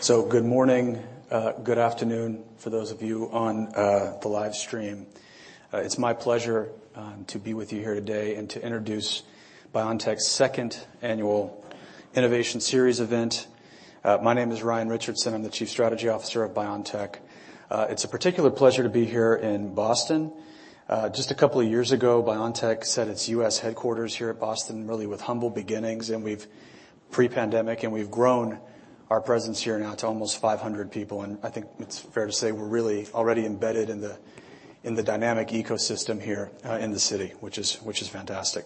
So good morning, good afternoon for those of you on the live stream. It's my pleasure to be with you here today and to introduce BioNTech's second annual innovation series event. My name is Ryan Richardson, I'm the Chief Strategy Officer of BioNTech. It's a particular pleasure to be here in Boston. Just a couple of years ago, BioNTech set its U.S. headquarters here at Boston, really with humble beginnings, and we've grown our presence here now to almost 500 people, and I think it's fair to say we're really already embedded in the dynamic ecosystem here in the city, which is fantastic.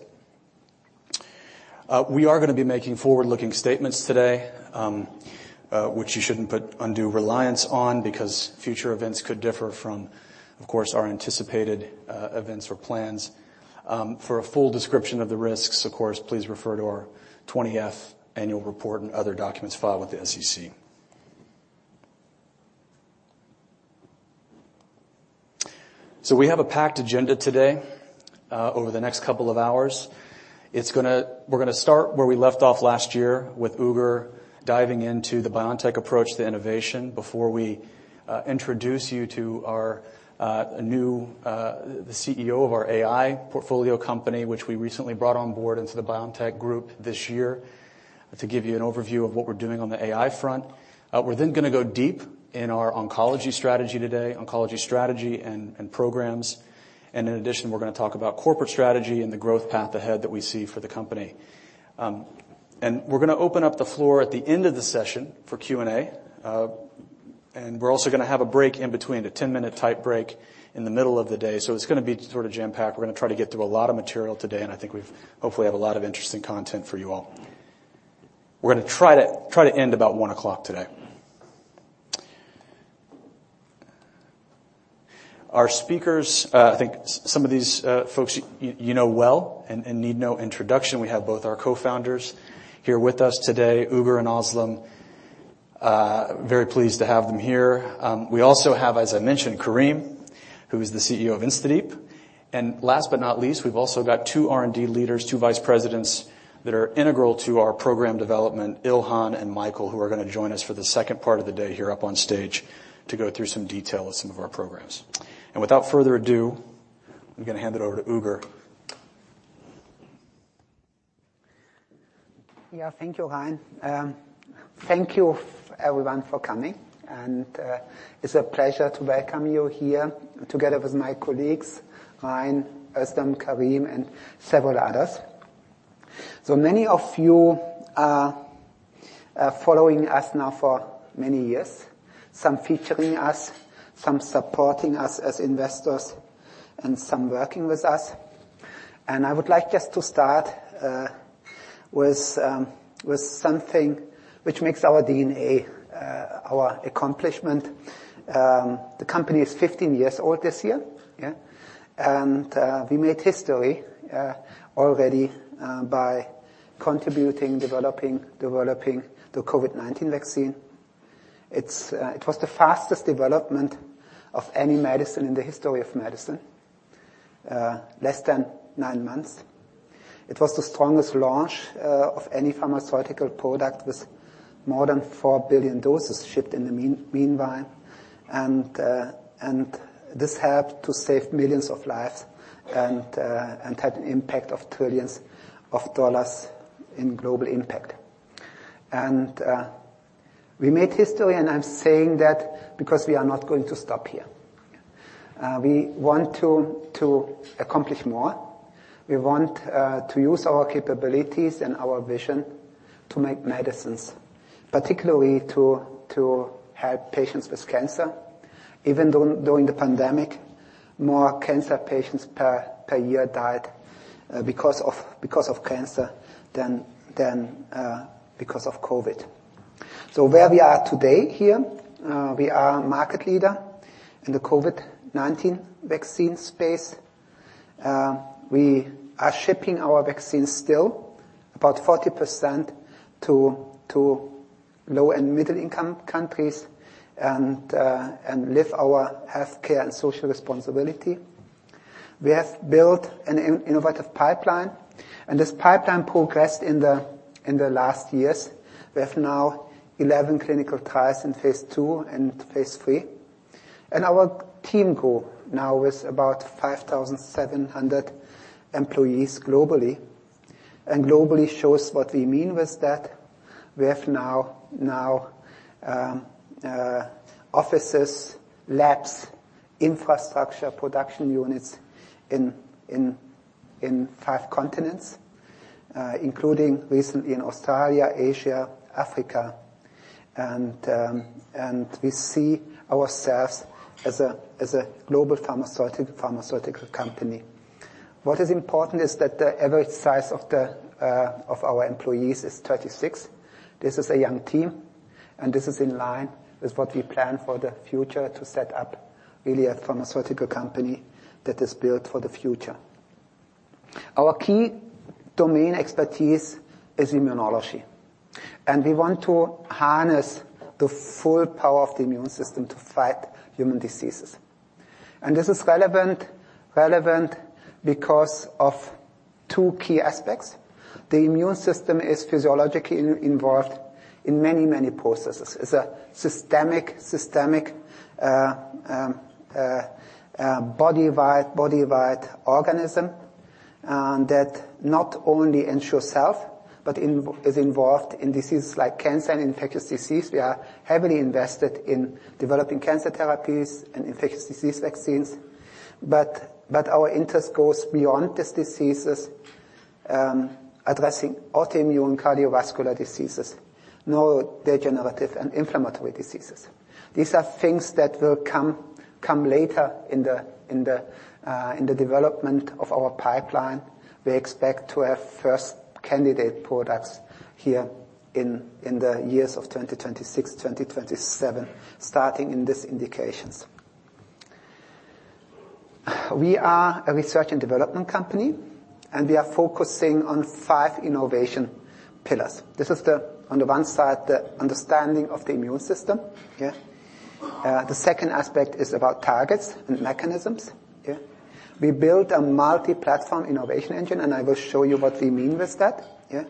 We are gonna be making forward-looking statements today, which you shouldn't put undue reliance on, because future events could differ from, of course, our anticipated events or plans. For a full description of the risks, of course, please refer to our 20-F annual report and other documents filed with the SEC. So we have a packed agenda today, over the next couple of hours. We're gonna start where we left off last year with Uğur diving into the BioNTech approach to innovation before we introduce you to our new the CEO of our AI portfolio company, which we recently brought on board into the BioNTech group this year, to give you an overview of what we're doing on the AI front. We're then gonna go deep in our oncology strategy today, oncology strategy and programs. In addition, we're gonna talk about corporate strategy and the growth path ahead that we see for the company. We're gonna open up the floor at the end of the session for Q&A, and we're also gonna have a break in between, a 10-minute tight break in the middle of the day. It's gonna be sort of jam-packed. We're gonna try to get through a lot of material today, and I think we've hopefully have a lot of interesting content for you all. We're gonna try to end about 1:00 P.M. today. Our speakers, I think some of these folks you know well and need no introduction. We have both our cofounders here with us today, Uğur and Özlem. Very pleased to have them here. We also have, as I mentioned, Karim, who is the CEO of InstaDeep. And last but not least, we've also got two R&D leaders, two vice presidents that are integral to our program development, Ilhan and Michael, who are gonna join us for the second part of the day here up on stage to go through some detail of some of our programs. And without further ado, I'm gonna hand it over to Uğur Şahin. Yeah. Thank you, Ryan. Thank you everyone for coming, and it's a pleasure to welcome you here together with my colleagues, Ryan, Özlem, Karim, and several others. So many of you are following us now for many years, some featuring us, some supporting us as investors, and some working with us. And I would like just to start with something which makes our DNA, our accomplishment. The company is 15 years old this year, yeah, and we made history already by contributing, developing the COVID-19 vaccine. It's... It was the fastest development of any medicine in the history of medicine, less than 9 months. It was the strongest launch of any pharmaceutical product, with more than 4 billion doses shipped in the meanwhile, and this helped to save millions of lives and had an impact of trillions of dollars in global impact. We made history, and I'm saying that because we are not going to stop here. We want to accomplish more. We want to use our capabilities and our vision to make medicines, particularly to help patients with cancer. Even though during the pandemic, more cancer patients per year died because of cancer than because of COVID. So where we are today here, we are market leader in the COVID-19 vaccine space. We are shipping our vaccines still about 40% to low and middle-income countries, and live our healthcare and social responsibility. We have built an innovative pipeline, and this pipeline progressed in the last years. We have now 11 clinical trials in Phase 2 and Phase 3, and our team grow now with about 5,700 employees globally. Globally shows what we mean with that. We have now offices, labs, infrastructure, production units in 5 continents, including recently in Australia, Asia, Africa. And we see ourselves as a global pharmaceutical company. What is important is that the average size of our employees is 36. This is a young team, and this is in line with what we plan for the future to set up really a pharmaceutical company that is built for the future. Our key domain expertise is immunology, and we want to harness the full power of the immune system to fight human diseases. This is relevant because of two key aspects. The immune system is physiologically involved in many, many processes. It's a systemic body-wide organism, and that not only ensures self, but is involved in diseases like cancer and infectious disease. We are heavily invested in developing cancer therapies and infectious disease vaccines, but our interest goes beyond these diseases, addressing autoimmune cardiovascular diseases, neurodegenerative, and inflammatory diseases. These are things that will come later in the development of our pipeline. We expect to have first candidate products here in, in the years of 2026, 2027, starting in these indications. We are a research and development company, and we are focusing on five innovation pillars. This is the, on the one side, the understanding of the immune system. Yeah. The second aspect is about targets and mechanisms. Yeah. We built a multi-platform innovation engine, and I will show you what we mean with that. Yeah.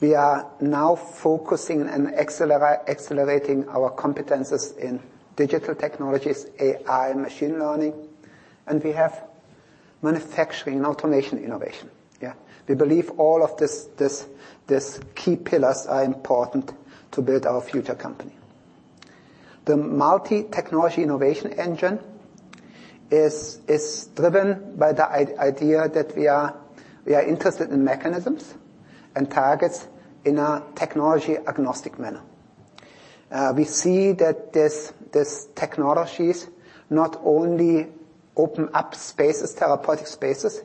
We are now focusing and accelerating our competencies in digital technologies, AI, and machine learning, and we have manufacturing automation innovation. Yeah. We believe all of this, these key pillars are important to build our future company. The multi-technology innovation engine is driven by the idea that we are interested in mechanisms and targets in a technology-agnostic manner. We see that these technologies not only open up spaces, therapeutic spaces,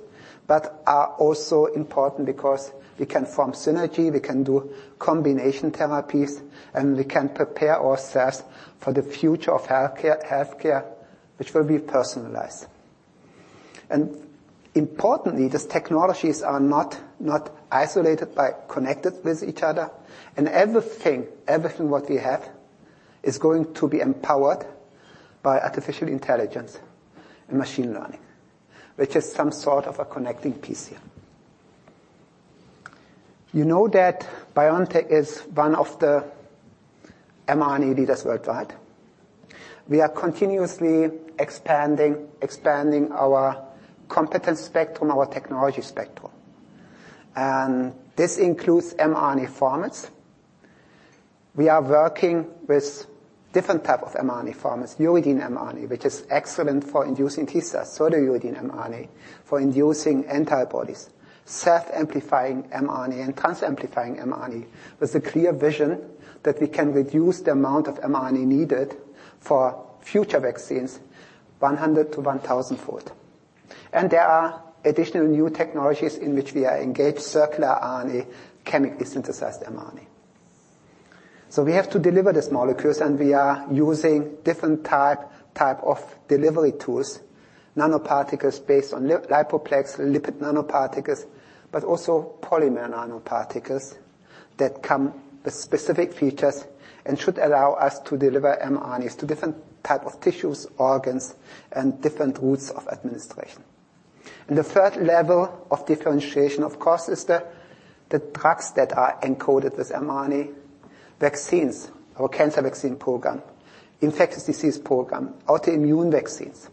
but are also important because we can form synergy, we can do combination therapies, and we can prepare ourselves for the future of healthcare, which will be personalized. And importantly, these technologies are not isolated, but connected with each other. And everything what we have is going to be empowered by artificial intelligence and machine learning, which is some sort of a connecting piece here. You know that BioNTech is one of the mRNA leaders worldwide. We are continuously expanding our competence spectrum, our technology spectrum, and this includes mRNA formats. We are working with different type of mRNA formats, uridine mRNA, which is excellent for inducing T cells, pseudouridine mRNA for inducing antibodies, self-amplifying mRNA, and trans-amplifying mRNA, with a clear vision that we can reduce the amount of mRNA needed for future vaccines, 100-1,000-fold. There are additional new technologies in which we are engaged, circular RNA, chemically synthesized mRNA. We have to deliver these molecules, and we are using different type of delivery tools, nanoparticles based on lipoplex, lipid nanoparticles, but also polymer nanoparticles that come with specific features and should allow us to deliver mRNAs to different type of tissues, organs, and different routes of administration. The third level of differentiation, of course, is the drugs that are encoded with mRNA vaccines, our cancer vaccine program, infectious disease program, autoimmune vaccines.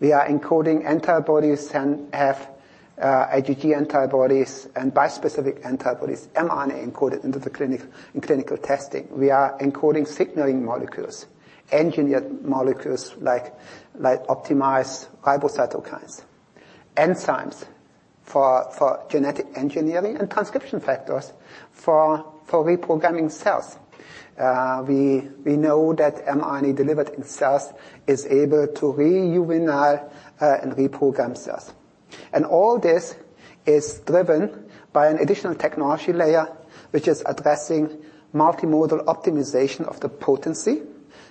We are encoding antibodies and have IgG antibodies and bispecific antibodies, mRNA encoded into the clinic, in clinical testing. We are encoding signaling molecules, engineered molecules like optimized RiboCytokines, enzymes for genetic engineering, and transcription factors for reprogramming cells. We know that mRNA delivered in cells is able to rejuvenate and reprogram cells. And all this is driven by an additional technology layer, which is addressing multimodal optimization of the potency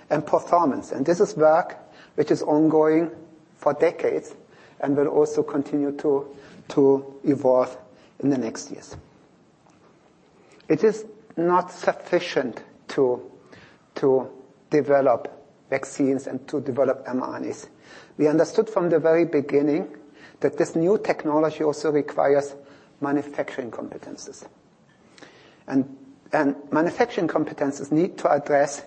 and performance. And this is work which is ongoing for decades and will also continue to evolve in the next years. It is not sufficient to develop vaccines and to develop mRNAs. We understood from the very beginning that this new technology also requires manufacturing competencies. And manufacturing competencies need to address,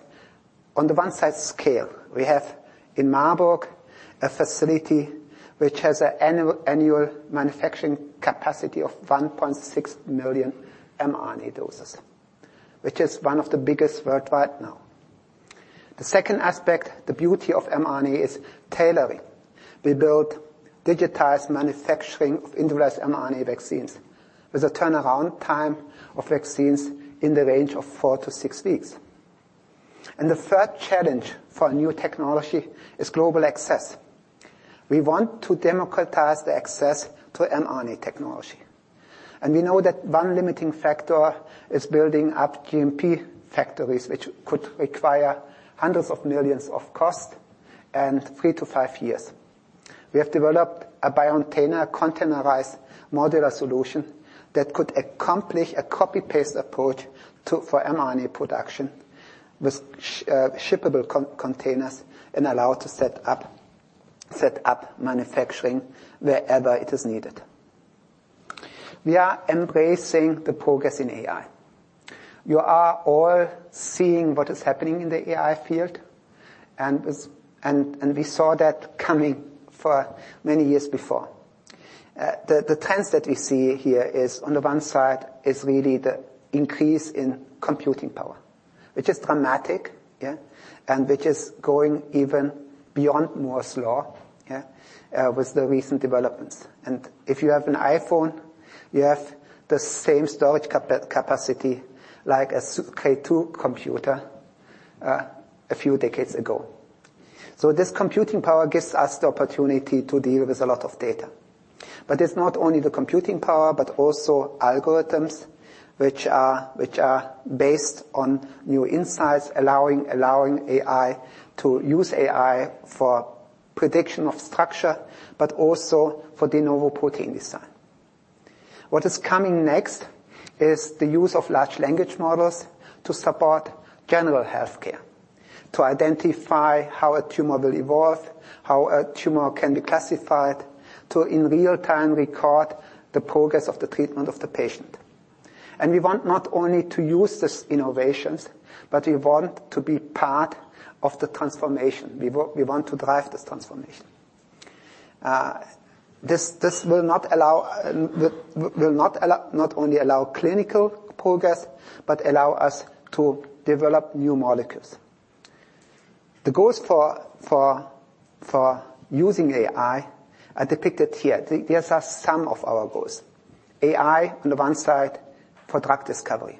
on the one side, scale. We have, in Marburg, a facility which has an annual manufacturing capacity of 1.6 million mRNA doses, which is one of the biggest worldwide now. The second aspect, the beauty of mRNA, is tailoring. We built digitized manufacturing of individualized mRNA vaccines with a turnaround time of vaccines in the range of 4-6 weeks. And the third challenge for new technology is global access. We want to democratize the access to mRNA technology, and we know that one limiting factor is building up GMP factories, which could require EUR hundreds of millions of cost and 3-5 years. We have developed a BioNTech containerized modular solution that could accomplish a copy-paste approach to, for mRNA production, with shippable containers and allow to set up manufacturing wherever it is needed. We are embracing the progress in AI. You are all seeing what is happening in the AI field, and we saw that coming for many years before. The trends that we see here is, on the one side, really the increase in computing power, which is dramatic, yeah, and which is going even beyond Moore's Law, yeah, with the recent developments. If you have an iPhone, you have the same storage capacity like a super Cray-2 computer a few decades ago. So this computing power gives us the opportunity to deal with a lot of data. But it's not only the computing power, but also algorithms, which are based on new insights, allowing AI to use AI for prediction of structure, but also for de novo protein design. What is coming next is the use of large language models to support general healthcare, to identify how a tumor will evolve, how a tumor can be classified, to, in real time, record the progress of the treatment of the patient. And we want not only to use these innovations, but we want to be part of the transformation. We want to drive this transformation. This will not only allow clinical progress, but allow us to develop new molecules. The goals for using AI are depicted here. These are some of our goals. AI, on the one side, for drug discovery,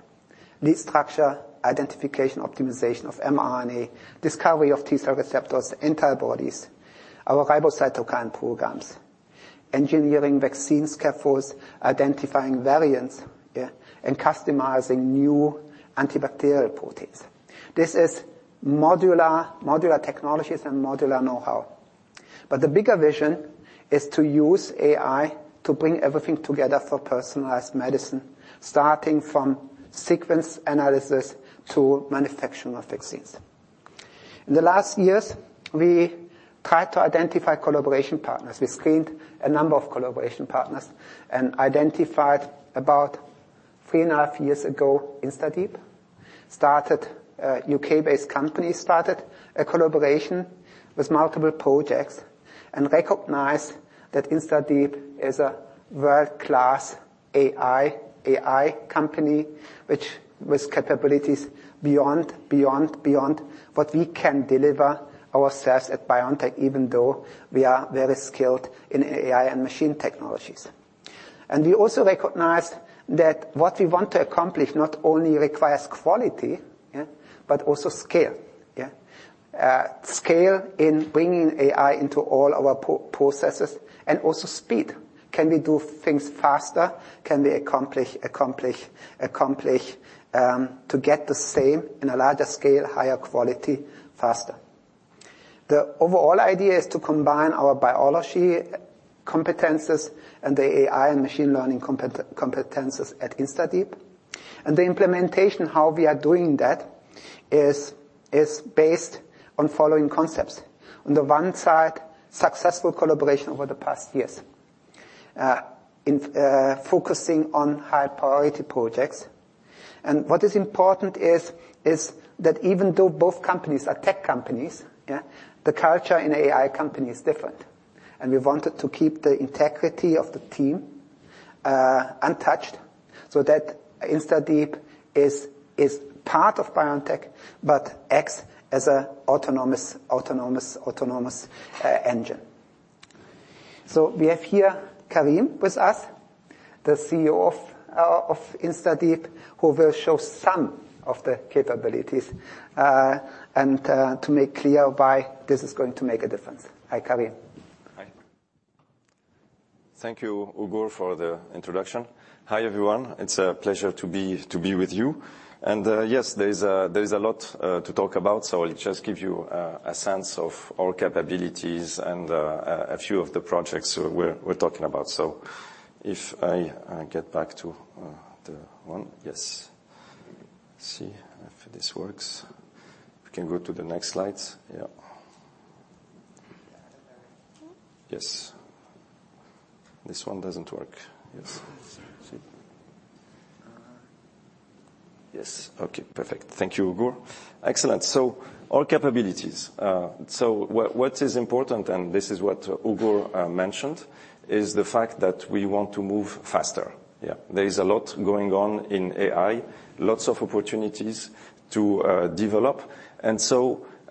lead structure identification, optimization of mRNA, discovery of T-cell receptors, antibodies, our RiboCytokine programs, engineering vaccine scaffolds, identifying variants, yeah, and customizing new antibacterial proteins. This is modular technologies and modular know-how. But the bigger vision is to use AI to bring everything together for personalized medicine, starting from sequence analysis to manufacturing of vaccines. In the last years, we tried to identify collaboration partners. We screened a number of collaboration partners and identified about 3.5 years ago, InstaDeep, a UK-based company, started a collaboration with multiple projects and recognized that InstaDeep is a world-class AI company, which with capabilities beyond what we can deliver ourselves at BioNTech, even though we are very skilled in AI and machine technologies. And we also recognized that what we want to accomplish not only requires quality, yeah, but also scale, yeah. Scale in bringing AI into all our processes, and also speed. Can we do things faster? Can we accomplish to get the same in a larger scale, higher quality, faster? The overall idea is to combine our biology competences and the AI and machine learning competences at InstaDeep. The implementation, how we are doing that, is based on following concepts. On the one side, successful collaboration over the past years, focusing on high-priority projects. What is important is that even though both companies are tech companies, yeah, the culture in AI company is different, and we wanted to keep the integrity of the team untouched, so that InstaDeep is part of BioNTech, but acts as an autonomous engine. So we have here Karim with us, the CEO of InstaDeep, who will show some of the capabilities and to make clear why this is going to make a difference. Hi, Karim. Hi. Thank you, Uğur, for the introduction. Hi, everyone. It's a pleasure to be with you. Yes, there is a lot to talk about, so I'll just give you a sense of our capabilities and a few of the projects we're talking about. So if I get back to the one... Yes. See if this works. We can go to the next slides. Yeah. Yes. This one doesn't work. Yes. So... Yes. Okay, perfect. Thank you, Uğur. Excellent. So our capabilities. So what is important, and this is what Uğur mentioned, is the fact that we want to move faster. Yeah, there is a lot going on in AI, lots of opportunities to develop.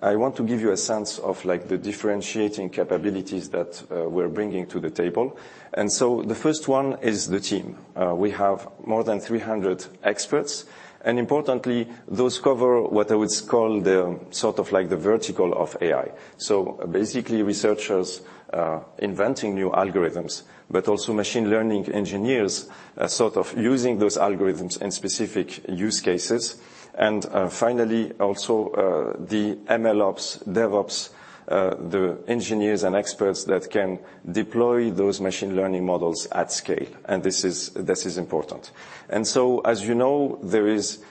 I want to give you a sense of, like, the differentiating capabilities that we're bringing to the table. So the first one is the team. We have more than 300 experts, and importantly, those cover what I would call the sort of like the vertical of AI. So basically, researchers inventing new algorithms, but also machine learning engineers sort of using those algorithms in specific use cases. And finally, also, the MLOps, DevOps, the engineers and experts that can deploy those machine learning models at scale, and this is, this is important. So, as you know, there is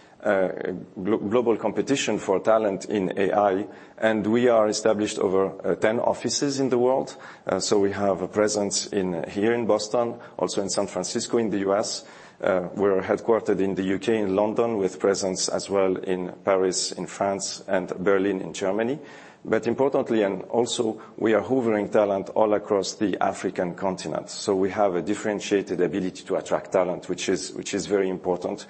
global competition for talent in AI, and we are established over 10 offices in the world. So we have a presence here in Boston, also in San Francisco, in the U.S. We're headquartered in the UK, in London, with presence as well in Paris, in France and Berlin, in Germany. But importantly, and also we are hoovering talent all across the African continent. So we have a differentiated ability to attract talent, which is, which is very important,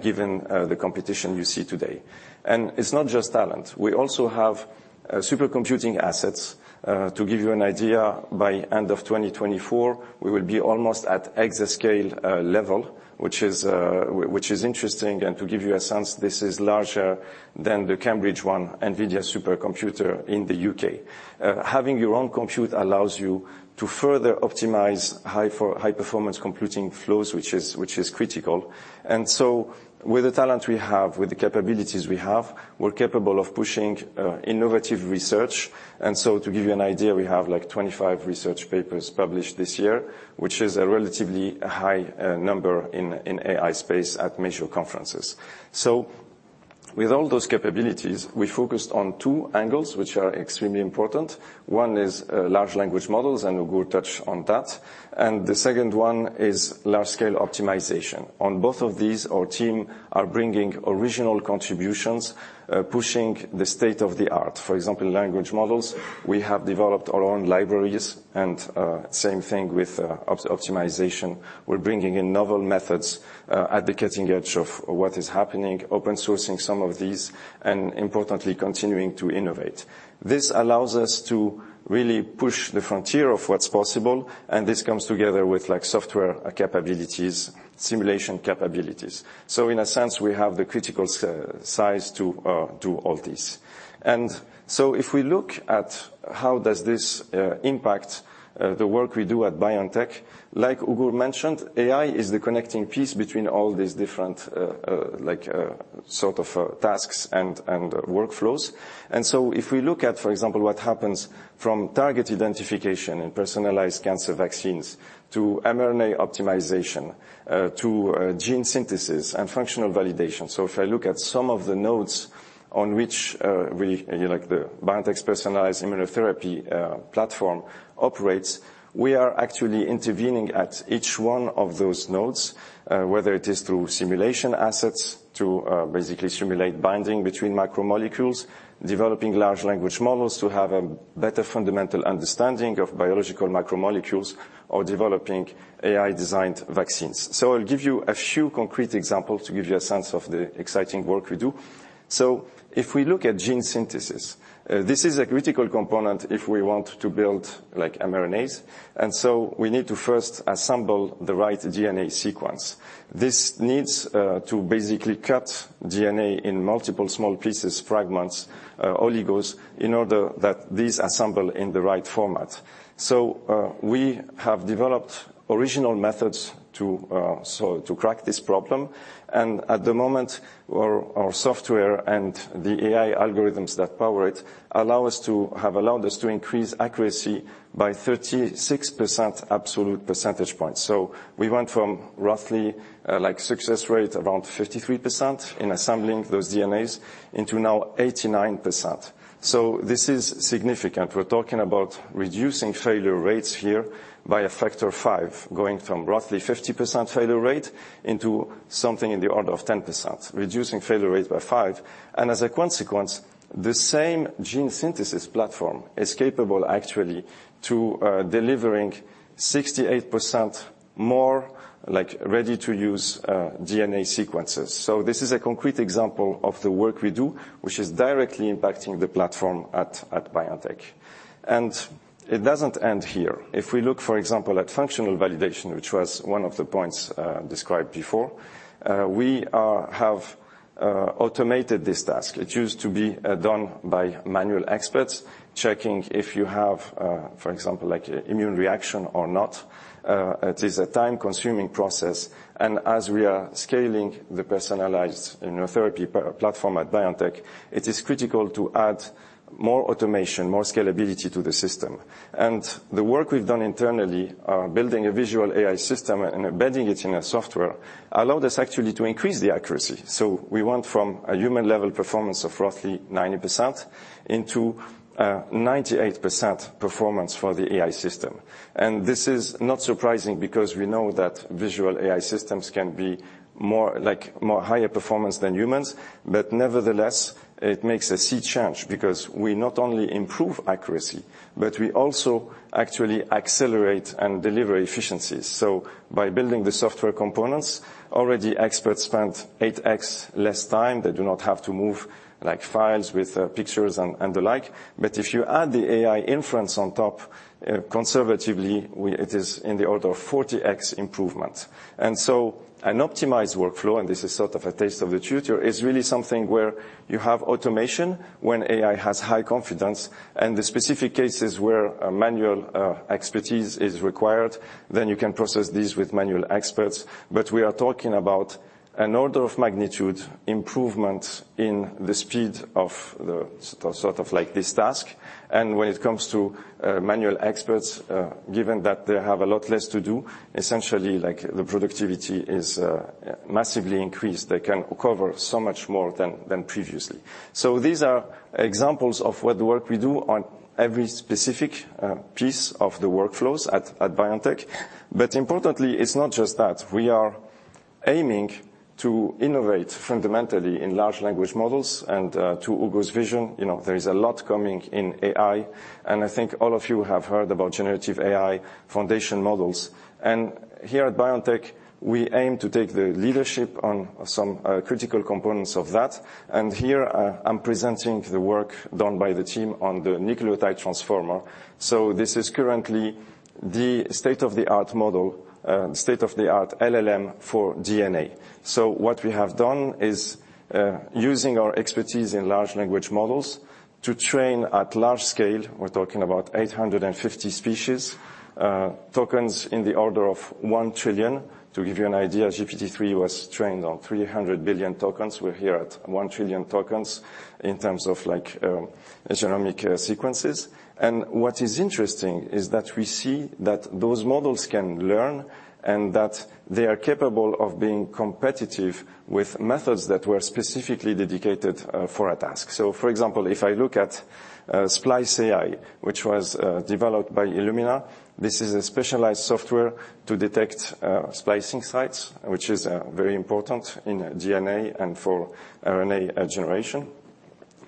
given, the competition you see today. And it's not just talent. We also have, supercomputing assets. To give you an idea, by end of 2024, we will be almost at exascale, level, which is, which is interesting. And to give you a sense, this is larger than the Cambridge-1, NVIDIA supercomputer in the UK. Having your own compute allows you to further optimize high- high-performance computing flows, which is, which is critical. And so with the talent we have, with the capabilities we have, we're capable of pushing, innovative research. To give you an idea, we have, like, 25 research papers published this year, which is a relatively high number in AI space at major conferences. So with all those capabilities, we focused on two angles, which are extremely important. One is large language models, and Uğur touched on that. And the second one is large-scale optimization. On both of these, our team are bringing original contributions, pushing the state-of-the-art. For example, language models, we have developed our own libraries, and same thing with optimization. We're bringing in novel methods at the cutting edge of what is happening, open sourcing some of these, and importantly, continuing to innovate. This allows us to really push the frontier of what's possible, and this comes together with, like, software capabilities, simulation capabilities. So in a sense, we have the critical size to do all this. So if we look at how does this impact the work we do at BioNTech, like Uğur mentioned, AI is the connecting piece between all these different, like, sort of, tasks and workflows. So if we look at, for example, what happens from target identification and personalized cancer vaccines to mRNA optimization to gene synthesis and functional validation. So if I look at some of the nodes on which, like, the BioNTech personalized immunotherapy platform operates, we are actually intervening at each one of those nodes, whether it is through simulation assets to basically simulate binding between macromolecules, developing large language models to have a better fundamental understanding of biological macromolecules or developing AI-designed vaccines. So I'll give you a few concrete examples to give you a sense of the exciting work we do. So if we look at gene synthesis, this is a critical component if we want to build like mRNAs, and so we need to first assemble the right DNA sequence. This needs to basically cut DNA in multiple small pieces, fragments, oligos, in order that these assemble in the right format. So, we have developed original methods to so to crack this problem. And at the moment, our, our software and the AI algorithms that power it allow us to... have allowed us to increase accuracy by 36% absolute percentage points. So we went from roughly, like success rate, around 53% in assembling those DNAs into now 89%. So this is significant. We're talking about reducing failure rates here by a factor of five, going from roughly 50% failure rate into something in the order of 10%, reducing failure rate by five. And as a consequence, the same gene synthesis platform is capable actually to delivering 68% more, like, ready-to-use DNA sequences. So this is a concrete example of the work we do, which is directly impacting the platform at BioNTech. And it doesn't end here. If we look, for example, at functional validation, which was one of the points described before, we have automated this task. It used to be done by manual experts, checking if you have, for example, like immune reaction or not. It is a time-consuming process, and as we are scaling the personalized immunotherapy platform at BioNTech, it is critical to add more automation, more scalability to the system. And the work we've done internally, building a visual AI system and embedding it in a software, allowed us actually to increase the accuracy. So we went from a human-level performance of roughly 90% into 98% performance for the AI system. And this is not surprising, because we know that visual AI systems can be more, like, more higher performance than humans. But nevertheless, it makes a sea change, because we not only improve accuracy, but we also actually accelerate and deliver efficiencies. So by building the software components, already experts spend 8x less time. They do not have to move, like, files with pictures and the like. But if you add the AI inference on top, conservatively, it is in the order of 40x improvement. And so an optimized workflow, and this is sort of a taste of the future, is really something where you have automation when AI has high confidence, and the specific cases where a manual expertise is required, then you can process these with manual experts. But we are talking about an order of magnitude improvement in the speed of the, sort of, like this task. And when it comes to manual experts, given that they have a lot less to do, essentially, like, the productivity is massively increased. They can cover so much more than previously. So these are examples of what work we do on every specific piece of the workflows at BioNTech. But importantly, it's not just that. We are aiming to innovate fundamentally in large language models, and to Uğur's vision, you know, there is a lot coming in AI, and I think all of you have heard about generative AI foundation models. Here at BioNTech, we aim to take the leadership on some critical components of that. Here, I'm presenting the work done by the team on the Nucleotide Transformer. So this is currently the state-of-the-art model, state-of-the-art LLM for DNA. So what we have done is using our expertise in large language models to train at large scale, we're talking about 850 species, tokens in the order of 1 trillion. To give you an idea, GPT-3 was trained on 300 billion tokens. We're here at 1 trillion tokens in terms of like genomic sequences. What is interesting is that we see that those models can learn, and that they are capable of being competitive with methods that were specifically dedicated for a task. For example, if I look at SpliceAI, which was developed by Illumina, this is a specialized software to detect splicing sites, which is very important in DNA and for RNA generation.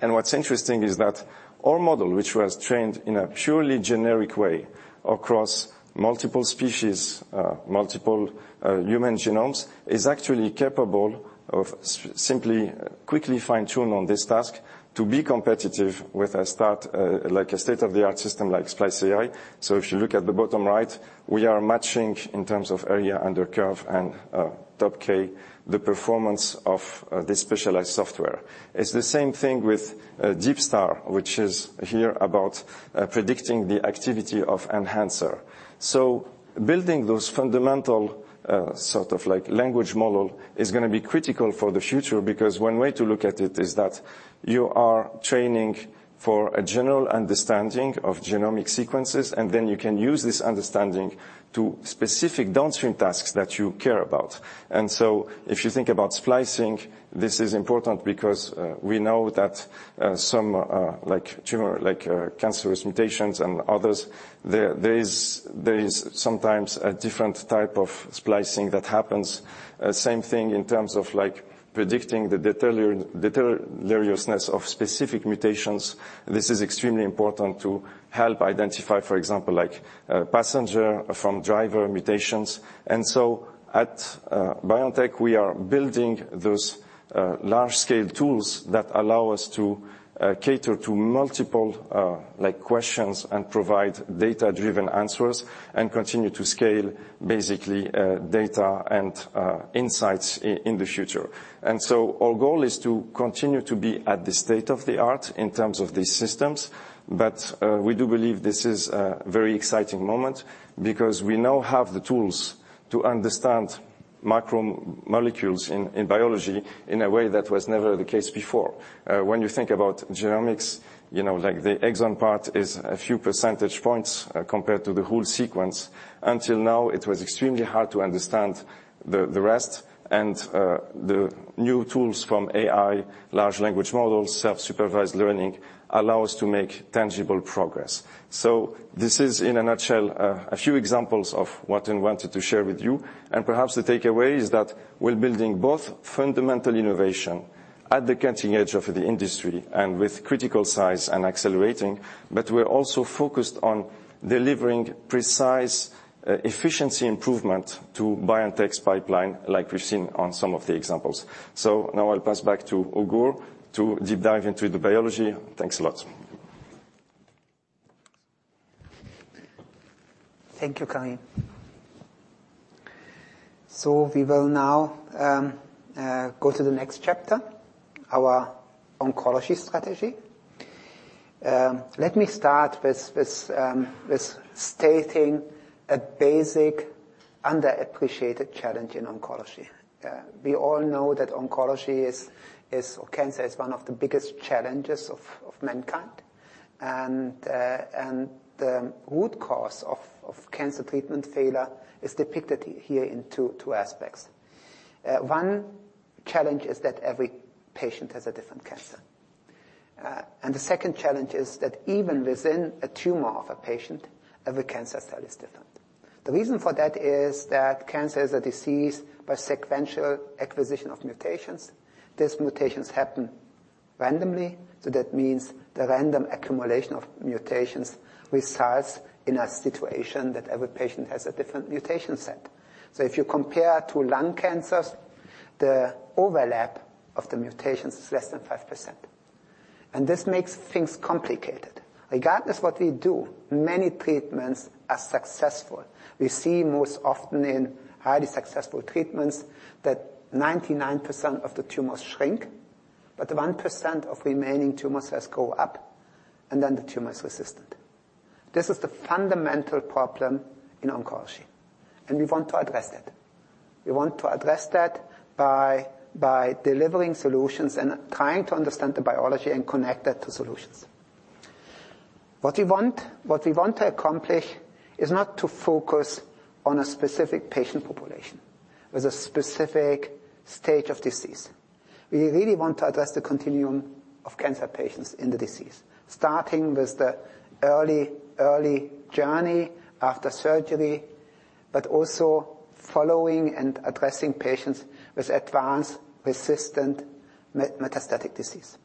What's interesting is that our model, which was trained in a purely generic way across multiple species, multiple human genomes, is actually capable of simply quickly fine-tune on this task to be competitive with a state like a state-of-the-art system like SpliceAI. If you look at the bottom right, we are matching in terms of area under curve and top K, the performance of this specialized software. It's the same thing with DeepSTARR, which is here about predicting the activity of enhancer. So building those fundamental sort of like language model is gonna be critical for the future, because one way to look at it is that you are training for a general understanding of genomic sequences, and then you can use this understanding to specific downstream tasks that you care about. And so if you think about splicing, this is important because we know that some like tumor like cancerous mutations and others, there is sometimes a different type of splicing that happens. Same thing in terms of like predicting the deleteriousness of specific mutations. This is extremely important to help identify, for example, like passenger from driver mutations. And so at BioNTech, we are building those large-scale tools that allow us to cater to multiple, like, questions and provide data-driven answers and continue to scale basically data and insights in the future. And so our goal is to continue to be at the state of the art in terms of these systems, but we do believe this is a very exciting moment because we now have the tools to understand macromolecules in biology in a way that was never the case before. When you think about genomics, you know, like the exon part is a few percentage points compared to the whole sequence. Until now, it was extremely hard to understand the rest, and the new tools from AI, large language models, self-supervised learning, allow us to make tangible progress. So this is, in a nutshell, a few examples of what I wanted to share with you. And perhaps the takeaway is that we're building both fundamental innovation at the cutting edge of the industry and with critical size and accelerating, but we're also focused on delivering precise, efficiency improvement to BioNTech's pipeline, like we've seen on some of the examples. So now I'll pass back to Uğur to deep dive into the biology. Thanks a lot.... Thank you, Karim. So we will now go to the next chapter, our oncology strategy. Let me start with stating a basic underappreciated challenge in oncology. We all know that oncology is or cancer is one of the biggest challenges of mankind, and the root cause of cancer treatment failure is depicted here in two aspects. One challenge is that every patient has a different cancer. And the second challenge is that even within a tumor of a patient, every cancer cell is different. The reason for that is that cancer is a disease by sequential acquisition of mutations. These mutations happen randomly, so that means the random accumulation of mutations results in a situation that every patient has a different mutation set. So if you compare two lung cancers, the overlap of the mutations is less than 5%, and this makes things complicated. Regardless what we do, many treatments are successful. We see most often in highly successful treatments that 99% of the tumors shrink, but the 1% of remaining tumors go up, and then the tumor is resistant. This is the fundamental problem in oncology, and we want to address that. We want to address that by, by delivering solutions and trying to understand the biology and connect that to solutions. What we want, what we want to accomplish is not to focus on a specific patient population with a specific stage of disease. We really want to address the continuum of cancer patients in the disease, starting with the early, early journey after surgery, but also following and addressing patients with advanced, resistant metastatic disease.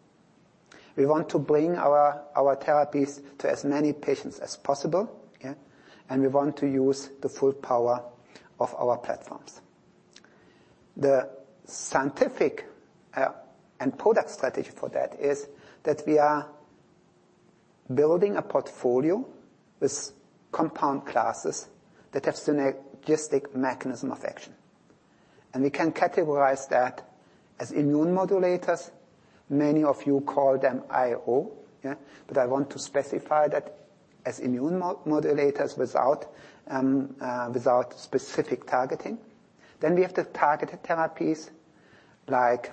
We want to bring our therapies to as many patients as possible, yeah, and we want to use the full power of our platforms. The scientific and product strategy for that is that we are building a portfolio with compound classes that have synergistic mechanism of action, and we can categorize that as immune modulators. Many of you call them IO, yeah, but I want to specify that as immune modulators without specific targeting. We have the targeted therapies like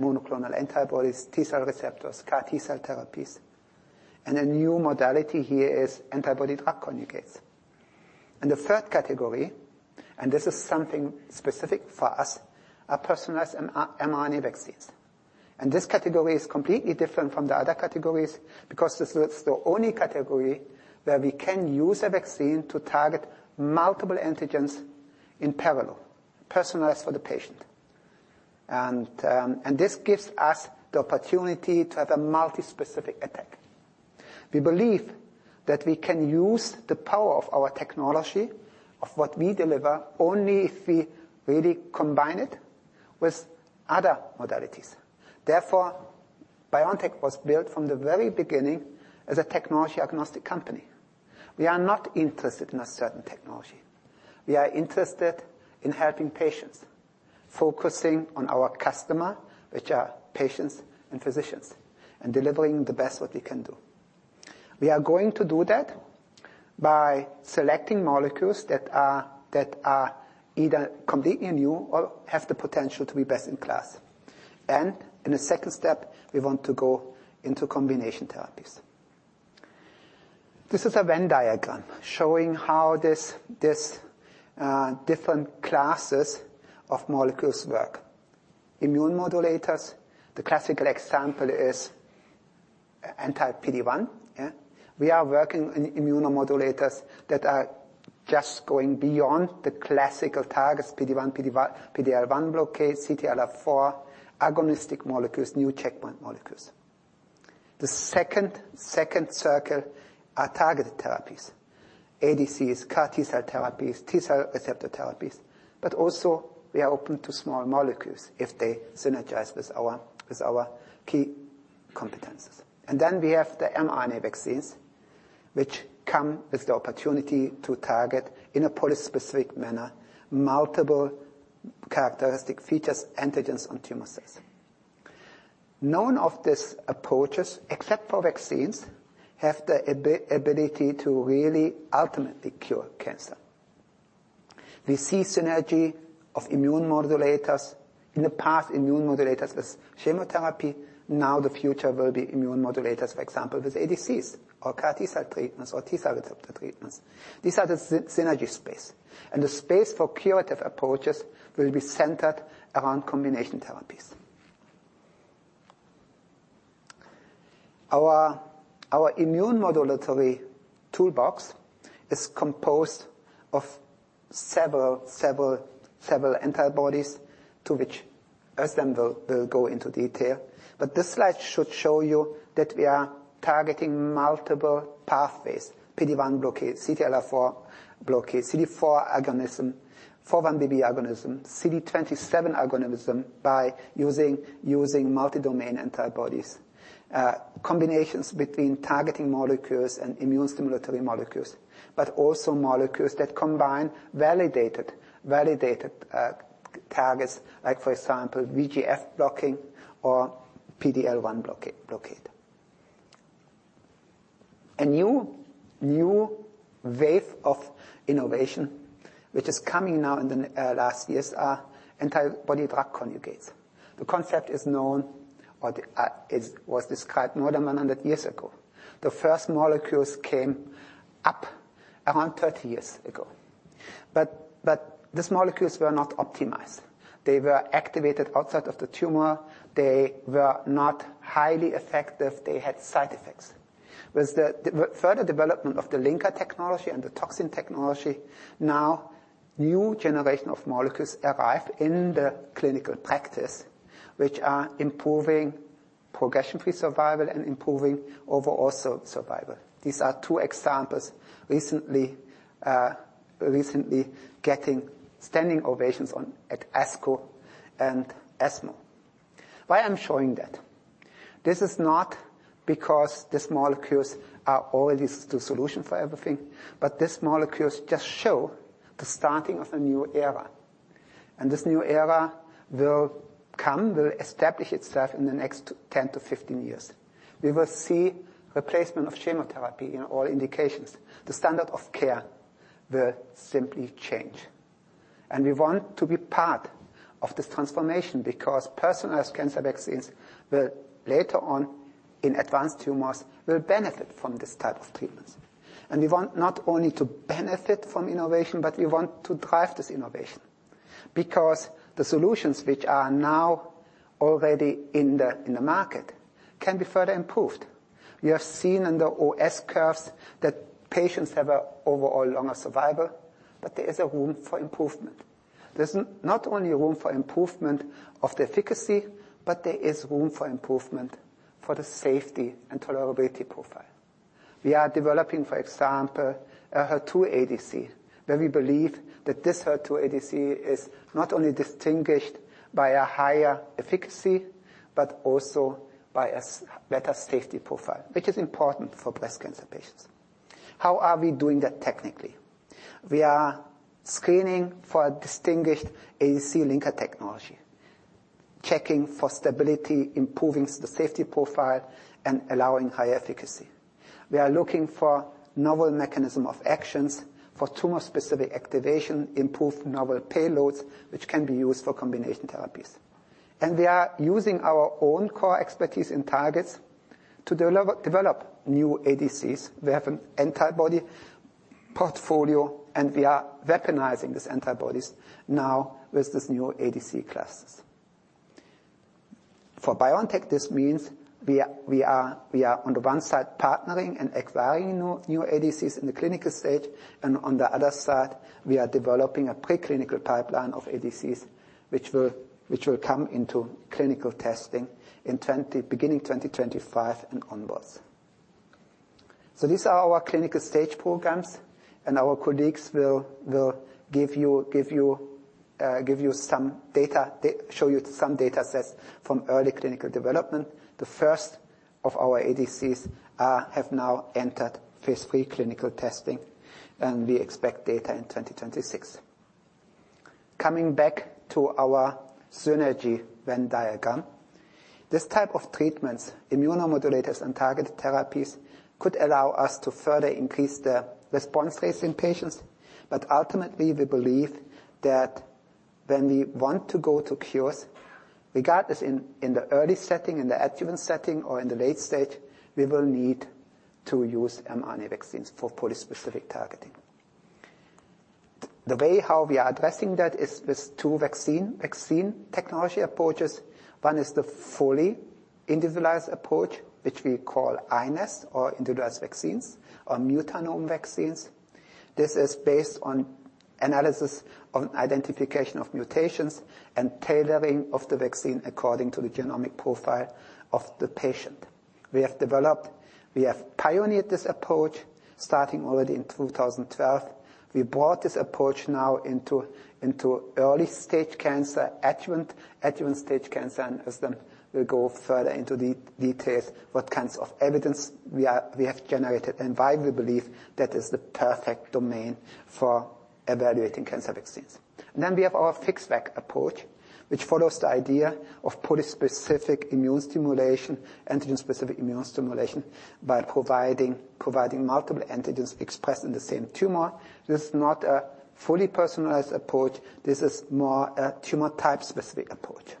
monoclonal antibodies, T-cell receptors, CAR T-cell therapies, and a new modality here is antibody-drug conjugates. The third category, and this is something specific for us, are personalized mRNA vaccines. This category is completely different from the other categories because this is the only category where we can use a vaccine to target multiple antigens in parallel, personalized for the patient. And this gives us the opportunity to have a multi-specific attack. We believe that we can use the power of our technology, of what we deliver, only if we really combine it with other modalities. Therefore, BioNTech was built from the very beginning as a technology-agnostic company. We are not interested in a certain technology. We are interested in helping patients, focusing on our customer, which are patients and physicians, and delivering the best what we can do. We are going to do that by selecting molecules that are, that are either completely new or have the potential to be best in class. And in the second step, we want to go into combination therapies. This is a Venn diagram showing how this, this, different classes of molecules work. Immune modulators, the classical example is anti-PD-1. Yeah. We are working on immunomodulators that are just going beyond the classical targets, PD-1, PD-L1 blockade, CTLA-4, agonistic molecules, new checkpoint molecules. The second, second circle are targeted therapies, ADCs, CAR T-cell therapies, T-cell receptor therapies, but also we are open to small molecules if they synergize with our, with our key competencies. And then we have the mRNA vaccines, which come with the opportunity to target, in a polyspecific manner, multiple characteristic features, antigens and tumor cells. None of these approaches, except for vaccines, have the ability to really ultimately cure cancer. We see synergy of immune modulators. In the past, immune modulators with chemotherapy. Now, the future will be immune modulators, for example, with ADCs or CAR T-cell treatments or T-cell receptor treatments. These are the synergy space, and the space for curative approaches will be centered around combination therapies. Our immune modulatory toolbox is composed of several antibodies to which Özlem will go into detail. But this slide should show you that we are targeting multiple pathways. PD-1 blockade, CTLA-4 blockade, CD40 agonism, 4-1BB agonism, CD27 agonism, by using multi-domain antibodies. Combinations between targeting molecules and immune stimulatory molecules, but also molecules that combine validated targets, like, for example, VEGF blocking or PD-L1 blockade. A new wave of innovation, which is coming now in the last years, are antibody-drug conjugates. The concept is known or it was described more than 100 years ago. The first molecules came up around 30 years ago, but these molecules were not optimized. They were activated outside of the tumor. They were not highly effective. They had side effects. With the further development of the linker technology and the toxin technology, now, new generation of molecules arrive in the clinical practice, which are improving progression-free survival and improving overall survival. These are two examples recently, recently getting standing ovations on at ASCO and ESMO. Why I'm showing that? This is not because these molecules are always the solution for everything, but these molecules just show the starting of a new era, and this new era will come, will establish itself in the next 10-15 years. We will see replacement of chemotherapy in all indications. The standard of care will simply change, and we want to be part of this transformation because personalized cancer vaccines will, later on in advanced tumors, will benefit from this type of treatments. We want not only to benefit from innovation, but we want to drive this innovation because the solutions which are now already in the market can be further improved. We have seen in the OS curves that patients have an overall longer survival, but there is a room for improvement. There's not only a room for improvement of the efficacy, but there is room for improvement for the safety and tolerability profile. We are developing, for example, a HER2 ADC, where we believe that this HER2 ADC is not only distinguished by a higher efficacy, but also by a better safety profile, which is important for breast cancer patients. How are we doing that technically? We are screening for a distinguished ADC linker technology, checking for stability, improving the safety profile, and allowing high efficacy. We are looking for novel mechanism of actions for tumor-specific activation, improved novel payloads, which can be used for combination therapies. We are using our own core expertise in targets to develop new ADCs. We have an antibody portfolio, and we are weaponizing these antibodies now with these new ADC classes. For BioNTech, this means we are on the one side, partnering and acquiring new ADCs in the clinical stage, and on the other side, we are developing a preclinical pipeline of ADCs, which will come into clinical testing beginning 2025 and onwards. These are our clinical stage programs, and our colleagues will give you some data. Show you some data sets from early clinical development. The first of our ADCs have now entered Phase III clinical testing, and we expect data in 2026. Coming back to our synergy Venn diagram, this type of treatments, immunomodulators and targeted therapies, could allow us to further increase the response rates in patients. But ultimately, we believe that when we want to go to cures, regardless in the early setting, in the adjuvant setting, or in the late stage, we will need to use mRNA vaccines for polyspecific targeting. The way how we are addressing that is with two vaccine technology approaches. One is the fully individualized approach, which we call iNeST or individualized vaccines or mutanome vaccines. This is based on analysis of identification of mutations and tailoring of the vaccine according to the genomic profile of the patient. We have pioneered this approach, starting already in 2012. We brought this approach now into early-stage cancer, adjuvant stage cancer, and as then we'll go further into the details, what kinds of evidence we have generated, and why we believe that is the perfect domain for evaluating cancer vaccines. Then we have our FixVac approach, which follows the idea of polyspecific immune stimulation, antigen-specific immune stimulation, by providing multiple antigens expressed in the same tumor. This is not a fully personalized approach. This is more a tumor type-specific approach.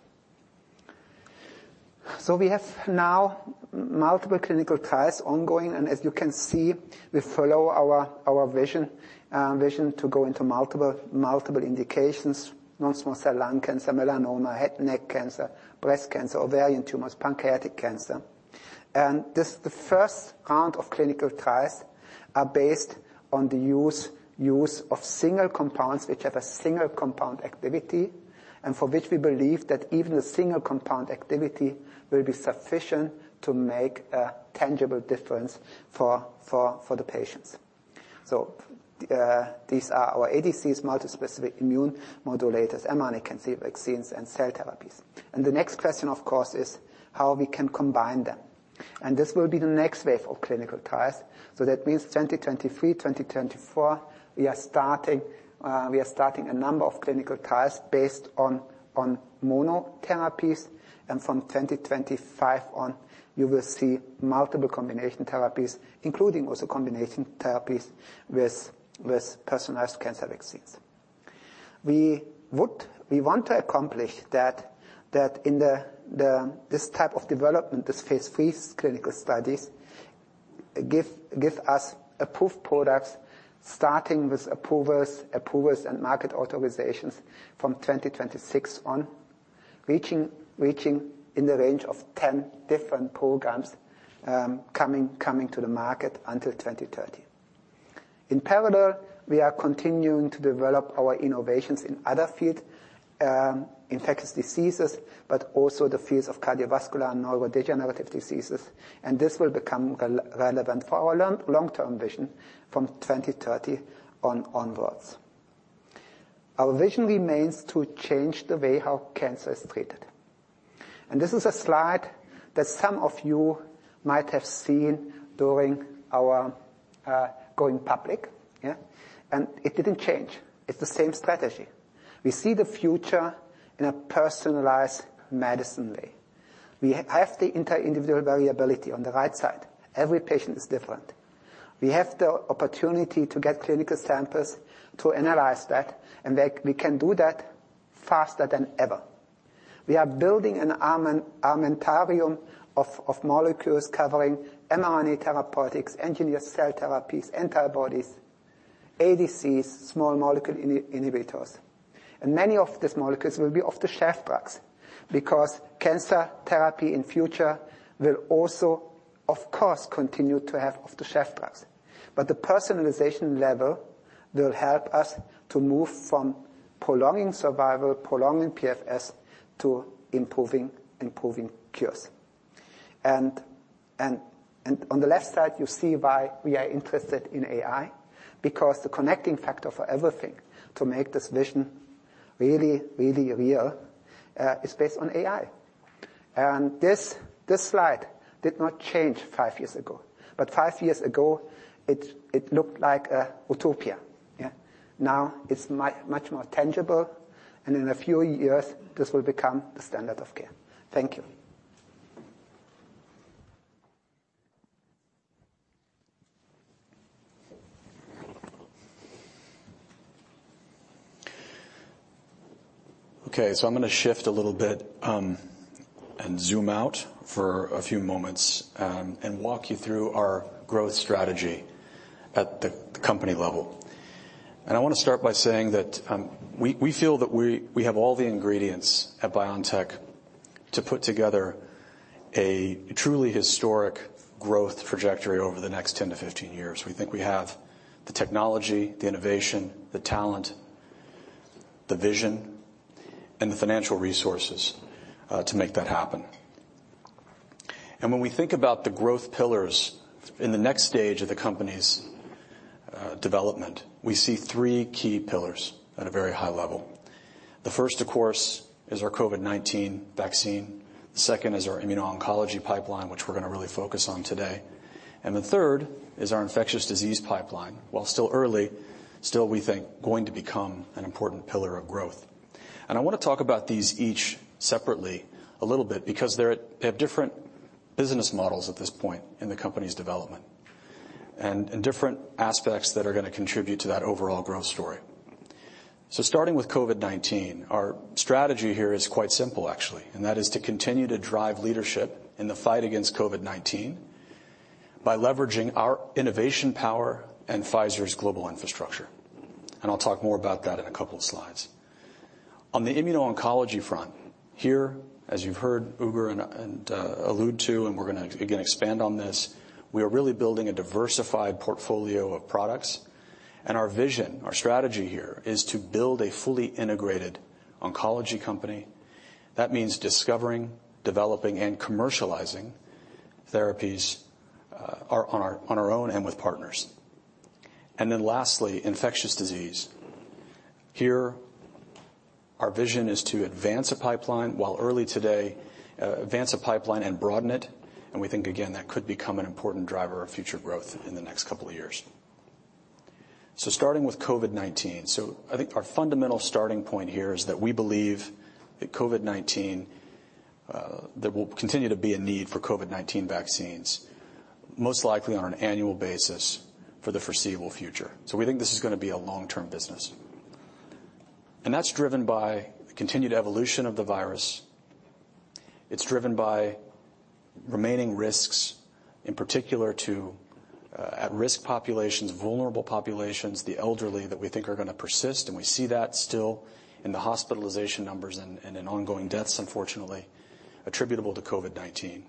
So we have now multiple clinical trials ongoing, and as you can see, we follow our vision to go into multiple indications: non-small cell lung cancer, melanoma, head and neck cancer, breast cancer, ovarian tumors, pancreatic cancer. This, the first round of clinical trials are based on the use of single compounds, which have a single compound activity, and for which we believe that even a single compound activity will be sufficient to make a tangible difference for the patients. So, these are our ADCs, multispecific immune modulators, mRNA cancer vaccines, and cell therapies. The next question, of course, is how we can combine them? This will be the next wave of clinical trials. So that means 2023, 2024, we are starting a number of clinical trials based on monotherapies. From 2025 on, you will see multiple combination therapies, including also combination therapies with personalized cancer vaccines. We want to accomplish that in this type of development, this Phase 3 clinical studies give us approved products, starting with approvals and market authorizations from 2026 on, reaching in the range of 10 different programs coming to the market until 2030. In parallel, we are continuing to develop our innovations in other fields, infectious diseases, but also the fields of cardiovascular and neurodegenerative diseases, and this will become relevant for our long-term vision from 2030 onwards. Our vision remains to change the way how cancer is treated. This is a slide that some of you might have seen during our going public, yeah? It didn't change. It's the same strategy. We see the future in a personalized medicine way. We have the inter-individual variability on the right side. Every patient is different. We have the opportunity to get clinical samples to analyze that, and that we can do that faster than ever. We are building an armamentarium of molecules covering mRNA therapeutics, engineered cell therapies, antibodies, ADCs, small molecule inhibitors. And many of these molecules will be off-the-shelf drugs, because cancer therapy in future will also, of course, continue to have off-the-shelf drugs. But the personalization level will help us to move from prolonging survival, prolonging PFS, to improving, improving cures. And on the left side, you see why we are interested in AI, because the connecting factor for everything to make this vision really, really real is based on AI. And this slide did not change five years ago, but five years ago, it looked like a utopia. Yeah. Now it's much more tangible, and in a few years, this will become the standard of care. Thank you. Okay, so I'm going to shift a little bit, and zoom out for a few moments, and walk you through our growth strategy at the company level. I want to start by saying that, we, we feel that we, we have all the ingredients at BioNTech to put together a truly historic growth trajectory over the next 10-15 years. We think we have the technology, the innovation, the talent, the vision, and the financial resources, to make that happen. When we think about the growth pillars in the next stage of the company's, development, we see three key pillars at a very high level. The first, of course, is our COVID-19 vaccine. The second is our immuno-oncology pipeline, which we're going to really focus on today. The third is our infectious disease pipeline. While still early, still, we think, going to become an important pillar of growth. I want to talk about these each separately a little bit because they have different business models at this point in the company's development, and different aspects that are going to contribute to that overall growth story. So starting with COVID-19, our strategy here is quite simple, actually, and that is to continue to drive leadership in the fight against COVID-19 by leveraging our innovation power and Pfizer's global infrastructure. I'll talk more about that in a couple of slides. On the immuno-oncology front, here, as you've heard Uğur and allude to, and we're going to again expand on this, we are really building a diversified portfolio of products. Our vision, our strategy here is to build a fully integrated oncology company. That means discovering, developing, and commercializing therapies, on our, on our own and with partners. Then lastly, infectious disease. Here, our vision is to advance a pipeline while early today, advance a pipeline and broaden it, and we think, again, that could become an important driver of future growth in the next couple of years. Starting with COVID-19. I think our fundamental starting point here is that we believe that COVID-19, there will continue to be a need for COVID-19 vaccines, most likely on an annual basis for the foreseeable future. We think this is going to be a long-term business, and that's driven by the continued evolution of the virus. It's driven by remaining risks, in particular to at-risk populations, vulnerable populations, the elderly, that we think are going to persist, and we see that still in the hospitalization numbers and in ongoing deaths, unfortunately, attributable to COVID-19.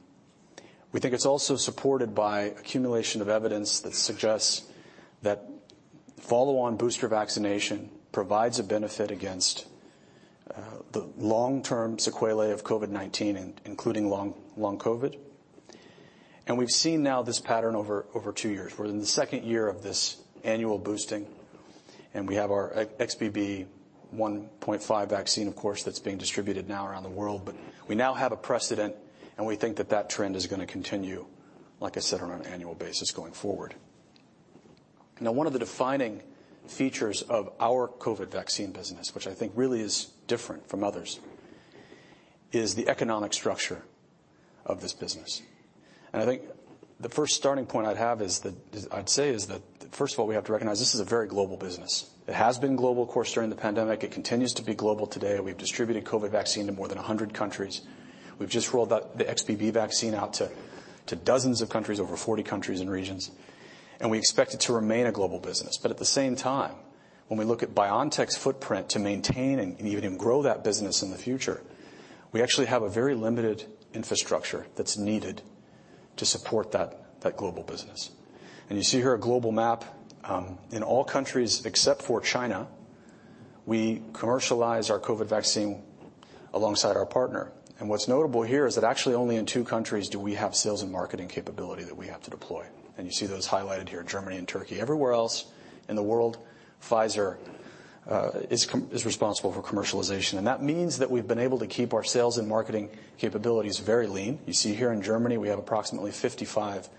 We think it's also supported by accumulation of evidence that suggests that follow-on booster vaccination provides a benefit against the long-term sequelae of COVID-19, including long COVID. And we've seen now this pattern over two years. We're in the second year of this annual boosting and we have our XBB.1.5 vaccine, of course, that's being distributed now around the world. But we now have a precedent, and we think that that trend is gonna continue, like I said, on an annual basis going forward. Now, one of the defining features of our COVID vaccine business, which I think really is different from others, is the economic structure of this business. I think the first starting point I'd say is that, first of all, we have to recognize this is a very global business. It has been global, of course, during the pandemic. It continues to be global today. We've distributed COVID vaccine to more than 100 countries. We've just rolled out the XBB vaccine to dozens of countries, over 40 countries and regions, and we expect it to remain a global business. But at the same time, when we look at BioNTech's footprint to maintain and even grow that business in the future, we actually have a very limited infrastructure that's needed to support that global business. You see here a global map, in all countries except for China, we commercialize our COVID vaccine alongside our partner. What's notable here is that actually only in two countries do we have sales and marketing capability that we have to deploy, and you see those highlighted here, Germany and Turkey. Everywhere else in the world, Pfizer is responsible for commercialization, and that means that we've been able to keep our sales and marketing capabilities very lean. You see here in Germany, we have approximately 55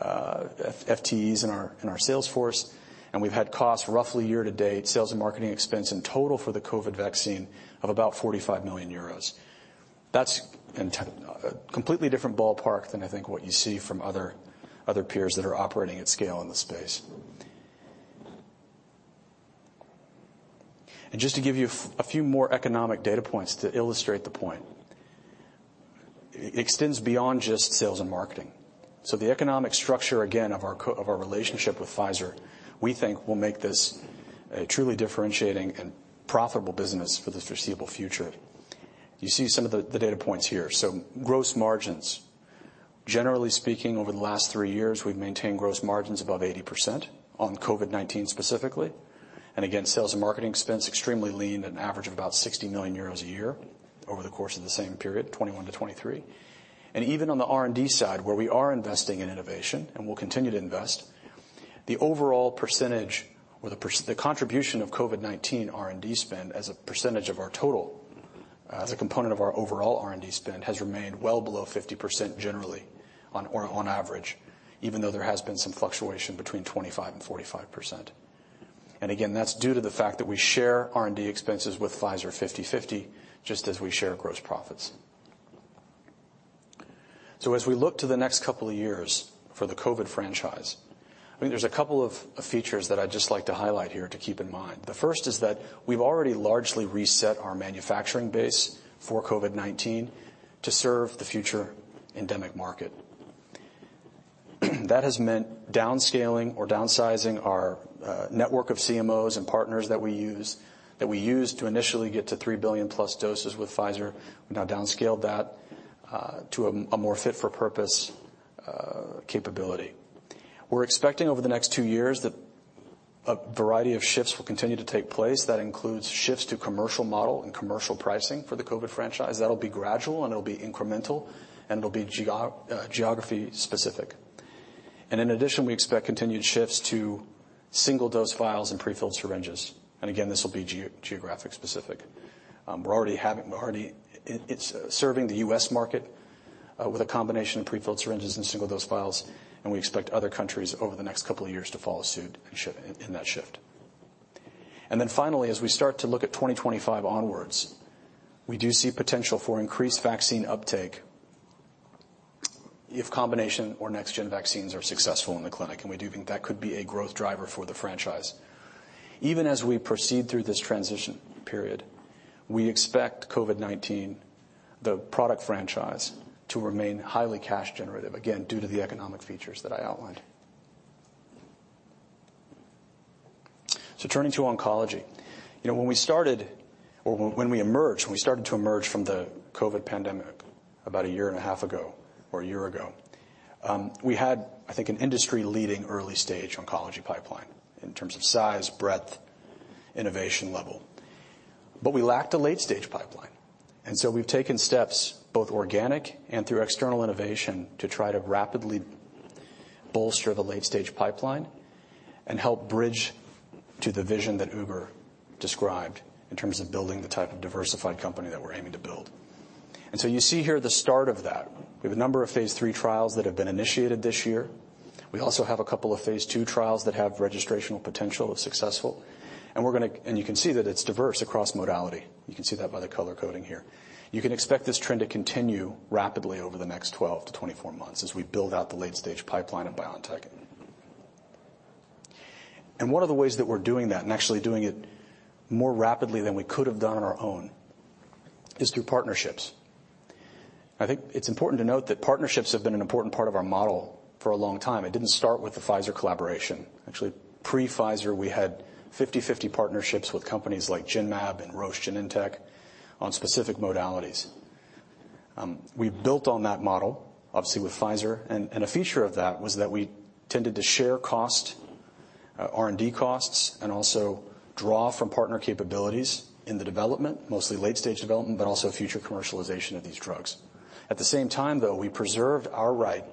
FTEs in our sales force, and we've had costs roughly year to date, sales and marketing expense in total for the COVID vaccine of about 45 million euros. That's a completely different ballpark than, I think, what you see from other peers that are operating at scale in the space. And just to give you a few more economic data points to illustrate the point, it extends beyond just sales and marketing. So the economic structure, again, of our relationship with Pfizer, we think, will make this a truly differentiating and profitable business for the foreseeable future. You see some of the data points here. So gross margins. Generally speaking, over the last 3 years, we've maintained gross margins above 80% on COVID-19 specifically. And again, sales and marketing expense, extremely lean, an average of about 60 million euros a year over the course of the same period, 2021-2023. Even on the R&D side, where we are investing in innovation and will continue to invest, the overall percentage or the contribution of COVID-19 R&D spend as a percentage of our total, as a component of our overall R&D spend, has remained well below 50% generally on average, even though there has been some fluctuation between 25%-45%. Again, that's due to the fact that we share R&D expenses with Pfizer 50/50, just as we share gross profits. As we look to the next couple of years for the COVID franchise, I mean, there's a couple of features that I'd just like to highlight here to keep in mind. The first is that we've already largely reset our manufacturing base for COVID-19 to serve the future endemic market. That has meant downscaling or downsizing our network of CMOs and partners that we use, that we used to initially get to 3 billion+ doses with Pfizer. We've now downscaled that to a more fit-for-purpose capability. We're expecting over the next 2 years that a variety of shifts will continue to take place. That includes shifts to commercial model and commercial pricing for the COVID franchise. That'll be gradual, and it'll be incremental, and it'll be geography specific. And in addition, we expect continued shifts to single-dose vials and prefilled syringes, and again, this will be geographic specific. We're already serving the U.S. market with a combination of prefilled syringes and single-dose vials, and we expect other countries over the next couple of years to follow suit in that shift. Then finally, as we start to look at 2025 onwards, we do see potential for increased vaccine uptake if combination or next-gen vaccines are successful in the clinic, and we do think that could be a growth driver for the franchise. Even as we proceed through this transition period, we expect COVID-19, the product franchise, to remain highly cash generative, again, due to the economic features that I outlined. So turning to oncology. You know, when we started to emerge from the COVID pandemic about a year and a half ago or a year ago, we had, I think, an industry-leading early-stage oncology pipeline in terms of size, breadth, innovation level, but we lacked a late-stage pipeline. So we've taken steps, both organic and through external innovation, to try to rapidly bolster the late-stage pipeline and help bridge to the vision that Uğur described in terms of building the type of diversified company that we're aiming to build. You see here the start of that. We have a number of Phase III trials that have been initiated this year. We also have a couple of Phase II trials that have registrational potential if successful, and we're gonna... You can see that it's diverse across modality. You can see that by the color coding here. You can expect this trend to continue rapidly over the next 12-24 months as we build out the late-stage pipeline at BioNTech. One of the ways that we're doing that, and actually doing it more rapidly than we could have done on our own, is through partnerships. I think it's important to note that partnerships have been an important part of our model for a long time. It didn't start with the Pfizer collaboration. Actually, pre-Pfizer, we had 50/50 partnerships with companies like Genmab and Roche Genentech on specific modalities. We built on that model, obviously, with Pfizer, and a feature of that was that we tended to share cost, R&D costs, and also draw from partner capabilities in the development, mostly late-stage development, but also future commercialization of these drugs. At the same time, though, we preserved our rights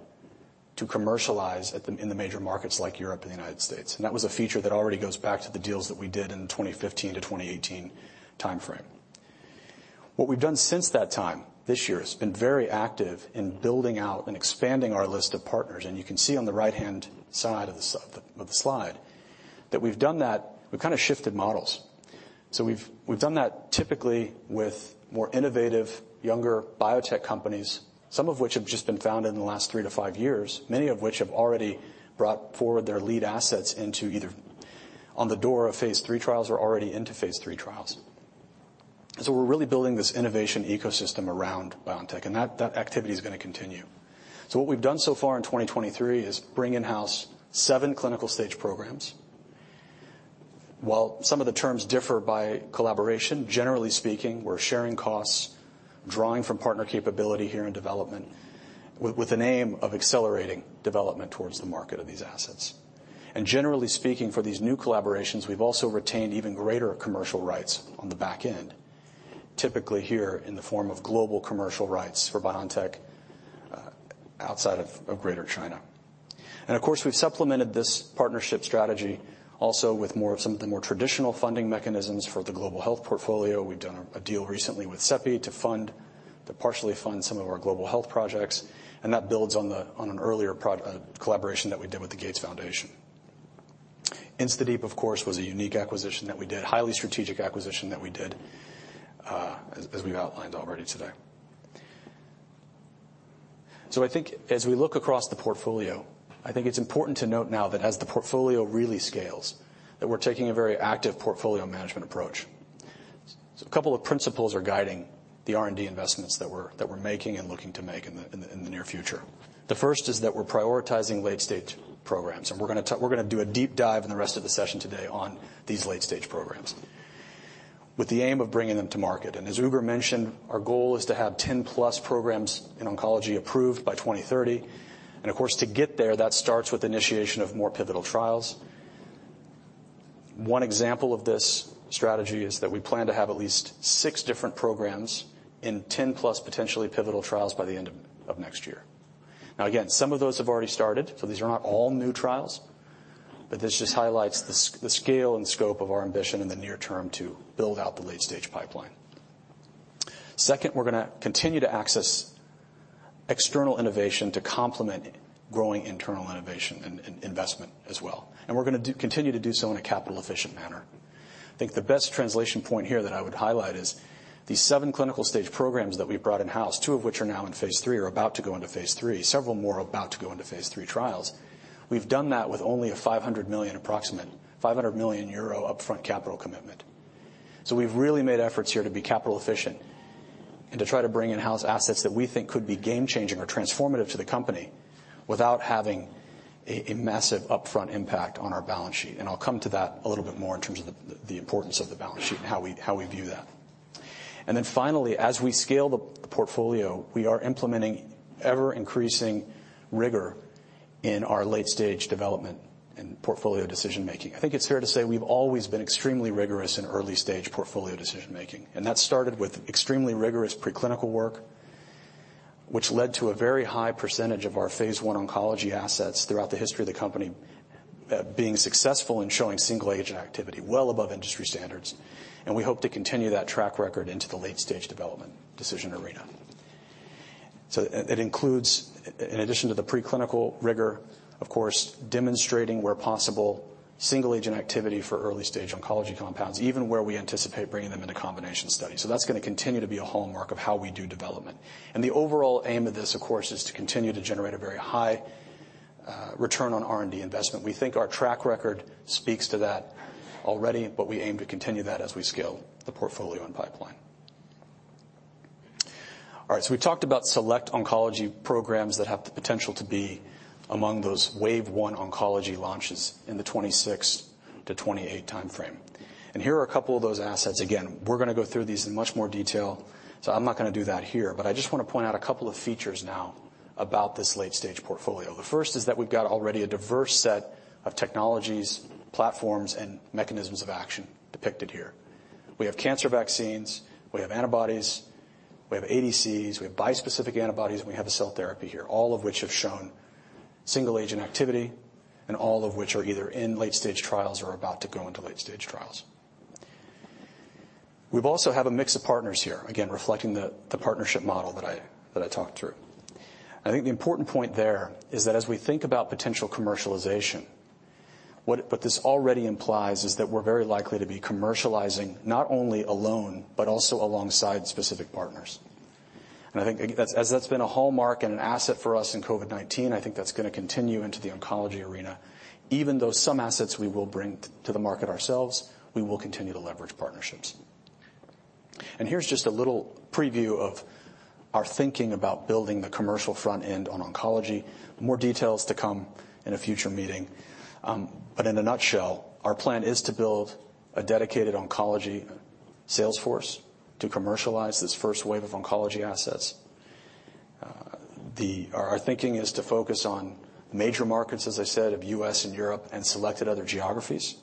to commercialize in the major markets like Europe and the United States. That was a feature that already goes back to the deals that we did in the 2015-2018 timeframe. What we've done since that time, this year, has been very active in building out and expanding our list of partners, and you can see on the right-hand side of the slide, that we've done that. We've kind of shifted models. We've done that typically with more innovative, younger biotech companies, some of which have just been founded in the last 3-5 years, many of which have already brought forward their lead assets into either on the door of Phase III trials or already into Phase III trials. We're really building this innovation ecosystem around BioNTech, and that activity is gonna continue. What we've done so far in 2023 is bring in-house seven clinical stage programs. While some of the terms differ by collaboration, generally speaking, we're sharing costs, drawing from partner capability here in development, with an aim of accelerating development towards the market of these assets. Generally speaking, for these new collaborations, we've also retained even greater commercial rights on the back end, typically here in the form of global commercial rights for BioNTech outside of Greater China. And, of course, we've supplemented this partnership strategy also with more of some of the more traditional funding mechanisms for the global health portfolio. We've done a deal recently with CEPI to partially fund some of our global health projects, and that builds on an earlier collaboration that we did with the Gates Foundation. InstaDeep, of course, was a unique acquisition that we did, highly strategic acquisition that we did, as we've outlined already today. So I think as we look across the portfolio, I think it's important to note now that as the portfolio really scales, that we're taking a very active portfolio management approach. So a couple of principles are guiding the R&D investments that we're making and looking to make in the near future. The first is that we're prioritizing late-stage programs, and we're gonna do a deep dive in the rest of the session today on these late-stage programs with the aim of bringing them to market. And as Uğur mentioned, our goal is to have 10+ programs in oncology approved by 2030, and of course, to get there, that starts with initiation of more pivotal trials. One example of this strategy is that we plan to have at least 6 different programs in 10+, potentially pivotal trials by the end of next year. Now, again, some of those have already started, so these are not all new trials, but this just highlights the scale and scope of our ambition in the near term to build out the late-stage pipeline. Second, we're gonna continue to access external innovation to complement growing internal innovation and investment as well, and we're gonna continue to do so in a capital-efficient manner. I think the best translation point here that I would highlight is these 7 clinical stage programs that we've brought in-house, 2 of which are now in Phase III, are about to go into Phase III trials. We've done that with only approximately 500 million upfront capital commitment. So we've really made efforts here to be capital efficient and to try to bring in-house assets that we think could be game-changing or transformative to the company without having a, a massive upfront impact on our balance sheet. And I'll come to that a little bit more in terms of the, the importance of the balance sheet and how we, how we view that. And then finally, as we scale the, the portfolio, we are implementing ever-increasing rigor in our late-stage development and portfolio decision-making. I think it's fair to say we've always been extremely rigorous in early-stage portfolio decision-making, and that started with extremely rigorous preclinical work, which led to a very high percentage of our Phase I oncology assets throughout the history of the company, being successful in showing single agent activity well above industry standards, and we hope to continue that track record into the late-stage development decision arena. So it includes, in addition to the preclinical rigor, of course, demonstrating, where possible, single agent activity for early-stage oncology compounds, even where we anticipate bringing them into combination studies. So that's gonna continue to be a hallmark of how we do development. The overall aim of this, of course, is to continue to generate a very high return on R&D investment. We think our track record speaks to that already, but we aim to continue that as we scale the portfolio and pipeline. All right, so we talked about select oncology programs that have the potential to be among those Wave 1 oncology launches in the 2026-2028 timeframe. Here are a couple of those assets. Again, we're gonna go through these in much more detail, so I'm not gonna do that here. I just wanna point out a couple of features now about this late-stage portfolio. The first is that we've got already a diverse set of technologies, platforms, and mechanisms of action depicted here. We have cancer vaccines, we have antibodies, we have ADCs, we have bispecific antibodies, and we have a cell therapy here, all of which have shown single-agent activity and all of which are either in late-stage trials or about to go into late-stage trials. We also have a mix of partners here, again, reflecting the partnership model that I talked through. I think the important point there is that as we think about potential commercialization, what this already implies is that we're very likely to be commercializing not only alone, but also alongside specific partners. And I think that's... as that's been a hallmark and an asset for us in COVID-19, I think that's gonna continue into the oncology arena. Even though some assets we will bring to the market ourselves, we will continue to leverage partnerships. Here's just a little preview of our thinking about building the commercial front end on oncology. More details to come in a future meeting, but in a nutshell, our plan is to build a dedicated oncology sales force to commercialize this first wave of oncology assets. Our thinking is to focus on major markets, as I said, of U.S. and Europe, and selected other geographies.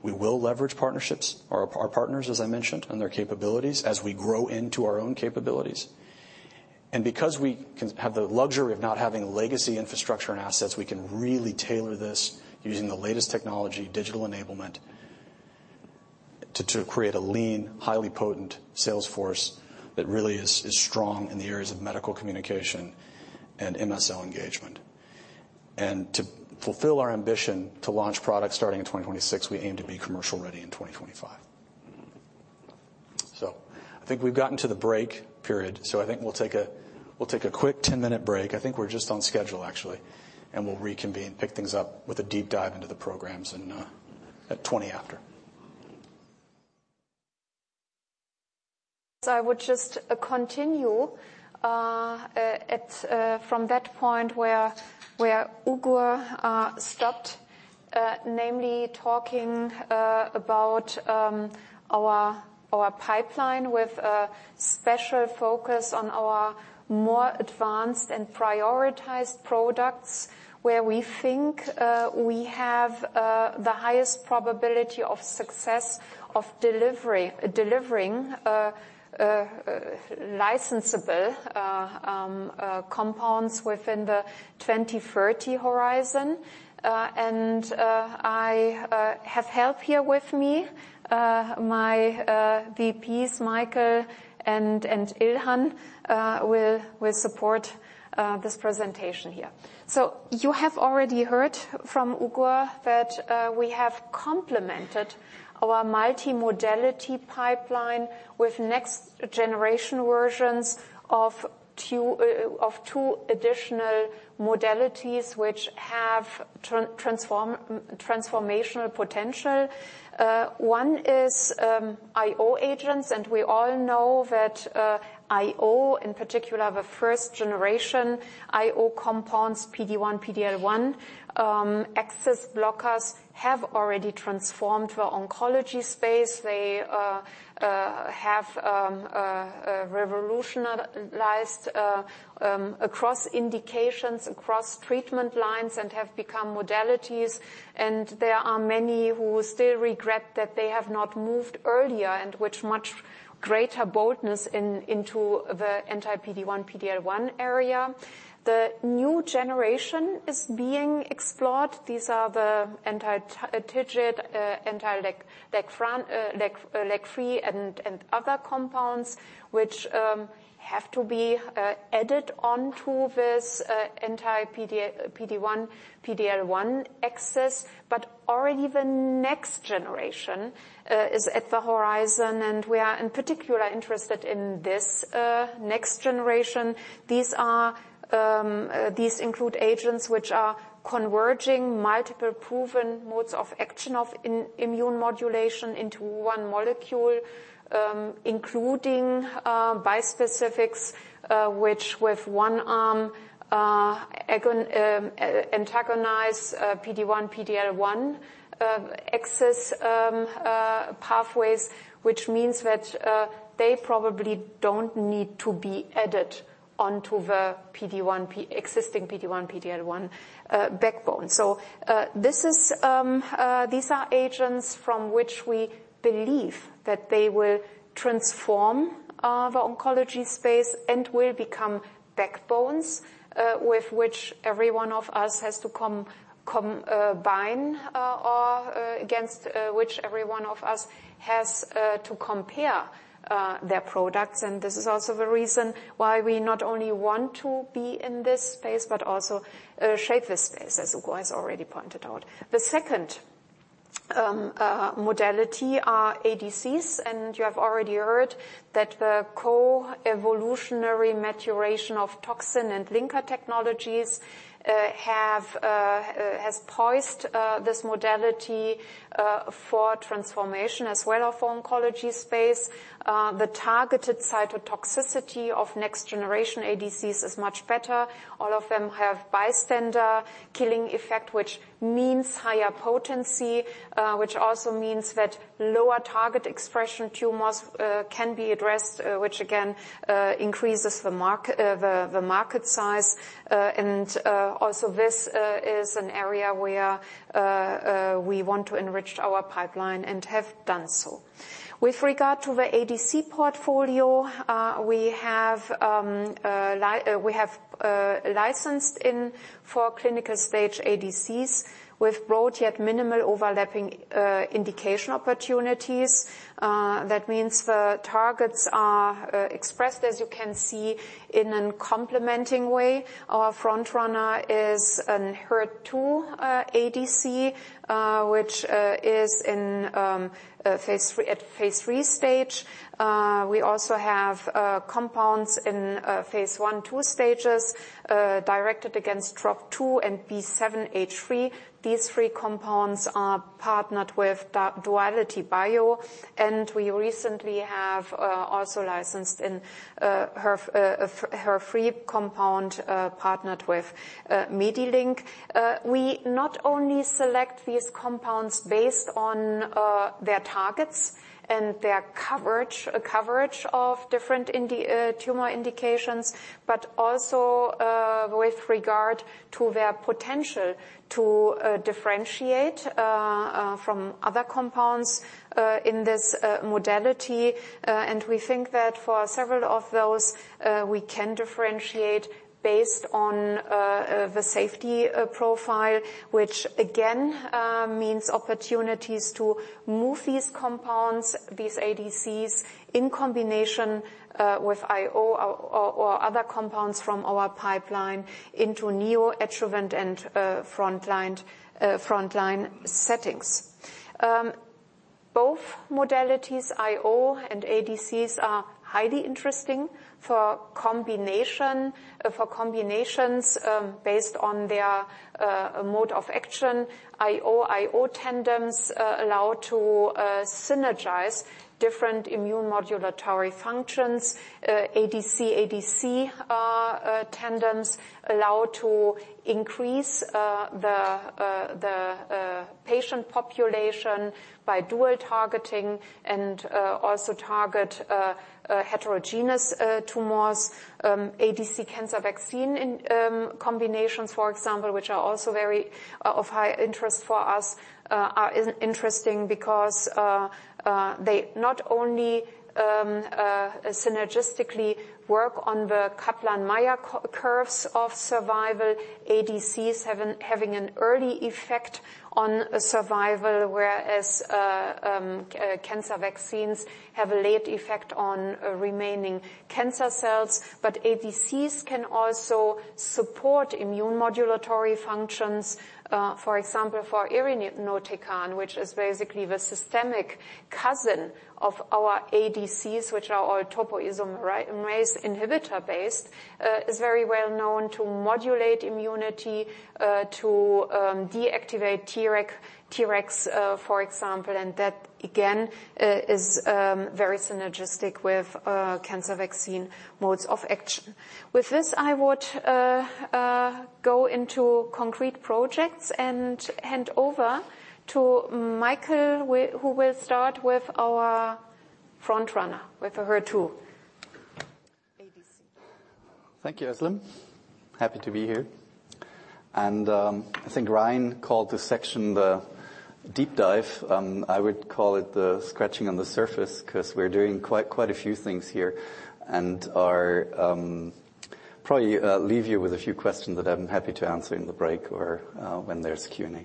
We will leverage partnerships, our partners, as I mentioned, and their capabilities as we grow into our own capabilities. Because we can have the luxury of not having legacy infrastructure and assets, we can really tailor this using the latest technology, digital enablement, to create a lean, highly potent sales force that really is strong in the areas of medical communication and MSL engagement. To fulfill our ambition to launch products starting in 2026, we aim to be commercial ready in 2025. So I think we've gotten to the break period, so I think we'll take a, we'll take a quick 10-minute break. I think we're just on schedule, actually, and we'll reconvene, pick things up with a deep dive into the programs in, at 20 after. So I would just continue at from that point where Uğur stopped, namely talking about our pipeline with a special focus on our more advanced and prioritized products, where we think we have the highest probability of success of delivering licensable compounds within the 2030 horizon. And I have help here with me. My VPs, Michael and Ilhan, will support this presentation here. So you have already heard from Uğur that we have complemented our multimodality pipeline with next-generation versions of two of two additional modalities which have transformational potential. One is IO agents, and we all know that IO, in particular, the first-generation IO compounds, PD-1, PD-L1 axis blockers, have already transformed the oncology space. They have revolutionized across indications, across treatment lines, and have become modalities. There are many who still regret that they have not moved earlier and with much greater boldness into the anti-PD-1, PD-L1 area. The new generation is being explored. These are the anti-TIGIT, anti-LAG-3, and other compounds, which have to be added onto this anti-PD-1, PD-L1 axis. Already the next generation is at the horizon, and we are, in particular, interested in this next generation. These are, these include agents which are converging multiple proven modes of action of immune modulation into one molecule, including bispecifics, which with one arm antagonize PD-1, PD-L1 axis pathways, which means that they probably don't need to be added onto the PD-1, existing PD-1, PD-L1 backbone. So this is, these are agents from which we believe that they will transform the oncology space and will become backbones with which every one of us has to combine or against which every one of us has to compare their products. And this is also the reason why we not only want to be in this space, but also shape this space, as Uğur has already pointed out. The second modality are ADCs, and you have already heard that the co-evolutionary maturation of toxin and linker technologies has poised this modality for transformation as well of oncology space. The targeted cytotoxicity of next-generation ADCs is much better. All of them have bystander killing effect, which means higher potency, which also means that lower target expression tumors can be addressed, which again increases the market size. And also this is an area where we want to enrich our pipeline and have done so. With regard to the ADC portfolio, we have licensed in four clinical-stage ADCs with broad, yet minimal overlapping indication opportunities. That means the targets are expressed, as you can see, in a complementing way. Our frontrunner is an HER2 ADC, which is in a Phase 3, at Phase 3 stage. We also have compounds in Phase 1, 2 stages, directed against Trop-2 and B7-H3. These 3 compounds are partnered with DualityBio, and we recently have also licensed an HER3 compound, partnered with MediLink. We not only select these compounds based on their targets and their coverage of different tumor indications, but also, with regard to their potential to differentiate from other compounds in this modality. And we think that for several of those, we can differentiate based on the safety profile, which again means opportunities to-... Move these compounds, these ADCs, in combination with IO or other compounds from our pipeline into neoadjuvant and frontline settings. Both modalities, IO and ADCs, are highly interesting for combination for combinations based on their mode of action. IO-IO tandems allow to synergize different immune modulatory functions. ADC-ADC tandems allow to increase the patient population by dual targeting, and also target heterogeneous tumors. ADC cancer vaccine combinations, for example, which are also very of high interest for us, are interesting because they not only synergistically work on the Kaplan-Meier curves of survival, ADCs having an early effect on survival, whereas cancer vaccines have a late effect on remaining cancer cells. But ADCs can also support immune modulatory functions, for example, for irinotecan, which is basically the systemic cousin of our ADCs, which are all topoisomerase inhibitor-based, is very well known to modulate immunity, to deactivate Tregs, for example, and that again is very synergistic with cancer vaccine modes of action. With this, I would go into concrete projects and hand over to Michael, who will start with our front runner, with HER2 ADC. Thank you, Ozlem. Happy to be here. I think Ryan called this section the deep dive. I would call it the scratching on the surface, 'cause we're doing quite, quite a few things here, and probably leave you with a few questions that I'm happy to answer in the break or when there's Q&A.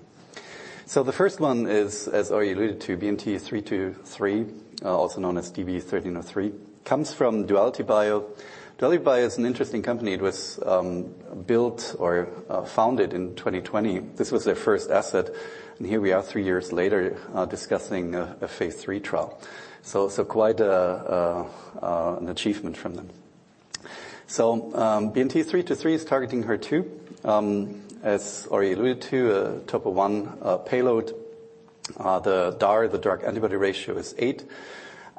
So the first one is, as already alluded to, BNT323, also known as DB-1303, comes from DualityBio. DualityBio is an interesting company. It was built or founded in 2020. This was their first asset, and here we are, three years later, discussing an achievement from them. So, BNT323 is targeting HER2. As already alluded to, a Topo-1 payload. The DAR, the drug antibody ratio, is 8.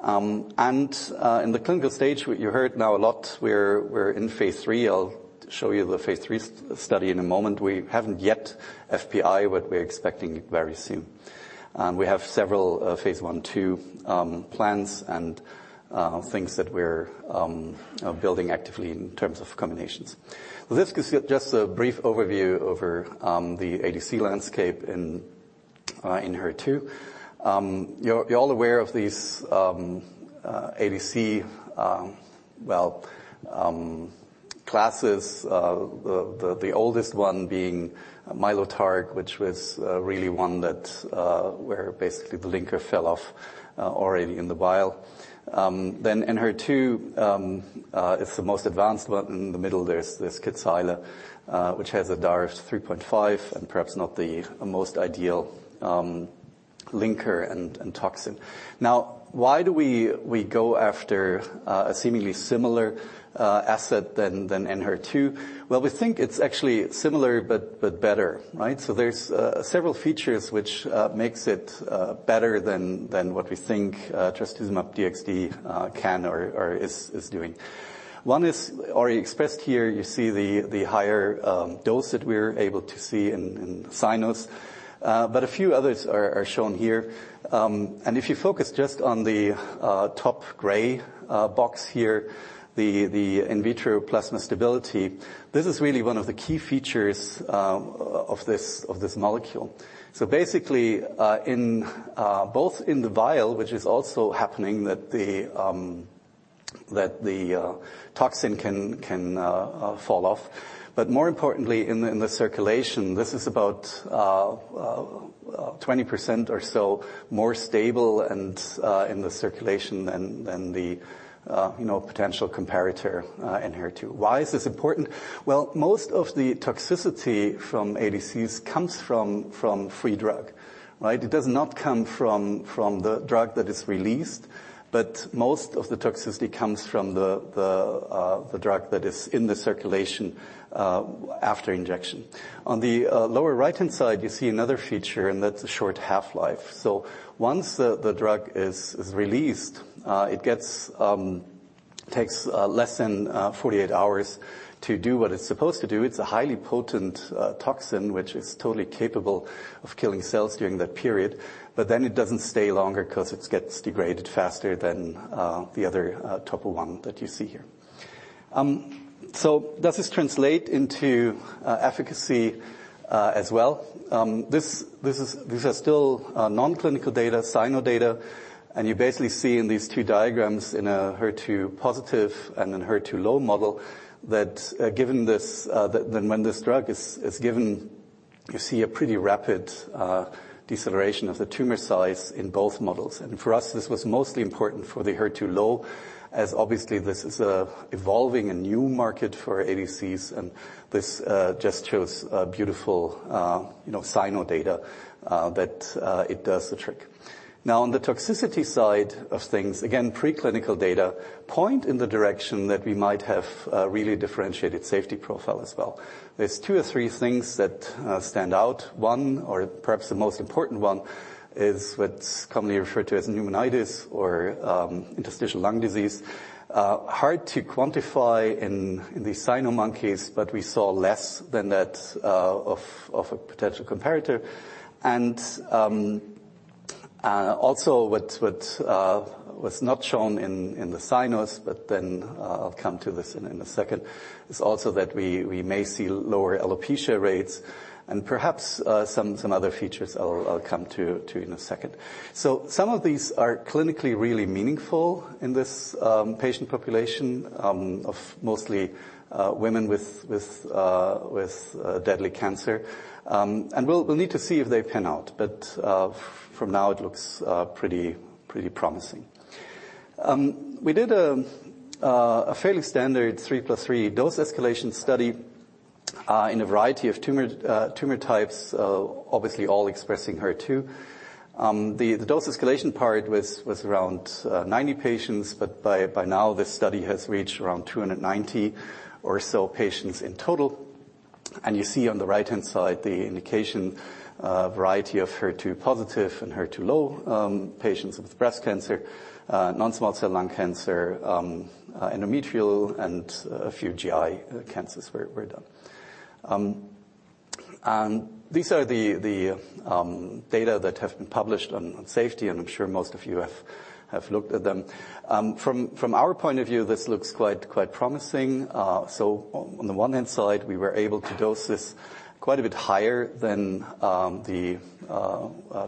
And, in the clinical stage, you heard now a lot, we're in Phase 3. I'll show you the Phase 3 study in a moment. We haven't yet FPI, but we're expecting it very soon. And we have several, Phase 1, 2, plans and, things that we're building actively in terms of combinations. This is just a brief overview over, the ADC landscape in, Enhertu. You're all aware of these, ADC, well, classes, the oldest one being Mylotarg, which was, really one that, where basically the linker fell off, already in the vial. Then Enhertu, it's the most advanced one. In the middle, there's Kadcyla, which has a DAR of 3.5, and perhaps not the most ideal linker and toxin. Now, why do we go after a seemingly similar asset than Enhertu? Well, we think it's actually similar, but better, right? So there's several features which makes it better than what we think Trastuzumab deruxtecan can or is doing. One is already expressed here. You see the higher dose that we're able to see in patients, but a few others are shown here. And if you focus just on the top gray box here, the in vitro plasma stability, this is really one of the key features of this molecule. So basically, in both in the vial, which is also happening, that the toxin can fall off. But more importantly, in the circulation, this is about 20% or so more stable and in the circulation than the you know, potential comparator Enhertu. Why is this important? Well, most of the toxicity from ADCs comes from free drug, right? It does not come from the drug that is released, but most of the toxicity comes from the drug that is in the circulation after injection. On the lower right-hand side, you see another feature, and that's a short half-life. So once the drug is released, it gets takes less than 48 hours to do what it's supposed to do. It's a highly potent toxin, which is totally capable of killing cells during that period, but then it doesn't stay longer because it gets degraded faster than the other top one that you see here. So does this translate into efficacy as well? These are still non-clinical data, in vivo data, and you basically see in these two diagrams, in a HER2-positive and Enhertu-low model, that given this that when this drug is given— You see a pretty rapid deceleration of the tumor size in both models. And for us, this was mostly important for the HER2-low, as obviously this is evolving a new market for ADCs, and this just shows a beautiful, you know, in vivo data that it does the trick. Now, on the toxicity side of things, again, preclinical data point in the direction that we might have a really differentiated safety profile as well. There's two or three things that stand out. One, or perhaps the most important one, is what's commonly referred to as pneumonitis or Interstitial Lung Disease. Hard to quantify in the cyno monkeys, but we saw less than that of a potential comparator. Also what was not shown in the cynos, but then I'll come to this in a second, is also that we may see lower alopecia rates and perhaps some other features I'll come to in a second. So some of these are clinically really meaningful in this patient population of mostly women with deadly cancer. And we'll need to see if they pan out, but from now it looks pretty promising. We did a fairly standard 3 + 3 dose escalation study in a variety of tumor types, obviously all expressing HER2. The dose escalation part was around 90 patients, but by now, this study has reached around 290 or so patients in total. And you see on the right-hand side, the indication variety of HER2-positive and HER2-low patients with breast cancer, non-small cell lung cancer, endometrial and a few GI cancers were done. And these are the data that have been published on safety, and I'm sure most of you have looked at them. From our point of view, this looks quite promising. So on the one hand side, we were able to dose this quite a bit higher than the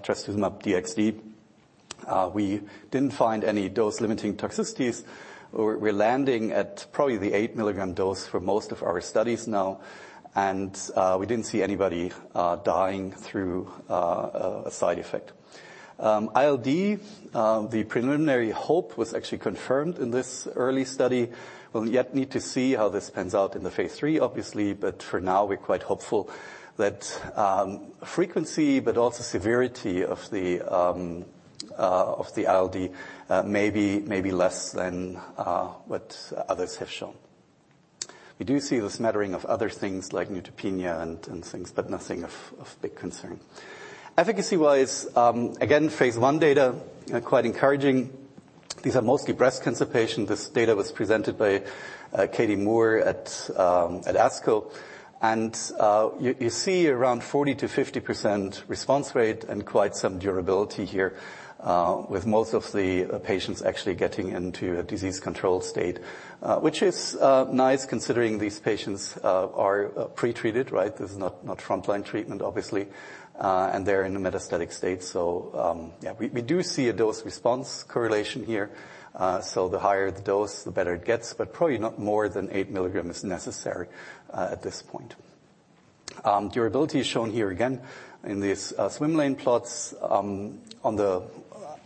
trastuzumab deruxtecan. We didn't find any dose-limiting toxicities, or we're landing at probably the 8-milligram dose for most of our studies now, and we didn't see anybody dying through a side effect. ILD, the preliminary hope was actually confirmed in this early study. We'll yet need to see how this pans out in the Phase 3, obviously, but for now, we're quite hopeful that frequency, but also severity of the ILD may be less than what others have shown. We do see the smattering of other things like neutropenia and things, but nothing of big concern. Efficacy-wise, again, Phase I data quite encouraging. These are mostly breast cancer patients. This data was presented by Katie Moore at ASCO. You see around 40%-50% response rate and quite some durability here with most of the patients actually getting into a disease control state. Which is nice considering these patients are pretreated, right? This is not frontline treatment, obviously, and they're in a metastatic state. Yeah, we do see a dose response correlation here. So the higher the dose, the better it gets, but probably not more than 8 milligrams necessary at this point. Durability is shown here again in these swim lane plots. On the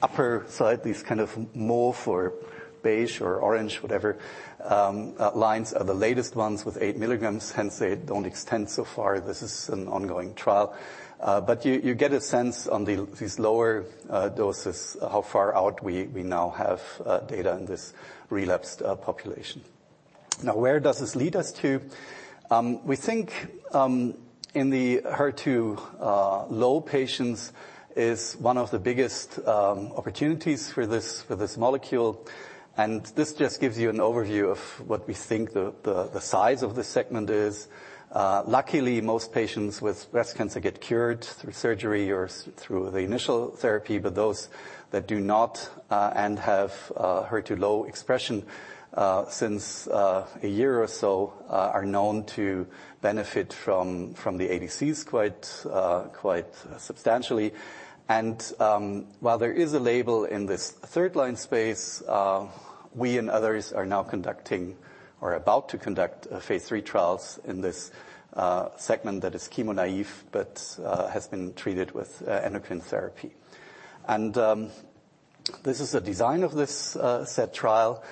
upper side, these kind of more for beige or orange, whatever, lines are the latest ones with 8 milligrams, hence they don't extend so far. This is an ongoing trial. But you get a sense on these lower doses, how far out we now have data in this relapsed population. Now, where does this lead us to? We think in the HER2 low patients is one of the biggest opportunities for this, for this molecule. And this just gives you an overview of what we think the size of this segment is. Luckily, most patients with breast cancer get cured through surgery or through the initial therapy, but those that do not and have HER2 low expression since a year or so are known to benefit from, from the ADCs quite, quite substantially. While there is a label in this third-line space, we and others are now conducting or about to conduct Phase III trials in this segment that is chemo naive, but has been treated with endocrine therapy. This is a design of this said trial,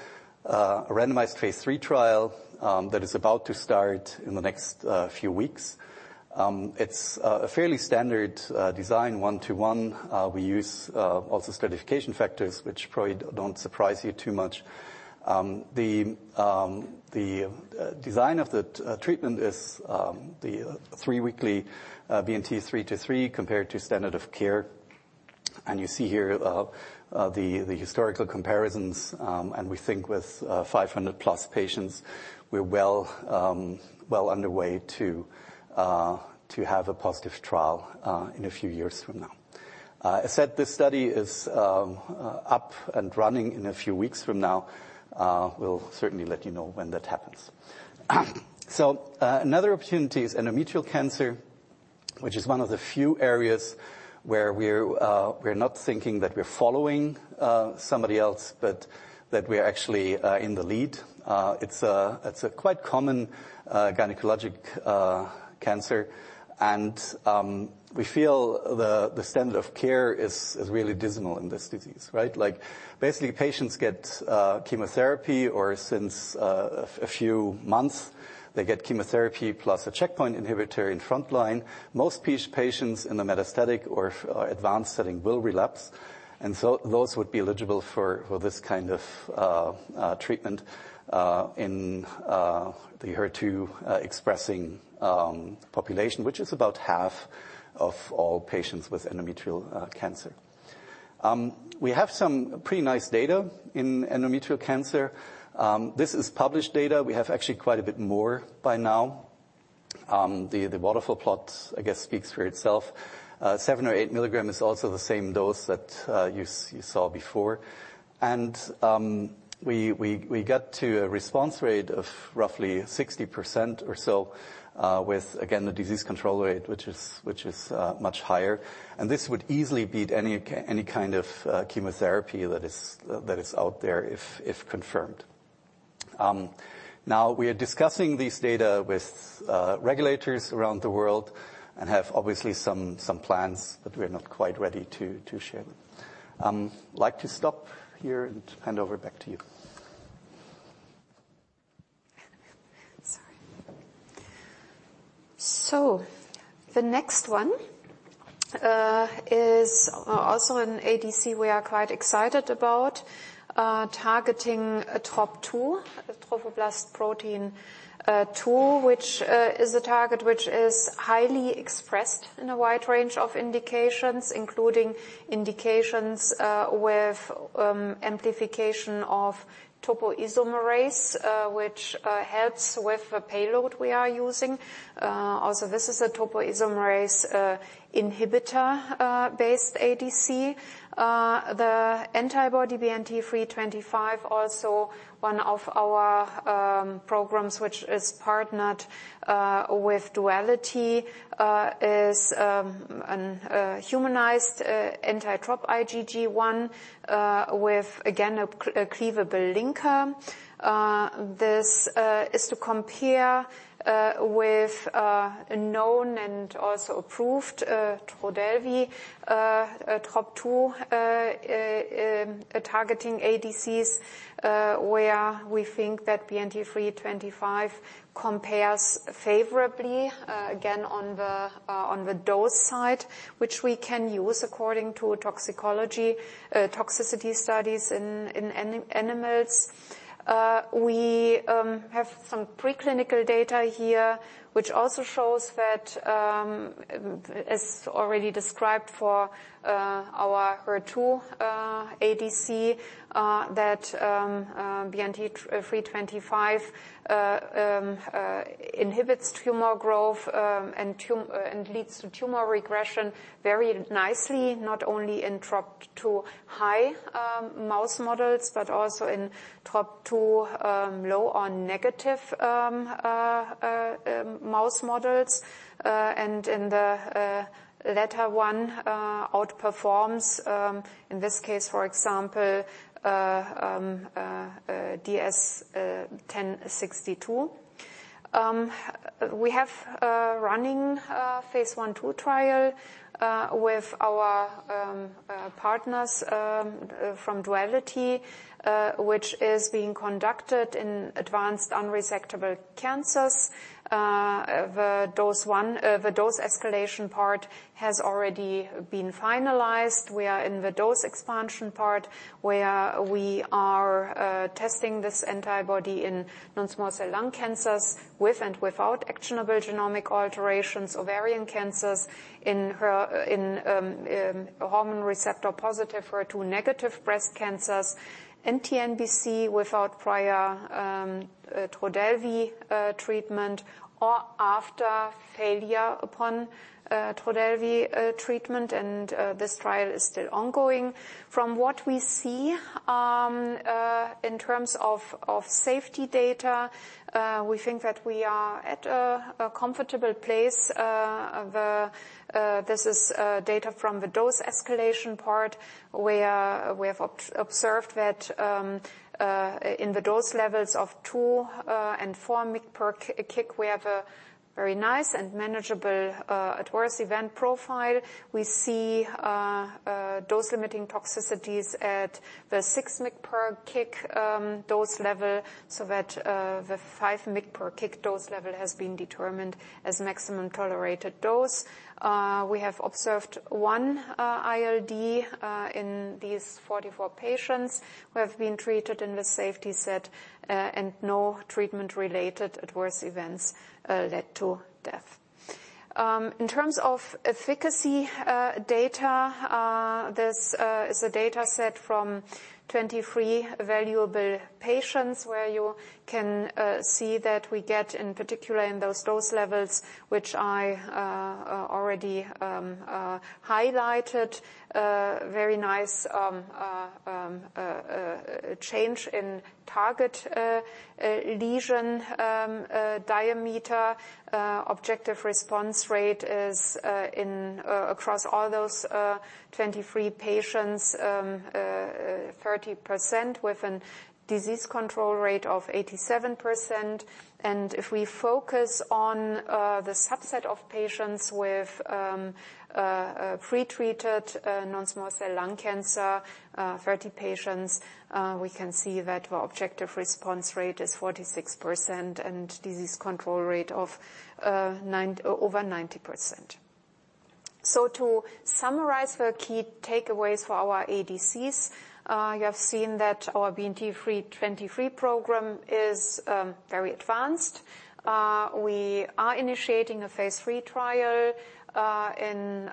a randomized Phase III trial that is about to start in the next few weeks. It's a fairly standard design, one to one. We use also stratification factors, which probably don't surprise you too much. The design of the treatment is the three-weekly BNT323, compared to standard of care. And you see here the historical comparisons, and we think with 500+ patients, we're well underway to have a positive trial in a few years from now. I said this study is up and running in a few weeks from now. We'll certainly let you know when that happens. So, another opportunity is endometrial cancer, which is one of the few areas where we're not thinking that we're following somebody else, but that we are actually in the lead. It's a quite common gynecologic cancer, and we feel the standard of care is really dismal in this disease, right? Like, basically, patients get chemotherapy, or since a few months, they get chemotherapy plus a checkpoint inhibitor in frontline. Most patients in the metastatic or advanced setting will relapse, and so those would be eligible for this kind of treatment in the HER2 expressing population, which is about half of all patients with endometrial cancer. We have some pretty nice data in endometrial cancer. This is published data. We have actually quite a bit more by now. The waterfall plot, I guess, speaks for itself. 7 or 8 milligram is also the same dose that you saw before. We get to a response rate of roughly 60% or so, with, again, the disease control rate, which is much higher. This would easily beat any kind of chemotherapy that is out there if confirmed. Now we are discussing this data with regulators around the world and have obviously some plans, but we're not quite ready to share. I'd like to stop here and hand over back to you. Sorry. So the next one is also an ADC we are quite excited about, targeting a Trop-2, trophoblast protein two, which is a target which is highly expressed in a wide range of indications, including indications with amplification of topoisomerase, which helps with the payload we are using. Also, this is a topoisomerase inhibitor based ADC. The antibody BNT325, also one of our programs, which is partnered with Duality, is a humanized anti-Trop IgG one with, again, a cleavable linker. This is to compare with a known and also approved Trodelvy, Trop-2 targeting ADCs, where we think that BNT 325 compares favorably, again, on the dose side, which we can use according to toxicology toxicity studies in animals. We have some preclinical data here, which also shows that, as already described for our HER2 ADC, that BNT 325 inhibits tumor growth and leads to tumor regression very nicely, not only in Trop-2 high mouse models, but also in Trop-2 low or negative mouse models. And in the latter one, outperforms, in this case, for example, DS 1062. We have a running Phase 1, 2 trial with our partners from DualityBio, which is being conducted in advanced unresectable cancers. The dose escalation part has already been finalized. We are in the dose expansion part, where we are testing this antibody in non-small cell lung cancers with and without actionable genomic alterations, ovarian cancers in hormone receptor positive, HER2 negative breast cancers, and TNBC without prior Trodelvy treatment, or after failure upon Trodelvy treatment. And this trial is still ongoing. From what we see in terms of safety data, we think that we are at a comfortable place. This is data from the dose escalation part, where we have observed that in the dose levels of 2 and 4 mg per kg, we have a very nice and manageable adverse event profile. We see dose-limiting toxicities at the 6 mg per kg dose level, so that the 5 mg per kg dose level has been determined as maximum tolerated dose. We have observed one ILD in these 44 patients who have been treated in the safety set, and no treatment-related adverse events led to death. In terms of efficacy data, this is a data set from 23 evaluable patients, where you can see that we get, in particular in those dose levels, which I already highlighted, very nice change in target lesion diameter. Objective response rate is in across all those 23 patients, 30% with a disease control rate of 87%. And if we focus on the subset of patients with pre-treated non-small cell lung cancer, 30 patients, we can see that the objective response rate is 46%, and disease control rate of over 90%. So to summarize the key takeaways for our ADCs, you have seen that our BNT 323 program is very advanced. We are initiating a Phase 3 trial in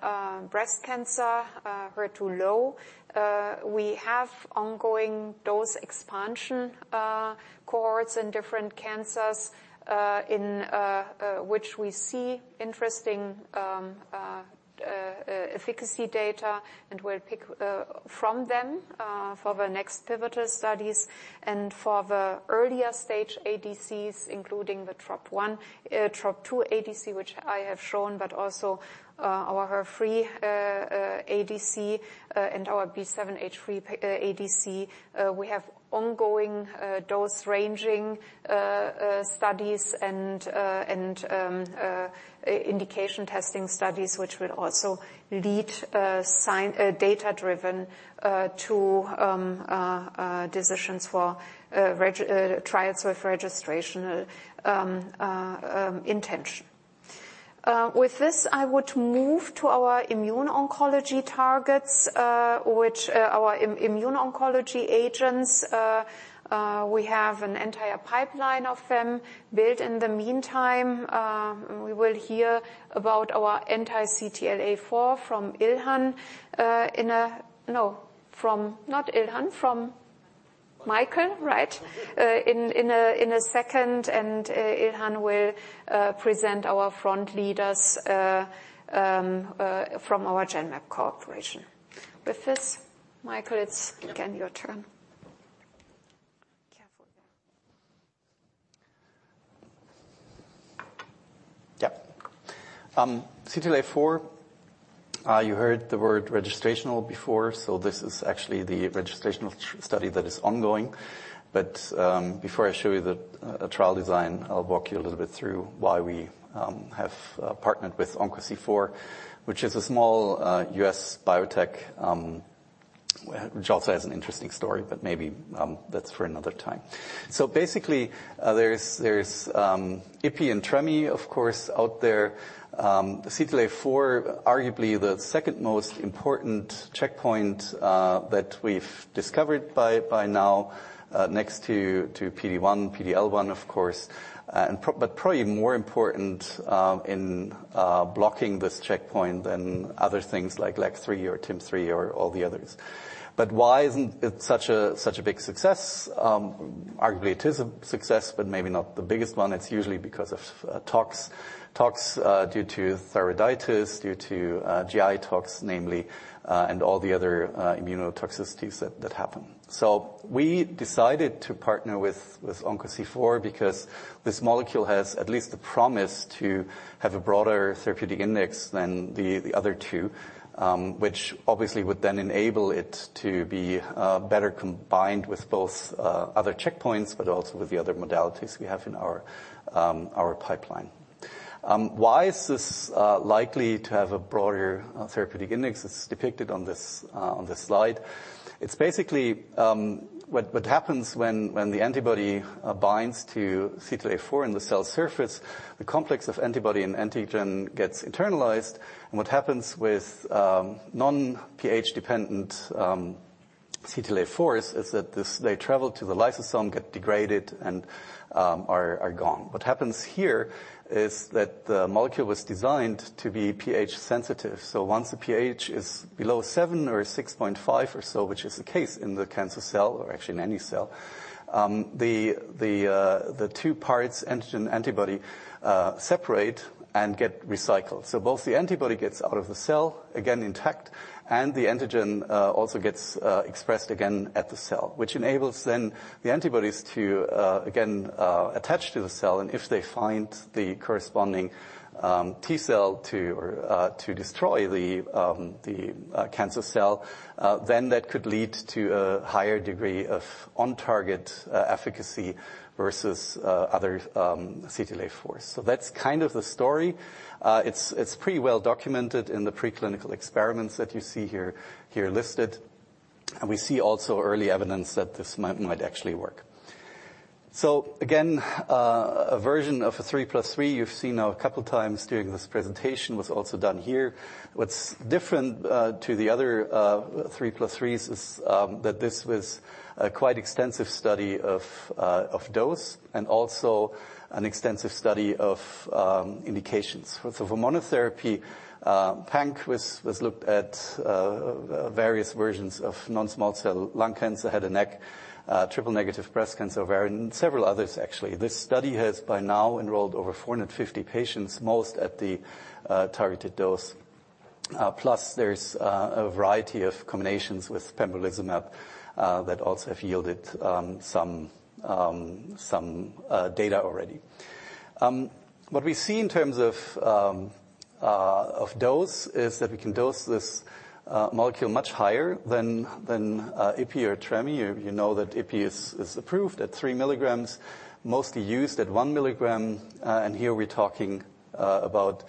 breast cancer, HER2-low. We have ongoing dose expansion cohorts in different cancers in which we see interesting efficacy data, and we'll pick from them for the next pivotal studies. And for the earlier stage ADCs, including the TROP-2 ADC, which I have shown, but also our HER3 ADC and our B7-H3 ADC. We have ongoing dose ranging studies and indication testing studies, which will also lead to data-driven decisions for trials with registrational intention. With this, I would move to our immune oncology targets, which our immune oncology agents, we have an entire pipeline of them built in the meantime. We will hear about our anti-CTLA-4 from Ilhan in a... No, from not Ilhan, from Michael, right? In a second, and Ilhan will present our front leaders from our Genmab corporation. With this, Michael, it's again your turn. Careful there. Yeah. CTLA-4, you heard the word registrational before, so this is actually the registrational study that is ongoing. But before I show you the trial design, I'll walk you a little bit through why we have partnered with OncoC4, which is a small U.S. biotech, which also has an interesting story, but maybe that's for another time. So basically, there's Ipi and Tremi, of course, out there. CTLA-4, arguably the second most important checkpoint that we've discovered by now, next to PD-1, PD-L1, of course, and but probably more important in blocking this checkpoint than other things like LAG-3 or TIM-3 or all the others. But why isn't it such a big success? Arguably, it is a success, but maybe not the biggest one. It's usually because of tox due to thyroiditis, due to GI tox, namely, and all the other immunotoxicities that happen. So we decided to partner with OncoC4 because this molecule has at least the promise to have a broader therapeutic index than the other two, which obviously would then enable it to be better combined with both other checkpoints, but also with the other modalities we have in our pipeline. Why is this likely to have a broader therapeutic index? It's depicted on this slide. It's basically what happens when the antibody binds to CTLA-4 in the cell surface, the complex of antibody and antigen gets internalized. What happens with non-pH-dependent CTLA-4s is that they travel to the lysosome, get degraded, and are gone. What happens here is that the molecule was designed to be pH sensitive. So once the pH is below 7 or 6.5 or so, which is the case in the cancer cell, or actually in any cell, the two parts, antigen, antibody, separate and get recycled. So both the antibody gets out of the cell, again intact, and the antigen also gets expressed again at the cell, which enables then the antibodies to again attach to the cell. And if they find the corresponding T cell to destroy the cancer cell, then that could lead to a higher degree of on-target efficacy versus other CTLA-4s. So that's kind of the story. It's pretty well documented in the preclinical experiments that you see here, here listed, and we see also early evidence that this might actually work. So again, a version of a 3+3, you've seen now a couple of times during this presentation, was also done here. What's different to the other 3+3s is that this was a quite extensive study of dose, and also an extensive study of indications. So for monotherapy, panc was looked at, various versions of non-small cell lung cancer, head and neck, triple negative breast cancer, ovarian, several others, actually. This study has by now enrolled over 450 patients, most at the targeted dose. Plus, there's a variety of combinations with Pembrolizumab that also have yielded some data already. What we see in terms of dose is that we can dose this molecule much higher than Ipi or Trem. You know that Ipi is approved at 3 milligrams, mostly used at 1 milligram. And here we're talking about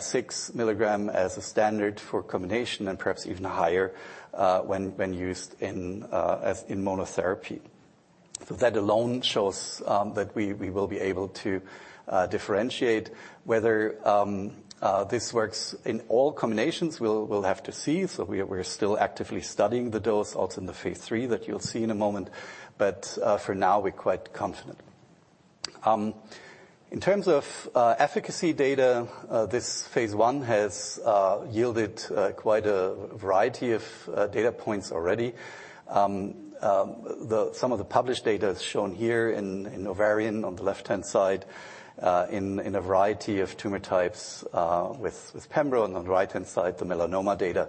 6 milligram as a standard for combination, and perhaps even higher when used as monotherapy. So that alone shows that we will be able to differentiate. Whether this works in all combinations, we'll have to see. So we're still actively studying the dose, also in the Phase 3 that you'll see in a moment, but for now, we're quite confident. In terms of efficacy data, this Phase 1 has yielded quite a variety of data points already. Some of the published data is shown here in ovarian on the left-hand side, in a variety of tumor types, with Pembro, and on the right-hand side, the melanoma data,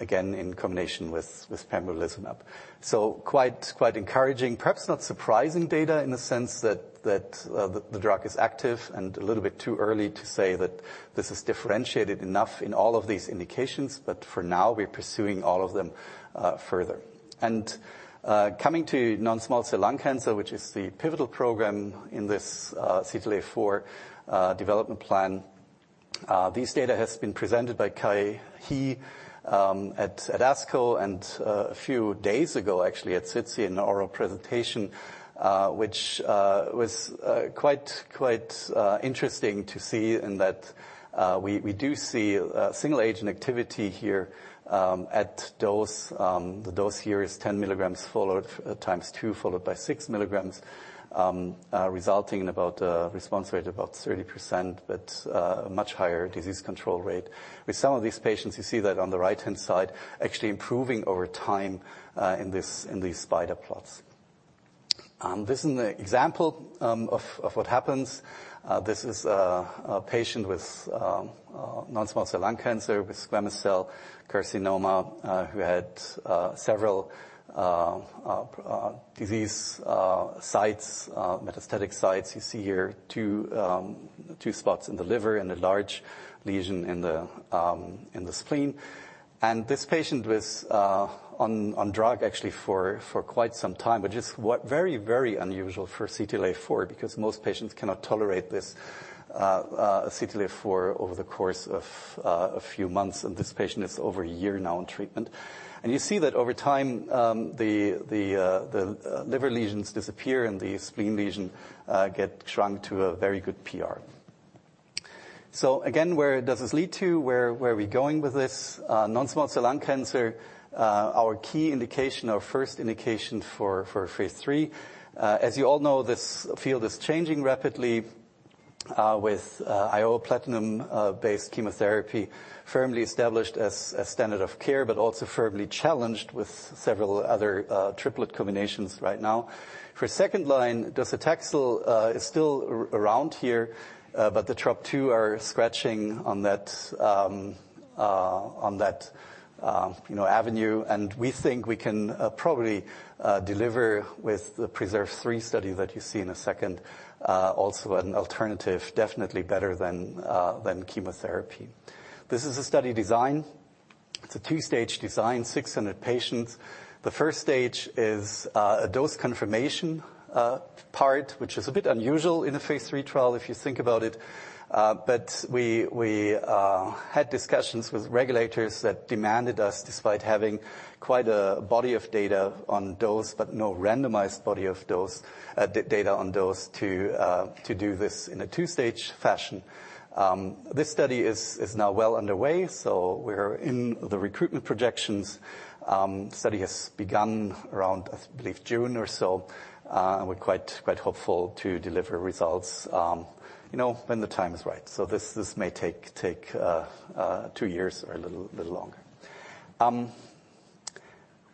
again, in combination with Pembrolizumab. So quite encouraging. Perhaps not surprising data, in the sense that the drug is active, and a little bit too early to say that this is differentiated enough in all of these indications, but for now, we're pursuing all of them further. Coming to non-small cell lung cancer, which is the pivotal program in this CTLA-4 development plan. This data has been presented by Kai He at ASCO, and a few days ago, actually, at SITC in an oral presentation. Which was quite interesting to see in that we do see single agent activity here at dose. The dose here is 10 milligrams followed times two followed by 6 milligrams resulting in about a response rate about 30%, but a much higher disease control rate. With some of these patients, you see that on the right-hand side, actually improving over time in this, in these spider plots. This is an example of what happens. This is a patient with non-small cell lung cancer, with squamous cell carcinoma, who had several disease sites, metastatic sites. You see here two spots in the liver and a large lesion in the spleen. This patient was on drug actually for quite some time, which is what very, very unusual for CTLA-4, because most patients cannot tolerate this CTLA-4 over the course of a few months, and this patient is over a year now on treatment. You see that over time, the liver lesions disappear, and the spleen lesion get shrunk to a very good PR. So again, where does this lead to? Where are we going with this? Non-small cell lung cancer, our key indication, our first indication for Phase 3. As you all know, this field is changing rapidly, with IO platinum based chemotherapy firmly established as a standard of care, but also firmly challenged with several other triplet combinations right now. For second line, Docetaxel is still around here, but the Trop-2 are scratching on that, you know, avenue. And we think we can probably deliver with the Preserve 3 study that you see in a second, also an alternative, definitely better than chemotherapy. This is a study design. It's a two-stage design, 600 patients. The first stage is a dose confirmation part, which is a bit unusual in a Phase 3 trial, if you think about it. But we had discussions with regulators that demanded us, despite having quite a body of data on dose, but no randomized body of dose data on dose, to do this in a two-stage fashion. This study is now well underway, so we're in the recruitment projections. Study has begun around, I believe, June or so, and we're quite hopeful to deliver results, you know, when the time is right. So this may take two years or a little longer.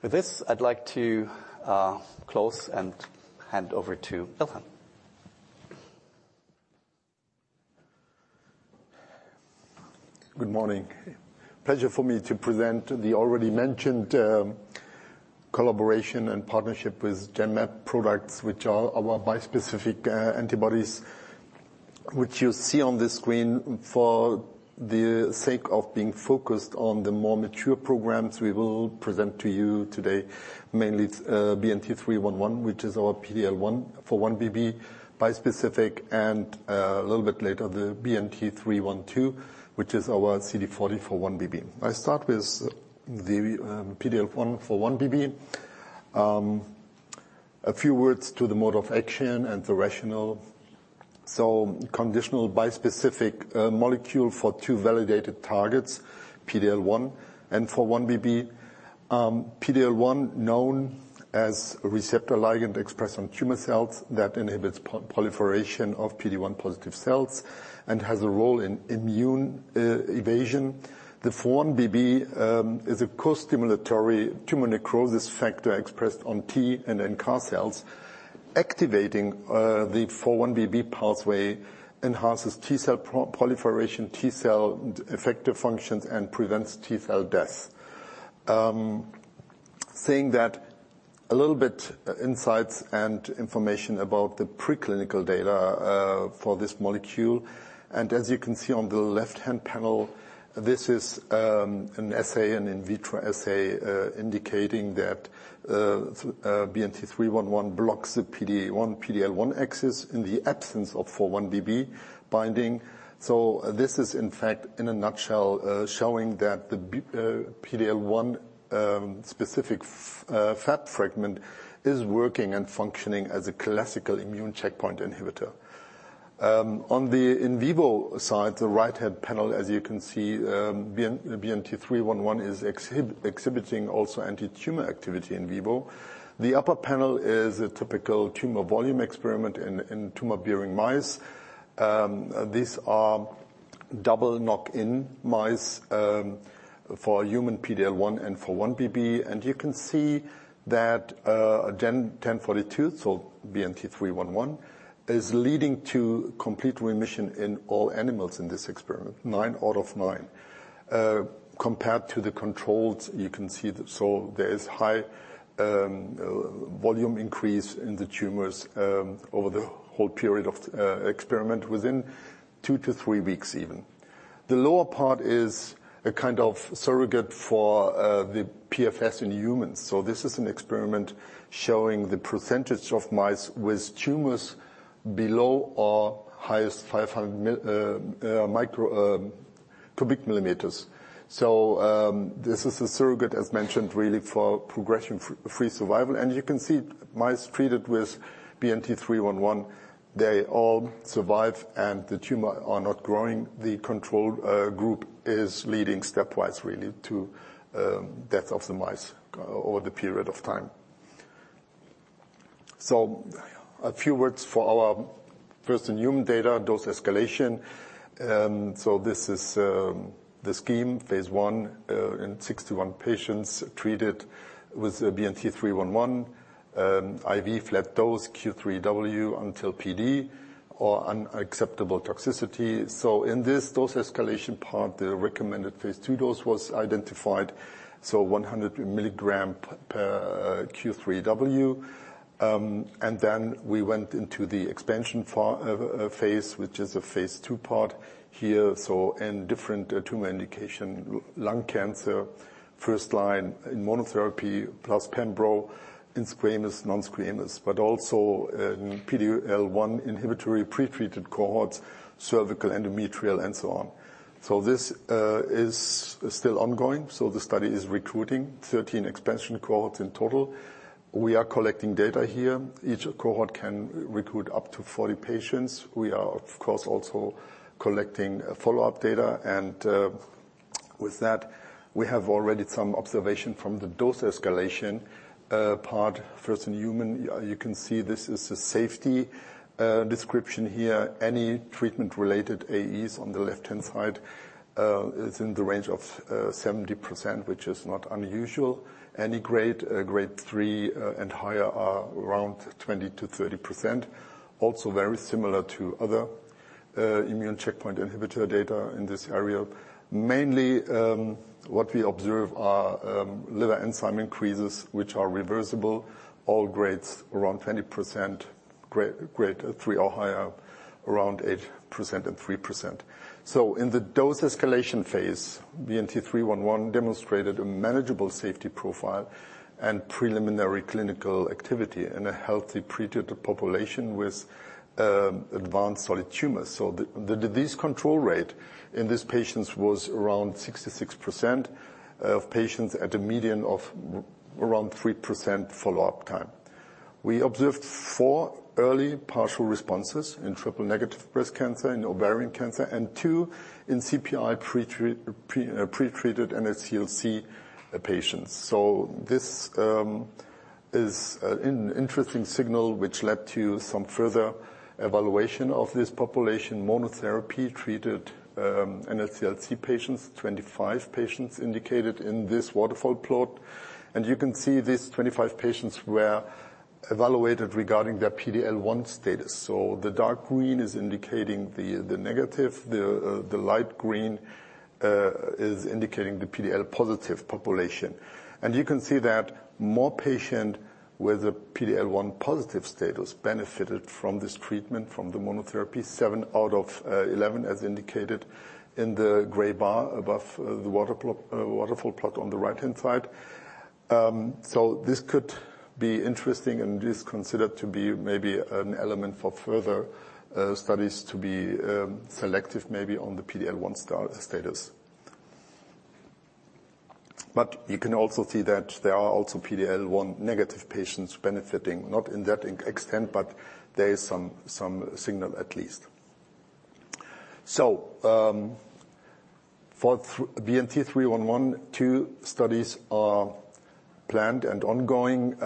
With this, I'd like to close and hand over to Ilhan. Good morning. Pleasure for me to present the already mentioned, collaboration and partnership with Genmab products, which are our bispecific, antibodies, which you see on the screen. For the sake of being focused on the more mature programs, we will present to you today, mainly it's BNT311, which is our PD-L1 x 4-1BB bispecific, and, a little bit later, the BNT312, which is our CD40 x 4-1BB. I start with the PD-L1 x 4-1BB. A few words to the mode of action and the rationale. Conditional bispecific molecule for two validated targets, PD-L1 and 4-1BB. PD-L1, known as receptor ligand expressed on tumor cells, that inhibits proliferation of PD-1 positive cells and has a role in immune evasion. The 4-1BB is a co-stimulatory tumor necrosis factor expressed on T and NK cells. Activating the 4-1BB pathway enhances T-cell proliferation, T-cell effector functions, and prevents T-cell death. Insights and information about the preclinical data for this molecule. And as you can see on the left-hand panel, this is an assay, an in vitro assay, indicating that BNT-311 blocks the PD-1, PD-L1 axis in the absence of 4-1BB binding. So this is, in fact, in a nutshell, showing that the PD-L1 specific Fab fragment is working and functioning as a classical immune checkpoint inhibitor. On the in vivo side, the right-hand panel, as you can see, BNT-311 is exhibiting also anti-tumor activity in vivo. The upper panel is a typical tumor volume experiment in tumor-bearing mice. These are double knock-in mice for human PD-L1 and for 4-1BB, and you can see that GEN1042, so BNT311, is leading to complete remission in all animals in this experiment, 9 out of 9. Compared to the controls, you can see that there is high volume increase in the tumors over the whole period of experiment, within 2-3 weeks even. The lower part is a kind of surrogate for the PFS in humans. So this is an experiment showing the percentage of mice with tumors below or highest 500 cubic millimeters. This is a surrogate, as mentioned, really, for progression-free survival. And you can see mice treated with BNT311, they all survive, and the tumor are not growing. The control group is leading stepwise, really, to death of the mice over the period of time. So a few words for our first human data, dose escalation. So this is the scheme, Phase 1, in 61 patients treated with BNT-311, IV flat dose Q3W until PD or unacceptable toxicity. So in this dose escalation part, the recommended Phase 2 dose was identified, so 100 milligram per Q3W. And then we went into the expansion Phase, which is a Phase 2 part here, so in different tumor indication, lung cancer, first-line in monotherapy, plus Pembro, in squamous, non-squamous, but also in PD-L1 inhibitory, pretreated cohorts, cervical, endometrial, and so on. So this is still ongoing. So the study is recruiting 13 expansion cohorts in total. We are collecting data here. Each cohort can recruit up to 40 patients. We are, of course, also collecting follow-up data, and with that, we have already some observation from the dose escalation part, first in human. You can see this is a safety description here. Any treatment-related AEs on the left-hand side is in the range of 70%, which is not unusual. Any grade three and higher are around 20%-30%. Also, very similar to other immune checkpoint inhibitor data in this area. Mainly, what we observe are liver enzyme increases, which are reversible. All grades around 20%, grade three or higher, around 8% and 3%. So in the dose escalation Phase, BNT-311 demonstrated a manageable safety profile and preliminary clinical activity in a healthy, treated population with advanced solid tumors. So the disease control rate in these patients was around 66% of patients at a median of around 3% follow-up time. We observed four early partial responses in triple-negative breast cancer and ovarian cancer, and two in CPI pretreated NSCLC patients. So this is an interesting signal, which led to some further evaluation of this population. Monotherapy-treated NSCLC patients, 25 patients indicated in this waterfall plot, and you can see these 25 patients were evaluated regarding their PD-L1 status. So the dark green is indicating the negative, the light green is indicating the PD-L1 positive population. And you can see that more patients with a PD-L1 positive status benefited from this treatment, from the monotherapy. Seven out of eleven, as indicated in the gray bar above the waterfall plot on the right-hand side. So this could be interesting and is considered to be maybe an element for further studies to be selective, maybe on the PD-L1 status. But you can also see that there are also PD-L1 negative patients benefiting, not in that extent, but there is some signal at least. So, for BNT-311, two studies are planned and ongoing.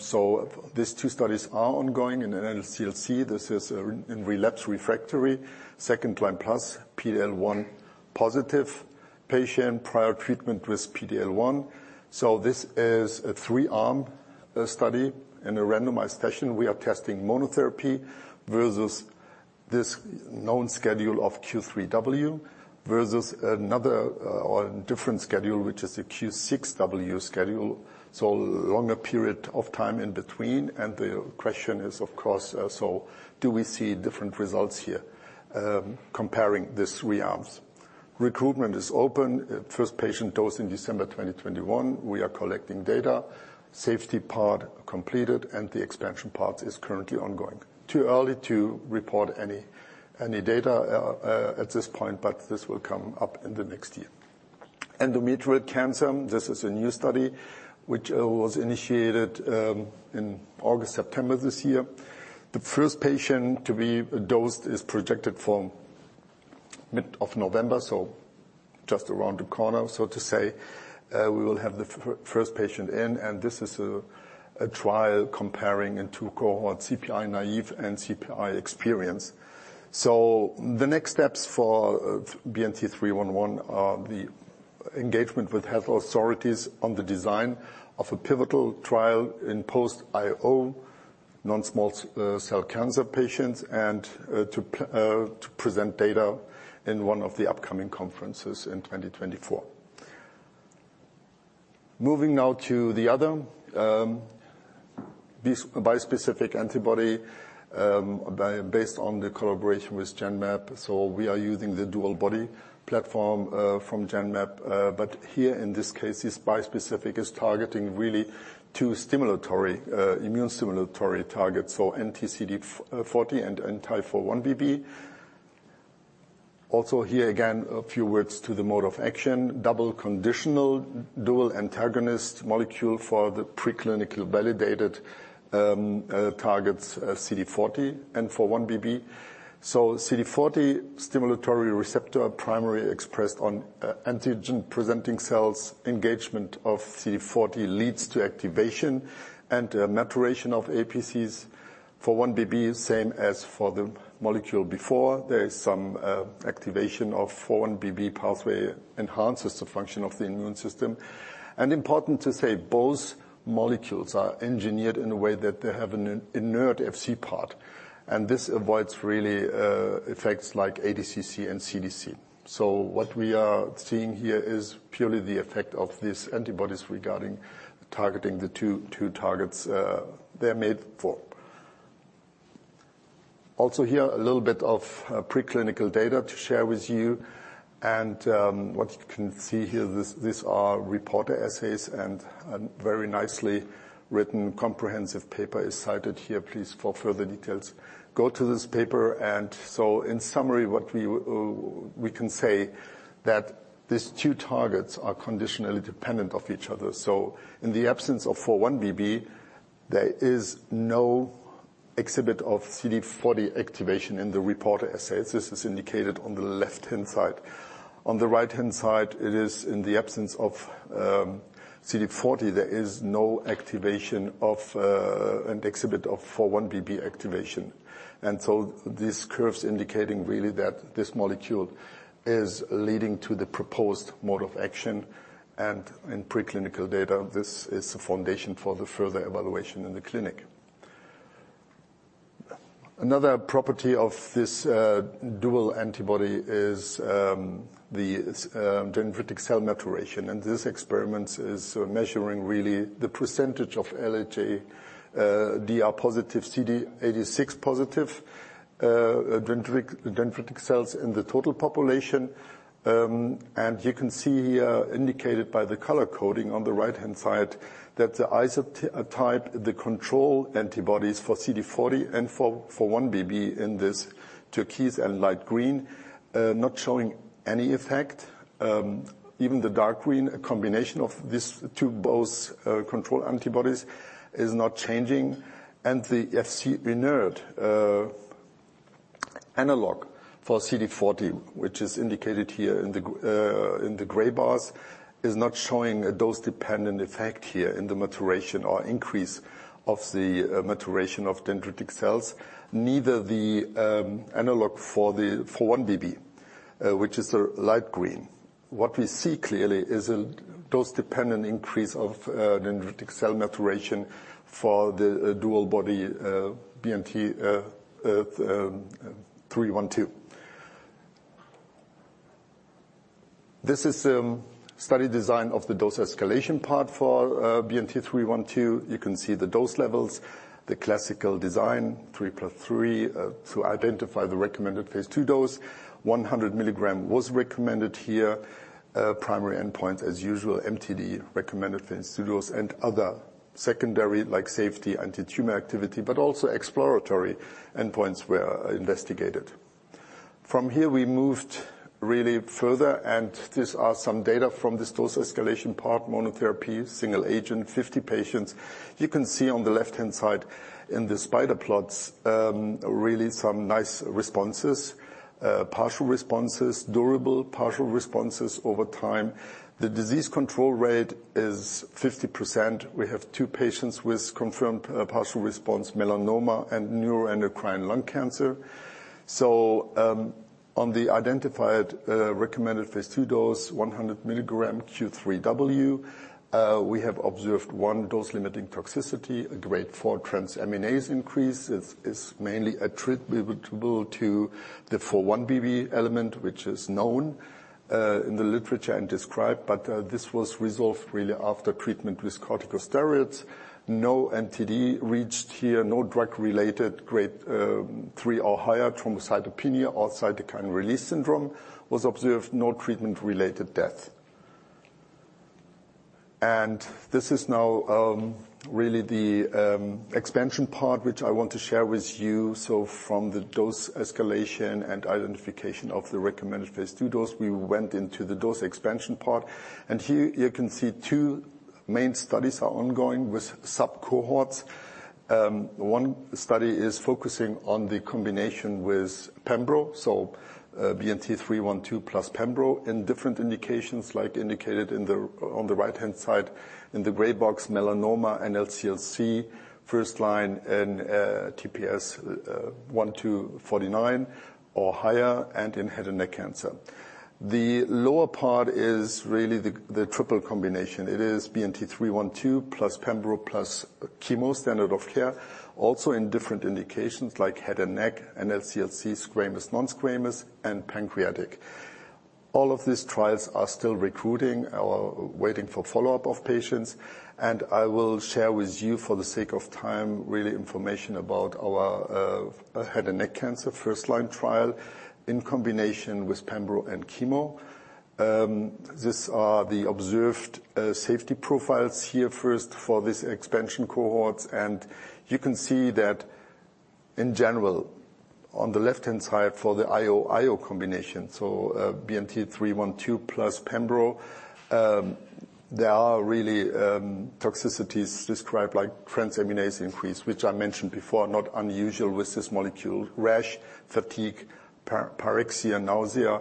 So these two studies are ongoing in NSCLC. This is in relapse refractory, second-line-plus, PD-L1-positive patient, prior treatment with PD-L1. So this is a three-arm study in a randomized fashion. We are testing monotherapy versus this known schedule of Q3W, versus another or different schedule, which is a Q6W schedule, so longer period of time in between. And the question is, of course, so do we see different results here, comparing these three arms? Recruitment is open, first patient dose in December 2021. We are collecting data, safety part completed, and the expansion part is currently ongoing. Too early to report any data at this point, but this will come up in the next year. Endometrial cancer, this is a new study which was initiated in August, September this year. The first patient to be dosed is projected for mid of November, so just around the corner, so to say. We will have the first patient in, and this is a trial comparing in two cohort, CPI-naïve and CPI-experienced. So the next steps for BNT311 are the engagement with health authorities on the design of a pivotal trial in post-IO non-small cell cancer patients, and to present data in one of the upcoming conferences in 2024. Moving now to the other bispecific antibody based on the collaboration with Genmab. So we are using the DuoBody platform from Genmab, but here in this case, this bispecific is targeting really two stimulatory immune stimulatory targets, so anti-CD40 and anti-4-1BB. Also here, again, a few words to the mode of action. DuoBody conditional dual agonist molecule for the preclinically validated targets CD40 and 4-1BB. So CD40 stimulatory receptor primarily expressed on antigen-presenting cells. Engagement of CD40 leads to activation and maturation of APCs. 4-1BB is the same as for the molecule before. There is some activation of 4-1BB pathway enhances the function of the immune system. And important to say, both molecules are engineered in a way that they have an inert Fc part, and this avoids really effects like ADCC and CDC. So what we are seeing here is purely the effect of these antibodies regarding targeting the 2, 2 targets they are made for. Also here, a little bit of preclinical data to share with you, and what you can see here, these are reporter assays and very nicely written, comprehensive paper is cited here. Please, for further details, go to this paper. And so in summary, what we can say, that these 2 targets are conditionally dependent of each other. So in the absence of 4-1BB, there is no exhibit of CD40 activation in the reporter assays. This is indicated on the left-hand side. On the right-hand side, it is in the absence of CD40, there is no activation of an exhibit of 4-1BB activation. And so these curves indicating really that this molecule is leading to the proposed mode of action, and in preclinical data, this is the foundation for the further evaluation in the clinic. Another property of this dual antibody is the dendritic cell maturation, and this experiment is measuring really the percentage of HLA-DR-positive, CD86-positive dendritic cells in the total population. And you can see, indicated by the color coding on the right-hand side, that the isotype, the control antibodies for CD40 and for 4-1BB in this turquoise and light green, not showing any effect. Even the dark green, a combination of these two, both control antibodies, is not changing. And the Fc inert analog for CD40, which is indicated here in the gray bars, is not showing a dose-dependent effect here in the maturation or increase of the maturation of dendritic cells, neither the analog for the 4-1BB, which is the light green. What we see clearly is a dose-dependent increase of dendritic cell maturation for the DuoBody BNT312. This is study design of the dose escalation part for BNT312. You can see the dose levels, the classical design, 3 + 3, to identify the recommended Phase 2 dose. 100 milligrams was recommended here. Primary endpoint, as usual, MTD recommended Phase 2 dose and other secondary, like safety, antitumor activity, but also exploratory endpoints were investigated. From here, we moved really further, and these are some data from this dose escalation part, monotherapy, single agent, 50 patients. You can see on the left-hand side in the spider plots, really some nice responses, partial responses, durable partial responses over time. The disease control rate is 50%. We have two patients with confirmed partial response, melanoma and neuroendocrine lung cancer. On the identified recommended Phase 2 dose, 100 mg Q3W, we have observed one dose-limiting toxicity, a Grade 4 transaminase increase. It's mainly attributable to the 4-1BB element, which is known in the literature and described, but this was resolved really after treatment with corticosteroids. No NTD reached here, no drug-related Grade 3 or higher thrombocytopenia or cytokine release syndrome was observed, no treatment-related death. This is now really the expansion part, which I want to share with you. From the dose escalation and identification of the recommended Phase 2 dose, we went into the dose expansion part, and here you can see two main studies are ongoing with sub-cohorts. One study is focusing on the combination with pembro, so BNT312 plus pembro in different indications, like indicated in the on the right-hand side in the gray box, melanoma and NSCLC, first line in TPS 1-49 or higher, and in head and neck cancer. The lower part is really the triple combination. It is BNT312 plus pembro plus chemo standard of care, also in different indications like head and neck, and NSCLC, squamous, non-squamous, and pancreatic. All of these trials are still recruiting or waiting for follow-up of patients, and I will share with you, for the sake of time, really, information about our head and neck cancer first line trial in combination with pembro and chemo. These are the observed safety profiles here first for this expansion cohort, and you can see that in general, on the left-hand side, for the IO/IO combination, so BNT312 plus pembro, there are really toxicities described like transaminase increase, which I mentioned before, not unusual with this molecule. Rash, fatigue, pyrexia, nausea,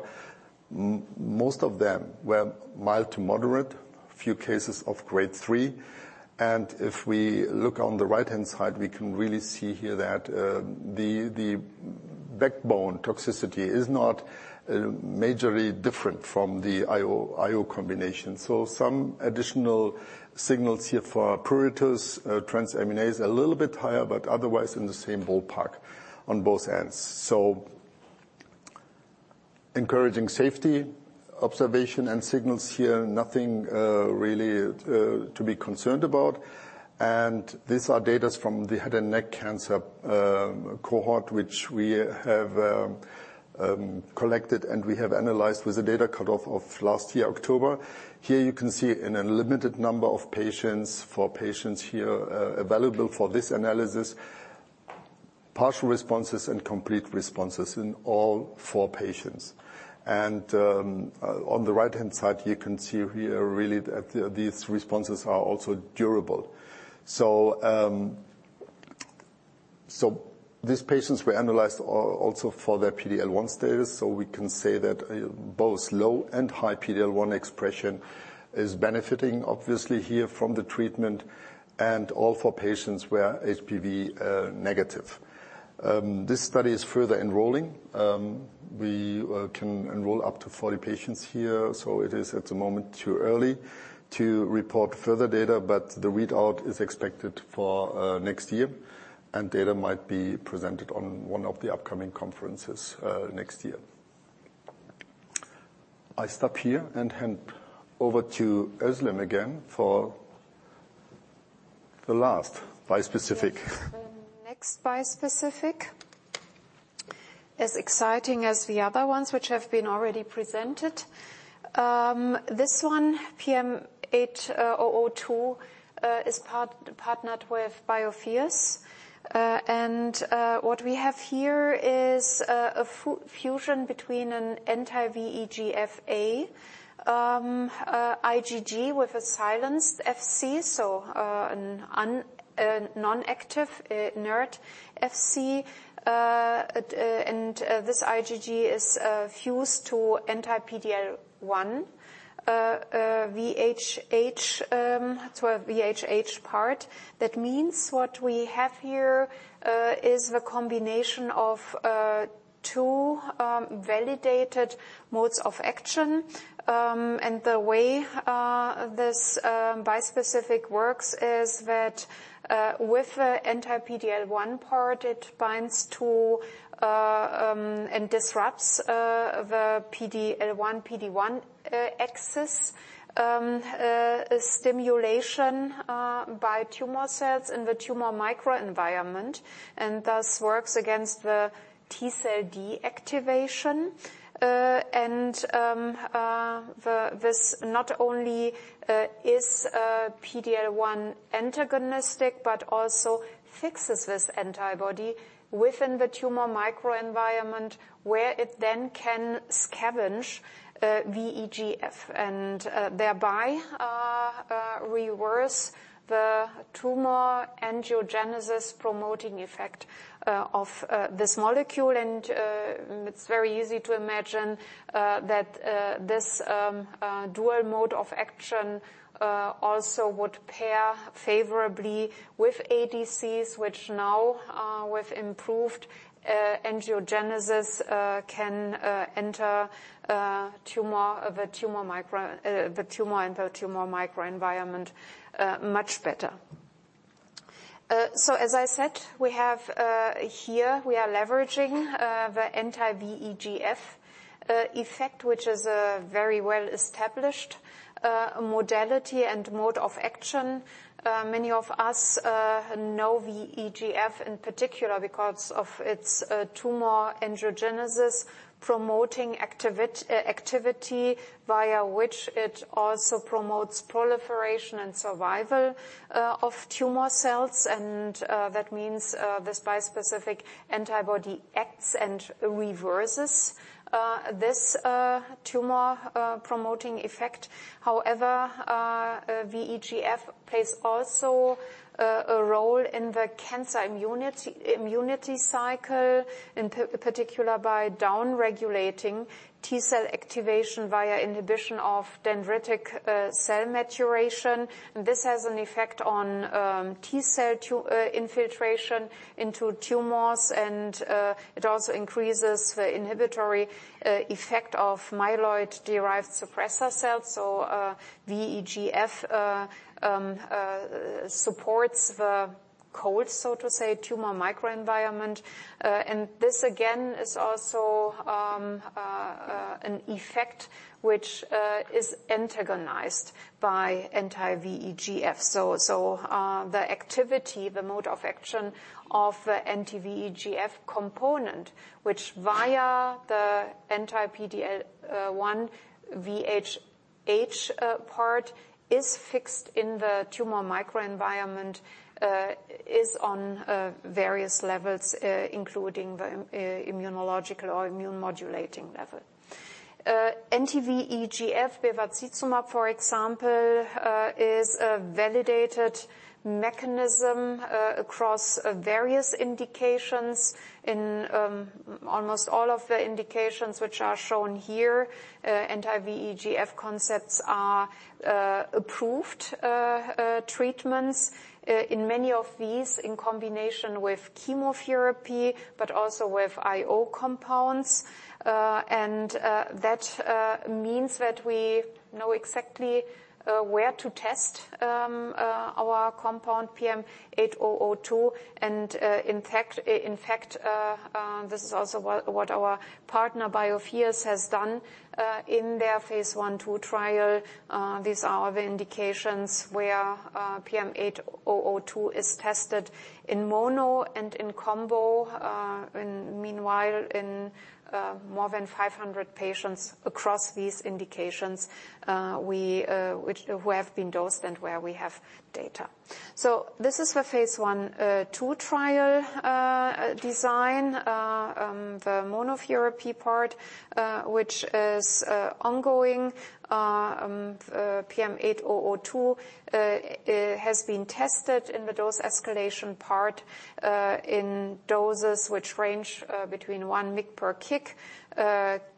most of them were mild to moderate, a few cases of Grade 3. And if we look on the right-hand side, we can really see here that the backbone toxicity is not majorly different from the IO/IO combination. So some additional signals here for pruritus, transaminase a little bit higher, but otherwise in the same ballpark on both ends. So encouraging safety observation and signals here, nothing really to be concerned about. And these are data from the head and neck cancer cohort, which we have collected, and we have analyzed with a data cutoff of last year, October. Here you can see in a limited number of patients, for patients here available for this analysis, partial responses and complete responses in all four patients. And on the right-hand side, you can see here really that these responses are also durable. So these patients were analyzed also for their PD-L1 status, so we can say that both low and high PD-L1 expression is benefiting, obviously here from the treatment, and all four patients were HPV negative. This study is further enrolling. We can enroll up to 40 patients here, so it is, at the moment, too early to report further data, but the readout is expected for next year, and data might be presented on one of the upcoming conferences next year. I stop here and hand over to Özlem again for the last bispecific. The next bispecific is exciting as the other ones which have been already presented. This one, PM8002, is partnered with Biotheus. And what we have here is a fusion between an anti-VEGF-A IgG with a silenced Fc, so an inert Fc. And this IgG is fused to anti-PD-L1 VHH to a VHH part. That means what we have here is the combination of two validated modes of action. And the way this bispecific works is that with the anti-PD-L1 part, it binds to and disrupts the PD-L1 PD-1 axis, inhibition by tumor cells in the tumor microenvironment, and thus works against the T-cell deactivation. This not only is PD-L1 antagonistic, but also fixes this antibody within the tumor microenvironment, where it then can scavenge VEGF and thereby reverse the tumor angiogenesis promoting effect of this molecule. And it's very easy to imagine that this dual mode of action also would pair favorably with ADCs, which now with improved angiogenesis can enter the tumor and the tumor microenvironment much better. So as I said, we have here we are leveraging the anti-VEGF effect, which is a very well-established modality and mode of action. Many of us know VEGF in particular because of its tumor angiogenesis promoting activity, via which it also promotes proliferation and survival of tumor cells. And that means this bispecific antibody acts and reverses this tumor promoting effect. However, VEGF plays also a role in the cancer immunity cycle, in particular by down-regulating T cell activation via inhibition of dendritic cell maturation. And this has an effect on T cell infiltration into tumors, and it also increases the inhibitory effect of myeloid-derived suppressor cells. So VEGF supports the cold, so to say, tumor microenvironment. And this again is also an effect which is antagonized by anti-VEGF. So, the activity, the mode of action of the anti-VEGF component, which via the anti-PD-1 VHH part, is fixed in the tumor microenvironment, is on various levels, including the immunological or immune modulating level. Anti-VEGF bevacizumab, for example, is a validated mechanism across various indications. In almost all of the indications which are shown here, anti-VEGF concepts are approved treatments in many of these in combination with chemotherapy, but also with IO compounds. And that means that we know exactly where to test our compound PM8002. In fact, this is also what our partner Biotheus has done in their Phase 1, 2 trial. These are the indications where PM8002 is tested in mono and in combo, in the meanwhile in more than 500 patients across these indications who have been dosed and where we have data. So this is the Phase 1-2 trial design. The monotherapy part, which is ongoing, PM8002 has been tested in the dose escalation part in doses which range between 1 mg per kg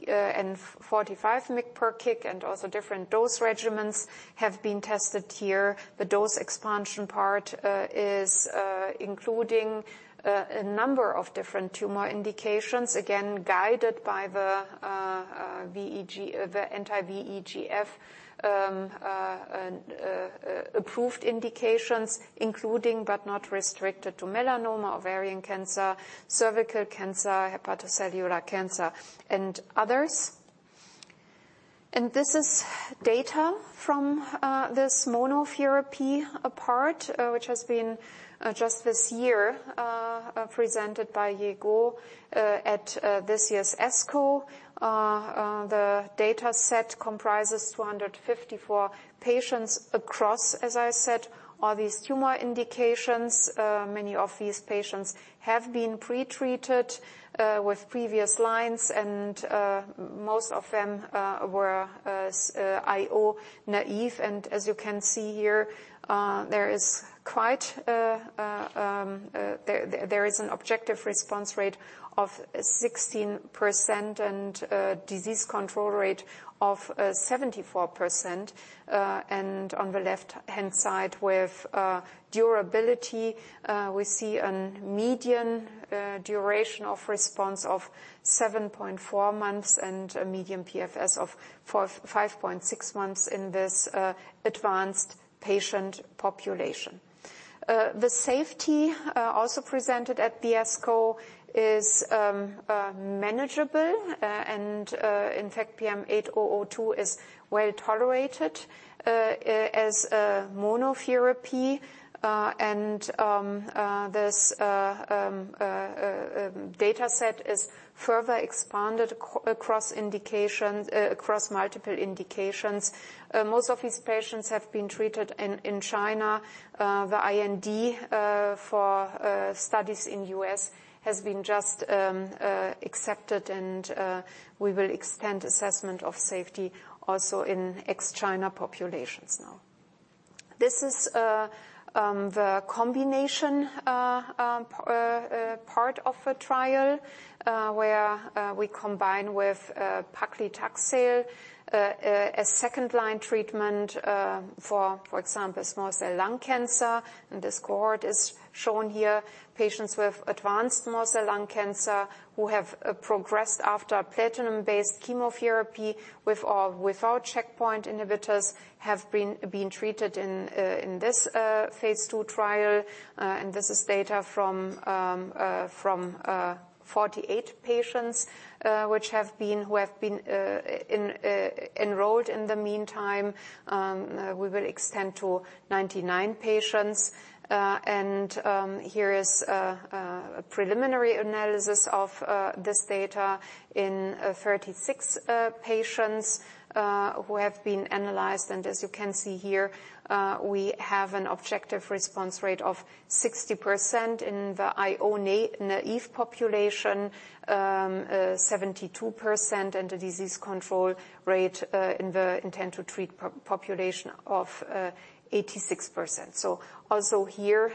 and 45 mg per kg, and also different dose regimens have been tested here. The dose expansion part is including a number of different tumor indications, again guided by the VEGF, the anti-VEGF approved indications, including but not restricted to melanoma, ovarian cancer, cervical cancer, hepatocellular cancer, and others. This is data from this monotherapy part, which has been just this year presented by Yi Guo at this year's ESMO. The data set comprises 254 patients across, as I said, all these tumor indications. Many of these patients have been pretreated with previous lines, and most of them were IO naive. And as you can see here, there is an objective response rate of 16% and a disease control rate of 74%. And on the left-hand side with durability, we see a median duration of response of 7.4 months and a median PFS of 5.6 months in this advanced patient population. The safety also presented at the ESMO is manageable, and in fact, PM8002 is well tolerated as a monotherapy. And this data set is further expanded across indications, across multiple indications. Most of these patients have been treated in China. The IND for studies in U.S. has been just accepted, and we will extend assessment of safety also in ex-China populations now.... This is the combination part of the trial, where we combine with paclitaxel, a second-line treatment, for example, small cell lung cancer. And this cohort is shown here. Patients with advanced small cell lung cancer who have progressed after platinum-based chemotherapy, with or without checkpoint inhibitors, have been treated in this Phase 2 trial. This is data from 48 patients who have been enrolled in the meantime. We will extend to 99 patients. Here is a preliminary analysis of this data in 36 patients who have been analyzed. As you can see here, we have an objective response rate of 60% in the IO-naïve population, 72%, and a disease control rate in the intent to treat population of 86%. So also here,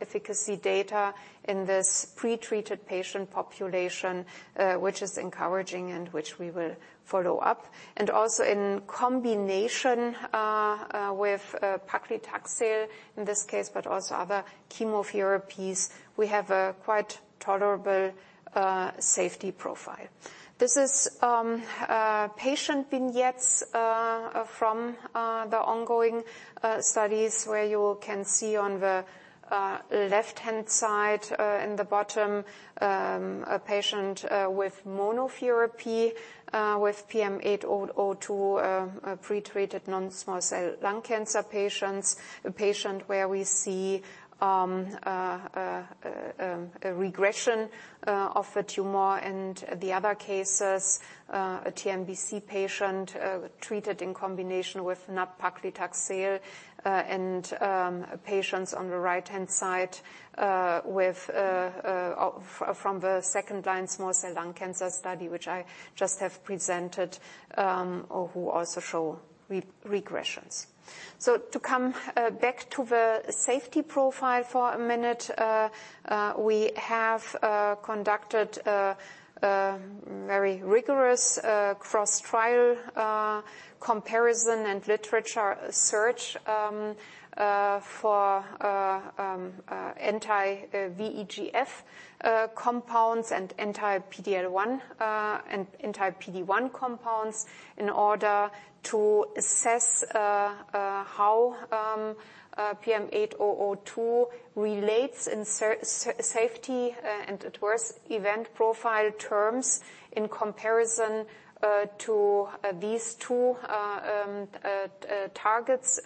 efficacy data in this pretreated patient population, which is encouraging and which we will follow up. And also in combination with paclitaxel in this case, but also other chemotherapies, we have a quite tolerable safety profile. This is patient vignettes from the ongoing studies, where you can see on the left-hand side in the bottom a patient with monotherapy with PM8002 pretreated non-small cell lung cancer patients. A patient where we see a regression of a tumor, and the other cases, a TNBC patient treated in combination with nab-paclitaxel, and patients on the right-hand side with from the second-line small cell lung cancer study, which I just have presented, who also show re-regressions. So to come back to the safety profile for a minute, we have conducted a very rigorous cross-trial comparison and literature search for anti-VEGF compounds and anti-PD-L1 and anti-PD-1 compounds in order to assess how PM8002 relates in safety and adverse event profile terms in comparison to these two targets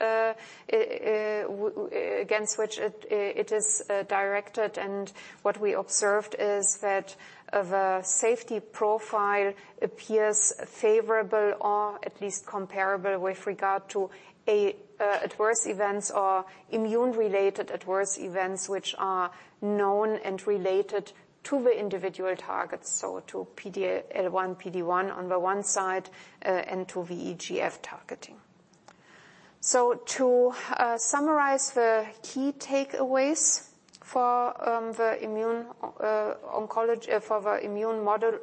against which it is directed. And what we observed is that the safety profile appears favorable, or at least comparable with regard to adverse events or immune-related adverse events, which are known and related to the individual targets, so to PD-L1, PD-1 on the one side, and to VEGF targeting. So to summarize the key takeaways for the immuno-oncology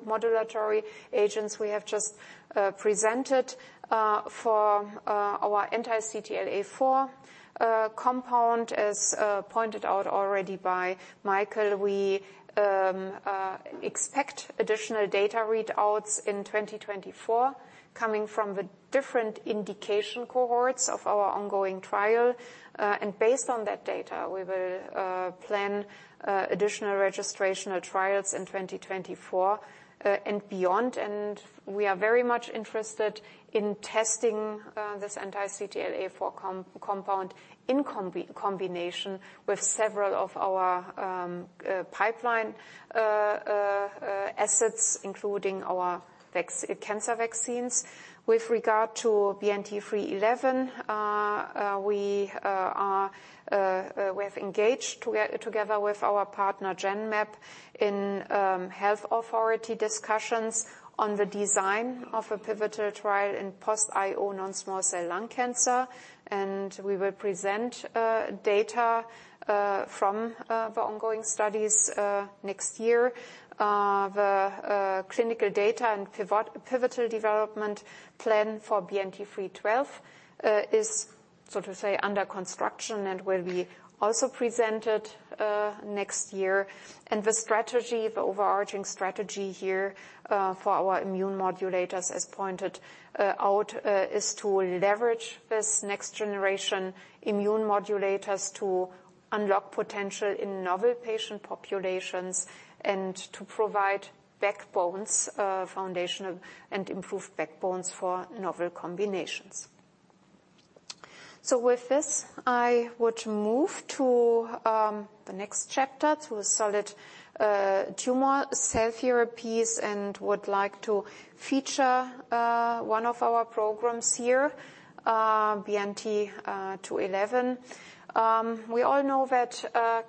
modulatory agents we have just presented for our anti-CTLA-4 compound. As pointed out already by Michael, we expect additional data readouts in 2024, coming from the different indication cohorts of our ongoing trial. And based on that data, we will plan additional registrational trials in 2024 and beyond. And we are very much interested in testing this anti-CTLA-4 compound in combination with several of our pipeline assets, including our cancer vaccines. With regard to BNT311, we have engaged together with our partner, Genmab, in health authority discussions on the design of a pivotal trial in post-IO non-small cell lung cancer. We will present data from the ongoing studies next year. The clinical data and pivotal development plan for BNT312 is, so to say, under construction and will be also presented next year. The strategy, the overarching strategy here, for our immune modulators, as pointed out, is to leverage this next-generation immune modulators to unlock potential in novel patient populations and to provide backbones, foundational and improved backbones for novel combinations. So with this, I would move to the next chapter, to a solid tumor cell therapies, and would like to feature one of our programs here, BNT211. We all know that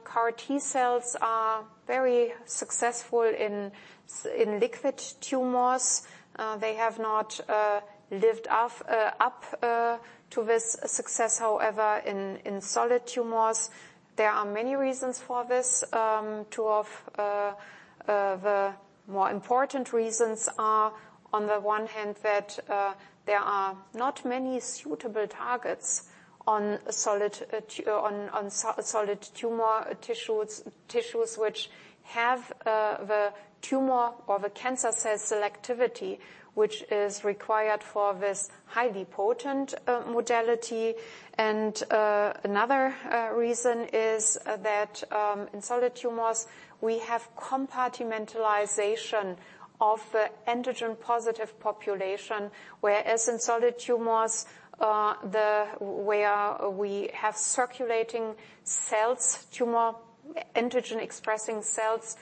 CAR T-cells are very successful in liquid tumors. They have not lived up to this success, however, in solid tumors. There are many reasons for this. Two of the more important reasons are, on the one hand, that there are not many suitable targets on solid tumor tissues, tissues which have the tumor or the cancer cell selectivity, which is required for this highly potent modality. Another reason is that, in solid tumors, we have compartmentalization of the antigen-positive population, whereas in solid tumors, where we have circulating cells, tumor antigen-expressing cells,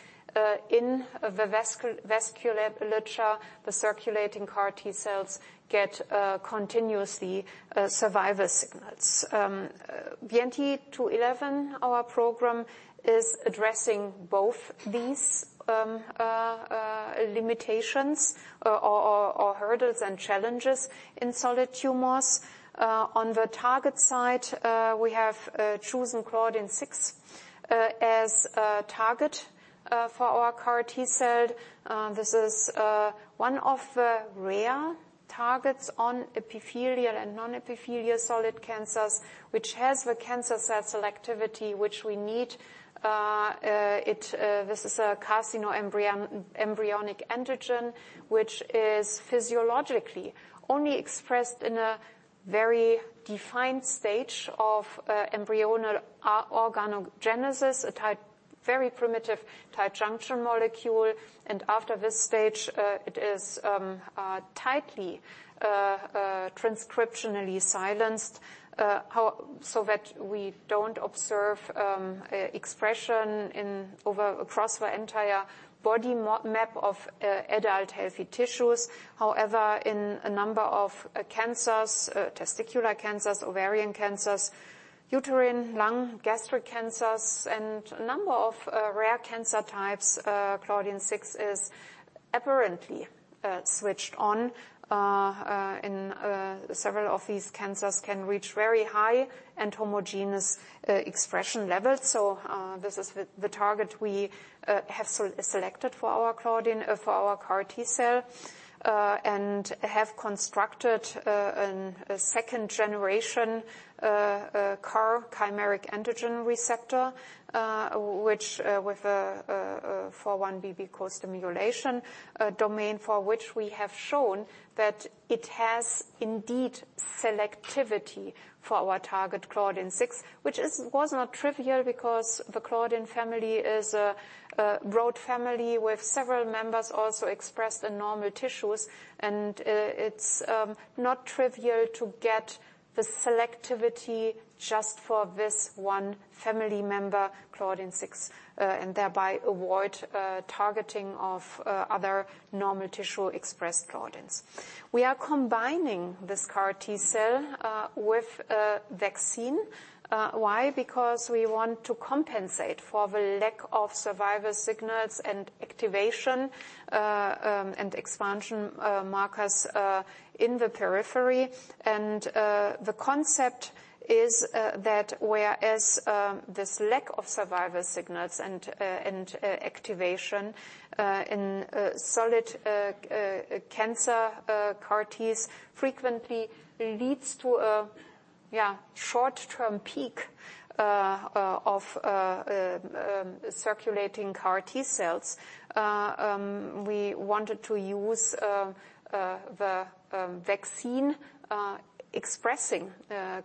in the vasculature, the circulating CAR T-cells get continuously survival signals. BNT211, our program, is addressing both these limitations or hurdles and challenges in solid tumors. On the target side, we have chosen claudin-6 as a target for our CAR T-cell. This is one of the rare targets on epithelial and non-epithelial solid cancers, which has the cancer cell selectivity which we need. It this is a carcinoembryonic antigen, which is physiologically only expressed in a very defined stage of embryonal organogenesis, a tight, very primitive tight junction molecule. And after this stage, it is tightly transcriptionally silenced. So that we don't observe expression in, over, across the entire body map of adult healthy tissues. However, in a number of cancers, testicular cancers, ovarian cancers, uterine, lung, gastric cancers, and a number of rare cancer types, claudin-6 is apparently switched on. And several of these cancers can reach very high and homogeneous expression levels. So this is the target we have selected for our claudin for our CAR T-cell. And have constructed a second-generation CAR chimeric antigen receptor, which with a 4-1BB costimulation domain, for which we have shown that it has indeed selectivity for our target claudin-6. Which was not trivial, because the claudin family is a broad family with several members also expressed in normal tissues, and it's not trivial to get the selectivity just for this one family member, claudin-6, and thereby avoid targeting of other normal tissue-expressed claudins. We are combining this CAR T-cell with a vaccine. Why? Because we want to compensate for the lack of survival signals and activation and expansion markers in the periphery. And the concept is that whereas this lack of survival signals and activation in solid cancer CAR-Ts frequently leads to a yeah short-term peak of circulating CAR T-cells. We wanted to use the vaccine expressing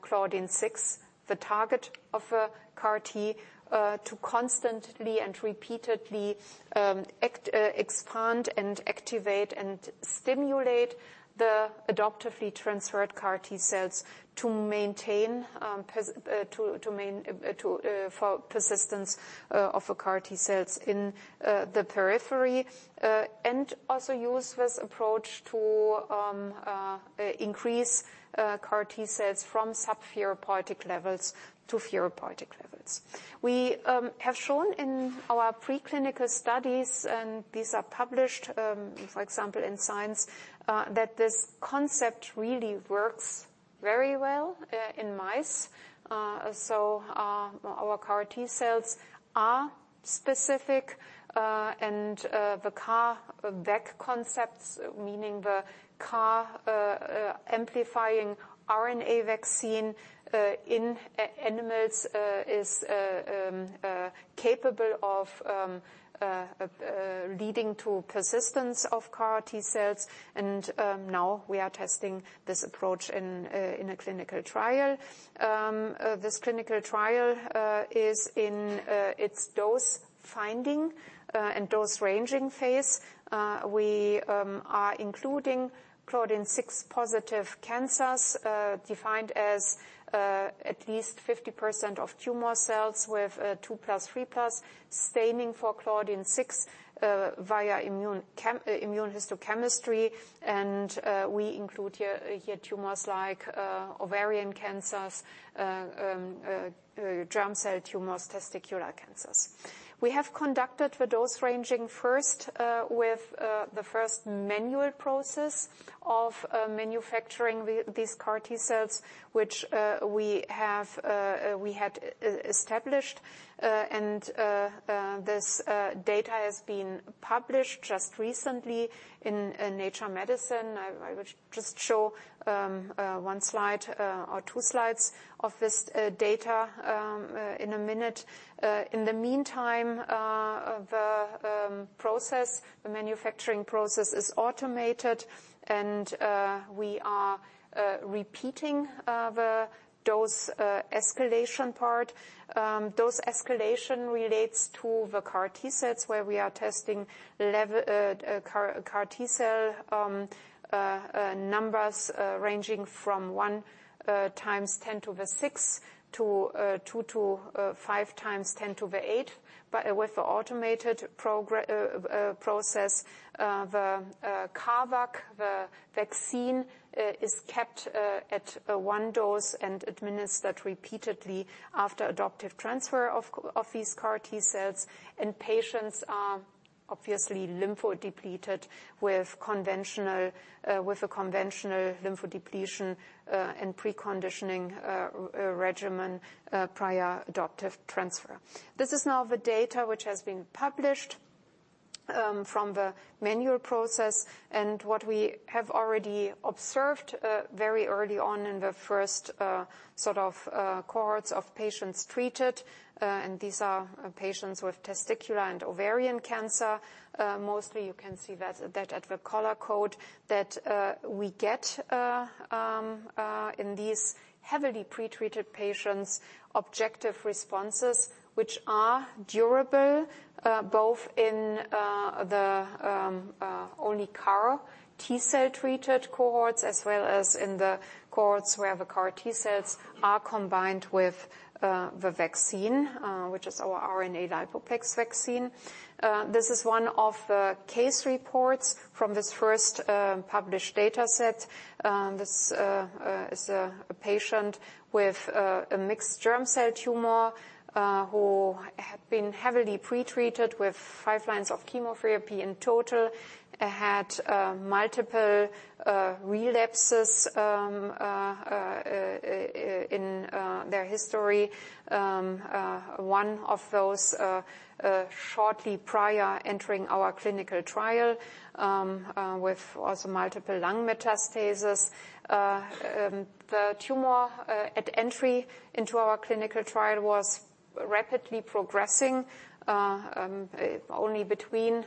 claudin-6, the target of a CAR T, to constantly and repeatedly act expand and activate and stimulate the adoptively transferred CAR T-cells to maintain persistence of a CAR T-cells in the periphery. And also use this approach to increase CAR T-cells from sub-therapeutic levels to therapeutic levels. We have shown in our preclinical studies, and these are published, for example, in Science, that this concept really works very well in mice. So, our CAR-T cells are specific, and the CARVac concepts, meaning the CAR amplifying RNA vaccine, in animals, is capable of leading to persistence of CAR-T cells, and now we are testing this approach in a clinical trial. This clinical trial is in its dose finding and dose ranging Phase. We are including Claudin-6 positive cancers, defined as at least 50% of tumor cells with 2+, 3+ staining for Claudin-6 via immunohistochemistry. We include here tumors like ovarian cancers, germ cell tumors, testicular cancers. We have conducted the dose ranging first with the first manual process of manufacturing these CAR T-cells, which we have established. This data has been published just recently in Nature Medicine. I will just show one slide or two slides of this data in a minute. In the meantime, the manufacturing process is automated, and we are repeating the dose escalation part. Dose escalation relates to the CAR T-cells, where we are testing CAR T-cell numbers ranging from 1 × 10^6 to 2-5 × 10^8. But with the automated process, the CARVac, the vaccine, is kept at one dose and administered repeatedly after adoptive transfer of these CAR T-cells. And patients are obviously lympho-depleted with a conventional lympho-depletion and preconditioning regimen prior adoptive transfer. This is now the data which has been published from the manual process. And what we have already observed very early on in the first sort of cohorts of patients treated, and these are patients with testicular and ovarian cancer. Mostly you can see that at the color code, we get in these heavily pre-treated patients, objective responses, which are durable, both in the only CAR T-cell-treated cohorts, as well as in the cohorts where the CAR T-cells are combined with the vaccine, which is our RNA Lipoplex vaccine. This is one of the case reports from this first published data set. This is a patient with a mixed germ cell tumor, who had been heavily pre-treated with five lines of chemotherapy in total, had multiple relapses in their history. One of those shortly prior entering our clinical trial, with also multiple lung metastases. The tumor at entry into our clinical trial was rapidly progressing. Only between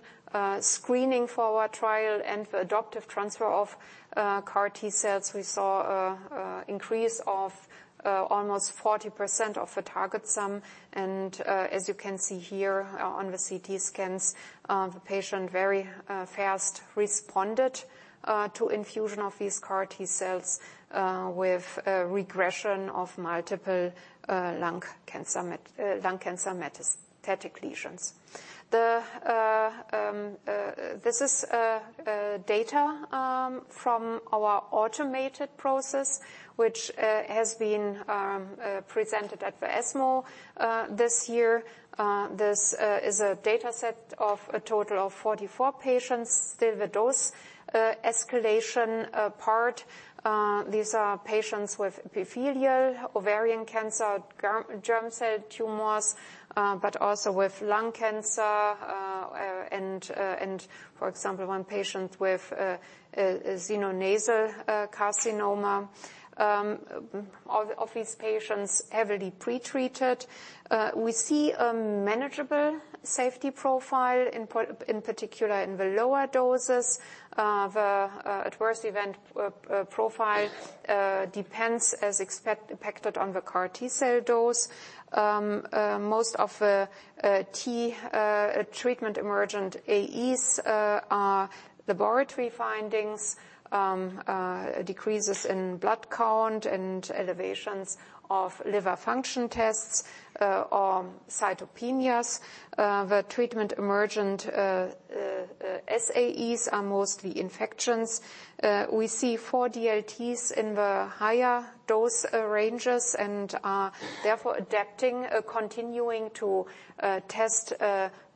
screening for our trial and the adoptive transfer of CAR T-cells, we saw an increase of almost 40% of the target sum. As you can see here on the CT scans, the patient very fast responded to infusion of these CAR T-cells with a regression of multiple lung cancer metastatic lesions. This is data from our automated process, which has been presented at the ESMO this year. This is a data set of a total of 44 patients. Still the dose escalation part. These are patients with epithelial ovarian cancer, germ cell tumors, but also with lung cancer, and for example, one patient with sinonasal carcinoma. All of these patients, heavily pretreated. We see a manageable safety profile, in particular in the lower doses. The adverse event profile depends, as expected, impacted on the CAR T-cell dose. Most of the treatment emergent AEs are laboratory findings, decreases in blood count, and elevations of liver function tests, or cytopenias. The treatment emergent SAEs are mostly infections. We see 4 DLTs in the higher dose ranges and are therefore adapting, continuing to test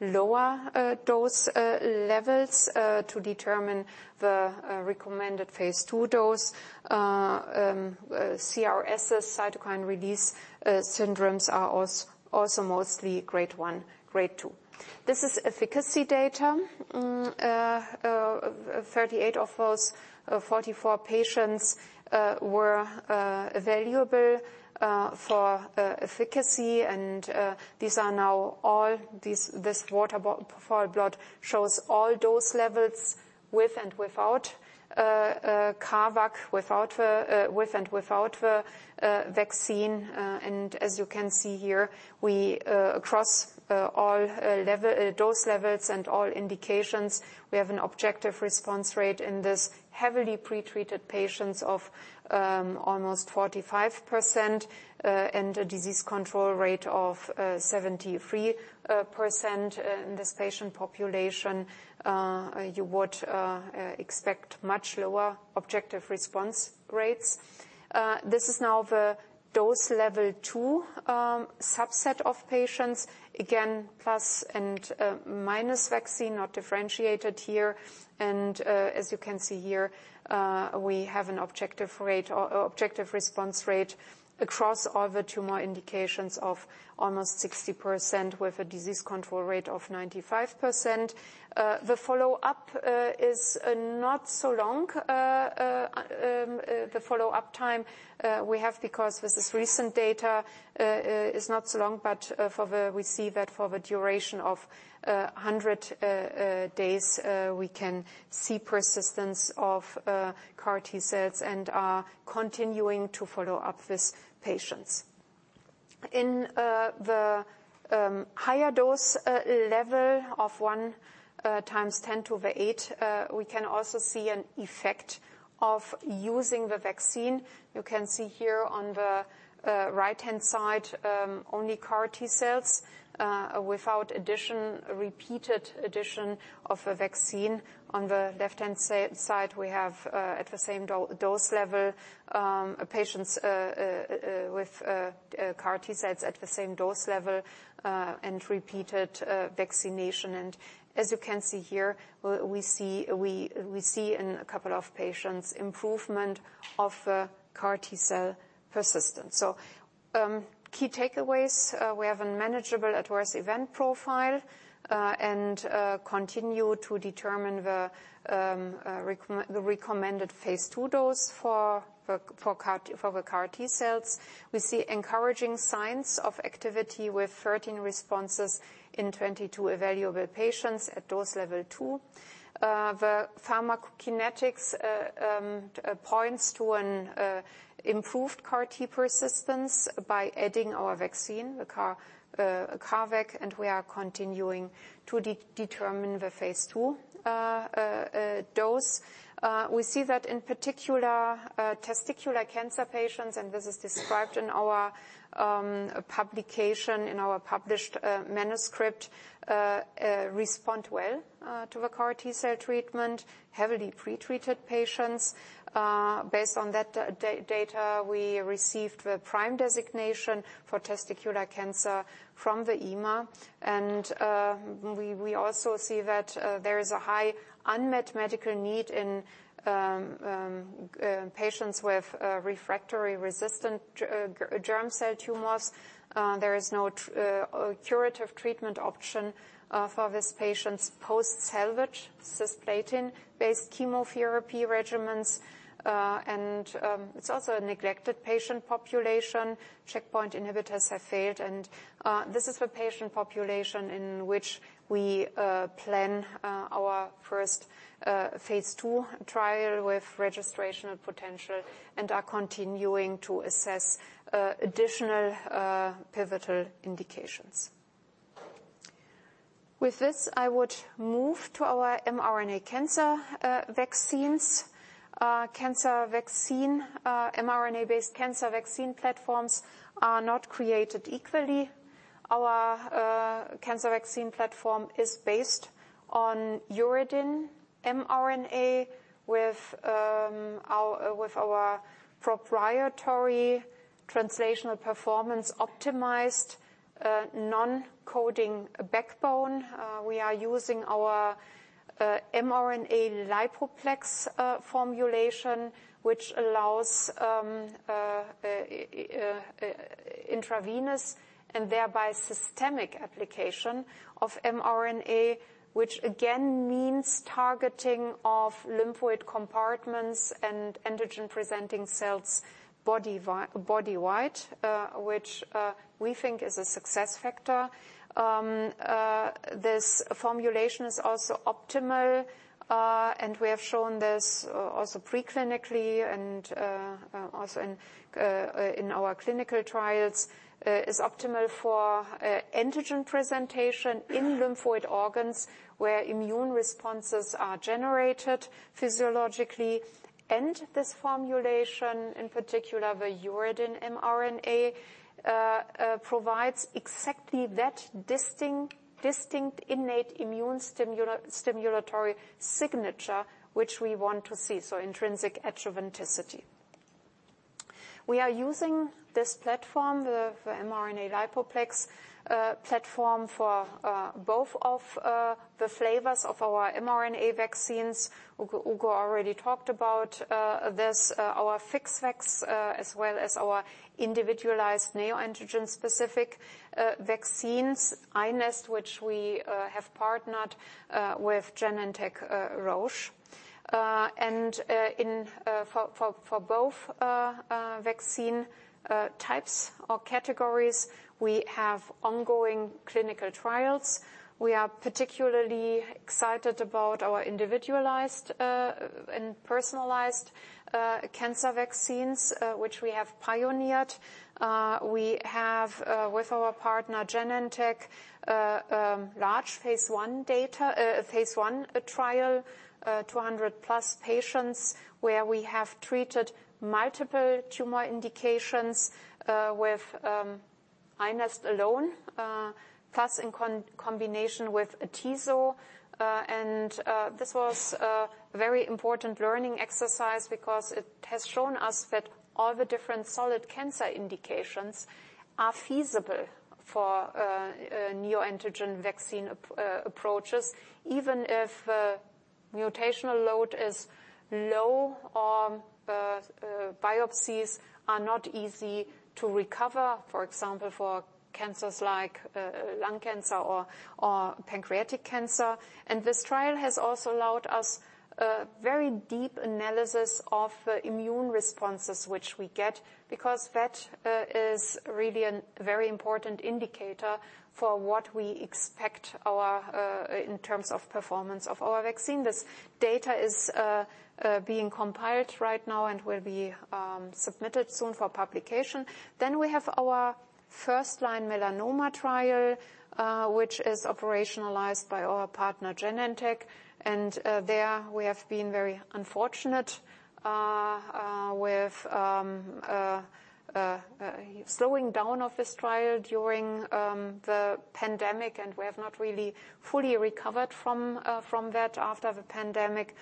lower dose levels to determine the recommended Phase II dose. CRS, cytokine release syndromes are also mostly grade 1, grade 2. This is efficacy data. 38 of those 44 patients were evaluable for efficacy. And these are now all these, this waterfall plot shows all dose levels with and without CARVac, with and without the vaccine. And as you can see here, we across all dose levels and all indications, we have an objective response rate in this heavily pre-treated patients of almost 45%, and a disease control rate of 73%. In this patient population, you would expect much lower objective response rates. This is now the dose level 2 subset of patients. Again, plus and minus vaccine, not differentiated here. As you can see here, we have an objective rate or objective response rate across all the tumor indications of almost 60%, with a disease control rate of 95%. The follow-up is not so long. The follow-up time we have, because with this recent data, is not so long, but for the- we see that for the duration of 100 days, we can see persistence of CAR T cells and are continuing to follow up with patients. In the higher dose level of 1 × 10^8, we can also see an effect of using the vaccine. You can see here on the right-hand side, only CAR T cells without addition, repeated addition of a vaccine. On the left-hand side, we have at the same dose level patients with CAR-T cells at the same dose level and repeated vaccination. And as you can see here, we see in a couple of patients improvement of CAR-T cell persistence. So, key takeaways, we have a manageable adverse event profile and continue to determine the recommended Phase II dose for the CAR-T cells. We see encouraging signs of activity with 13 responses in 22 evaluable patients at dose level two. The pharmacokinetics points to an improved CAR-T persistence by adding our vaccine, the CARVac, and we are continuing to determine the Phase II dose. We see that in particular testicular cancer patients, and this is described in our publication, in our published manuscript, respond well to the CAR T cell treatment, heavily pre-treated patients. Based on that data, we received the PRIME designation for testicular cancer from the EMA. We also see that there is a high unmet medical need in patients with refractory-resistant germ cell tumors. There is no curative treatment option for these patients post-salvage cisplatin-based chemotherapy regimens. It's also a neglected patient population. Checkpoint inhibitors have failed, and this is the patient population in which we plan our first Phase II trial with registrational potential and are continuing to assess additional pivotal indications. With this, I would move to our mRNA cancer vaccines. Cancer vaccine mRNA-based cancer vaccine platforms are not created equally. Our cancer vaccine platform is based on Uridine mRNA, with our proprietary translational performance-optimized non-coding backbone. We are using our mRNA-Lipoplex formulation, which allows intravenous and thereby systemic application of mRNA, which again means targeting of lymphoid compartments and antigen-presenting cells body-wide, which we think is a success factor. This formulation is also optimal, and we have shown this also preclinically and also in our clinical trials is optimal for antigen presentation in lymphoid organs, where immune responses are generated physiologically. This formulation, in particular, the uridine mRNA, provides exactly that distinct innate immune stimulatory signature, which we want to see, so intrinsic adjuvanticity. We are using this platform, the mRNA Lipoplex platform for both of the flavors of our mRNA vaccines. Uğur already talked about this, our FixVac, as well as our individualized neoantigen-specific vaccines, iNeST, which we have partnered with Genentech, Roche. And in for both vaccine types or categories, we have ongoing clinical trials. We are particularly excited about our individualized and personalized cancer vaccines, which we have pioneered. We have, with our partner, Genentech, large Phase 1 data, Phase 1 trial, 200+ patients, where we have treated multiple tumor indications, with iNeST alone, plus in combination with atezolizumab. And this was a very important learning exercise because it has shown us that all the different solid cancer indications are feasible for neoantigen vaccine approaches, even if mutational load is low or biopsies are not easy to recover, for example, for cancers like lung cancer or pancreatic cancer. And this trial has also allowed us very deep analysis of immune responses which we get, because that is really a very important indicator for what we expect our in terms of performance of our vaccine. This data is being compiled right now and will be submitted soon for publication. We have our first-line melanoma trial, which is operationalized by our partner, Genentech. There we have been very unfortunate with slowing down of this trial during the pandemic, and we have not really fully recovered from that after the pandemic.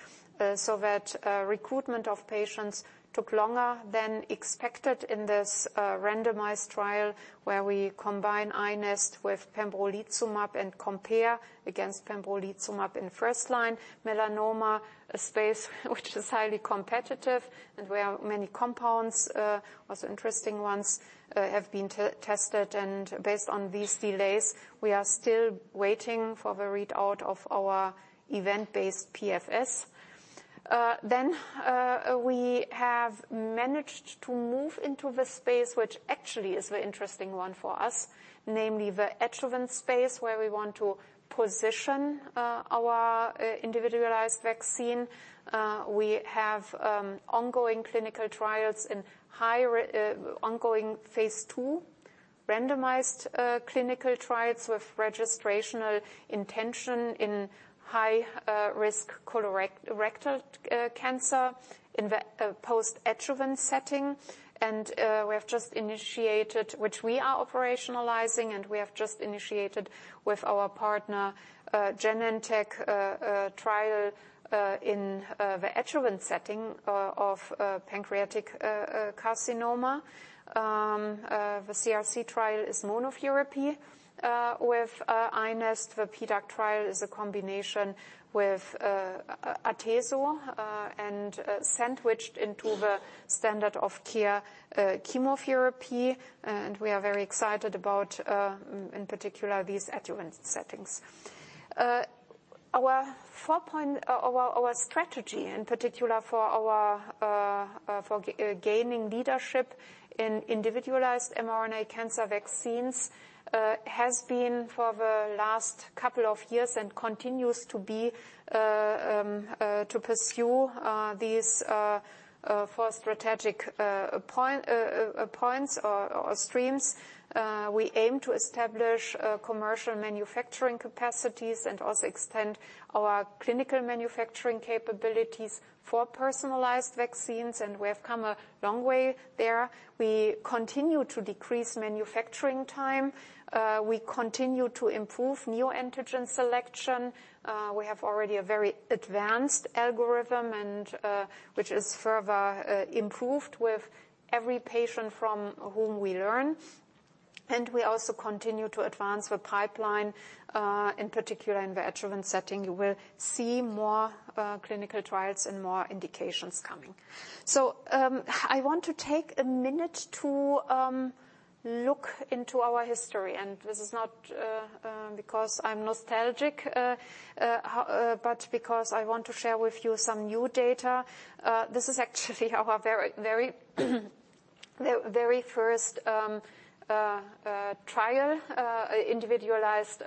So that recruitment of patients took longer than expected in this randomized trial, where we combine iNeST with Pembrolizumab and compare against Pembrolizumab in first-line melanoma, a space which is highly competitive and where many compounds, also interesting ones, have been tested. Based on these delays, we are still waiting for the readout of our event-based PFS. Then, we have managed to move into the space, which actually is the interesting one for us, namely the adjuvant space, where we want to position our individualized vaccine. We have ongoing Phase 2 randomized clinical trials with registrational intention in high risk colorectal cancer in the post-adjuvant setting. And we have just initiated, which we are operationalizing, and we have just initiated with our partner Genentech trial in the adjuvant setting of pancreatic carcinoma. The CRC trial is monotherapy with iNeST. The PDAC trial is a combination with atezolizumab and sandwiched into the standard of care chemotherapy. And we are very excited about in particular these adjuvant settings. Our 4-point strategy, in particular for gaining leadership in individualized mRNA cancer vaccines, has been for the last couple of years and continues to be to pursue these 4 strategic points or streams. We aim to establish commercial manufacturing capacities and also extend our clinical manufacturing capabilities for personalized vaccines, and we have come a long way there. We continue to decrease manufacturing time. We continue to improve neoantigen selection. We have already a very advanced algorithm, and which is further improved with every patient from whom we learn. We also continue to advance the pipeline, in particular in the adjuvant setting. You will see more clinical trials and more indications coming. So, I want to take a minute to look into our history, and this is not because I'm nostalgic, but because I want to share with you some new data. This is actually our very, very, the very first trial, individualized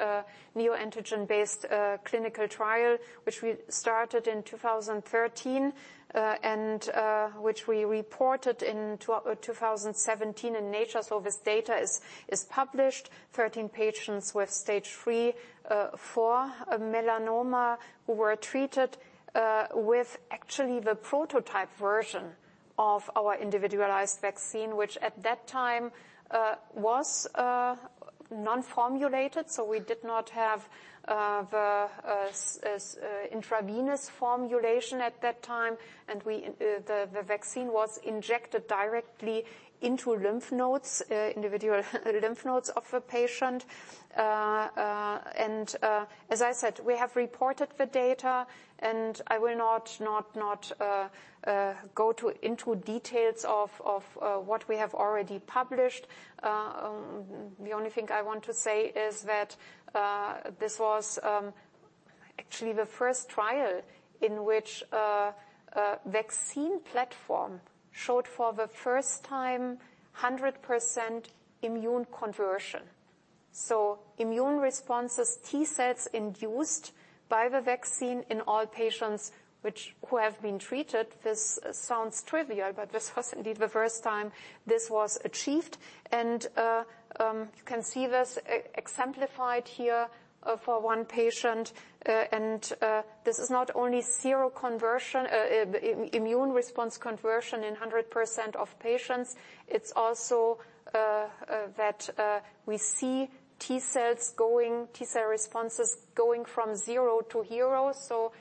neoantigen-based clinical trial, which we started in 2013, and which we reported in 2017 in Nature. So this data is published. 13 patients with stage 3-4 melanoma, who were treated with actually the prototype version of our individualized vaccine, which at that time was non-formulated, so we did not have the intravenous formulation at that time. And the vaccine was injected directly into lymph nodes, individual lymph nodes of the patient. As I said, we have reported the data, and I will not go into details of what we have already published. The only thing I want to say is that this was actually the first trial in which a vaccine platform showed for the first time 100% immune conversion. So immune responses, T-cells induced by the vaccine in all patients who have been treated. This sounds trivial, but this was indeed the first time this was achieved. And you can see this exemplified here for one patient. And this is not only zero conversion, immune response conversion in 100% of patients, it's also that we see T-cells going, T-cell responses going from zero to hero. So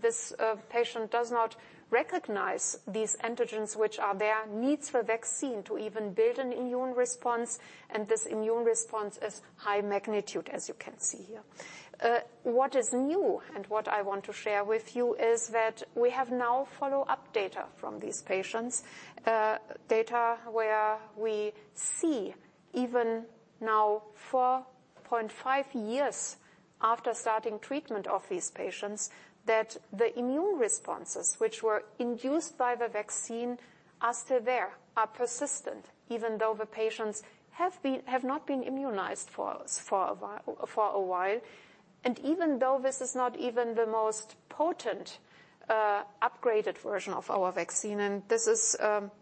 this patient does not recognize these antigens, which are there, needs the vaccine to even build an immune response, and this immune response is high magnitude, as you can see here. What is new, and what I want to share with you, is that we have now follow-up data from these patients. Data where we see even now, 4.5 years after starting treatment of these patients, that the immune responses which were induced by the vaccine are still there, are persistent, even though the patients have been, have not been immunized for us for a while, for a while. And even though this is not even the most potent, upgraded version of our vaccine, and this is,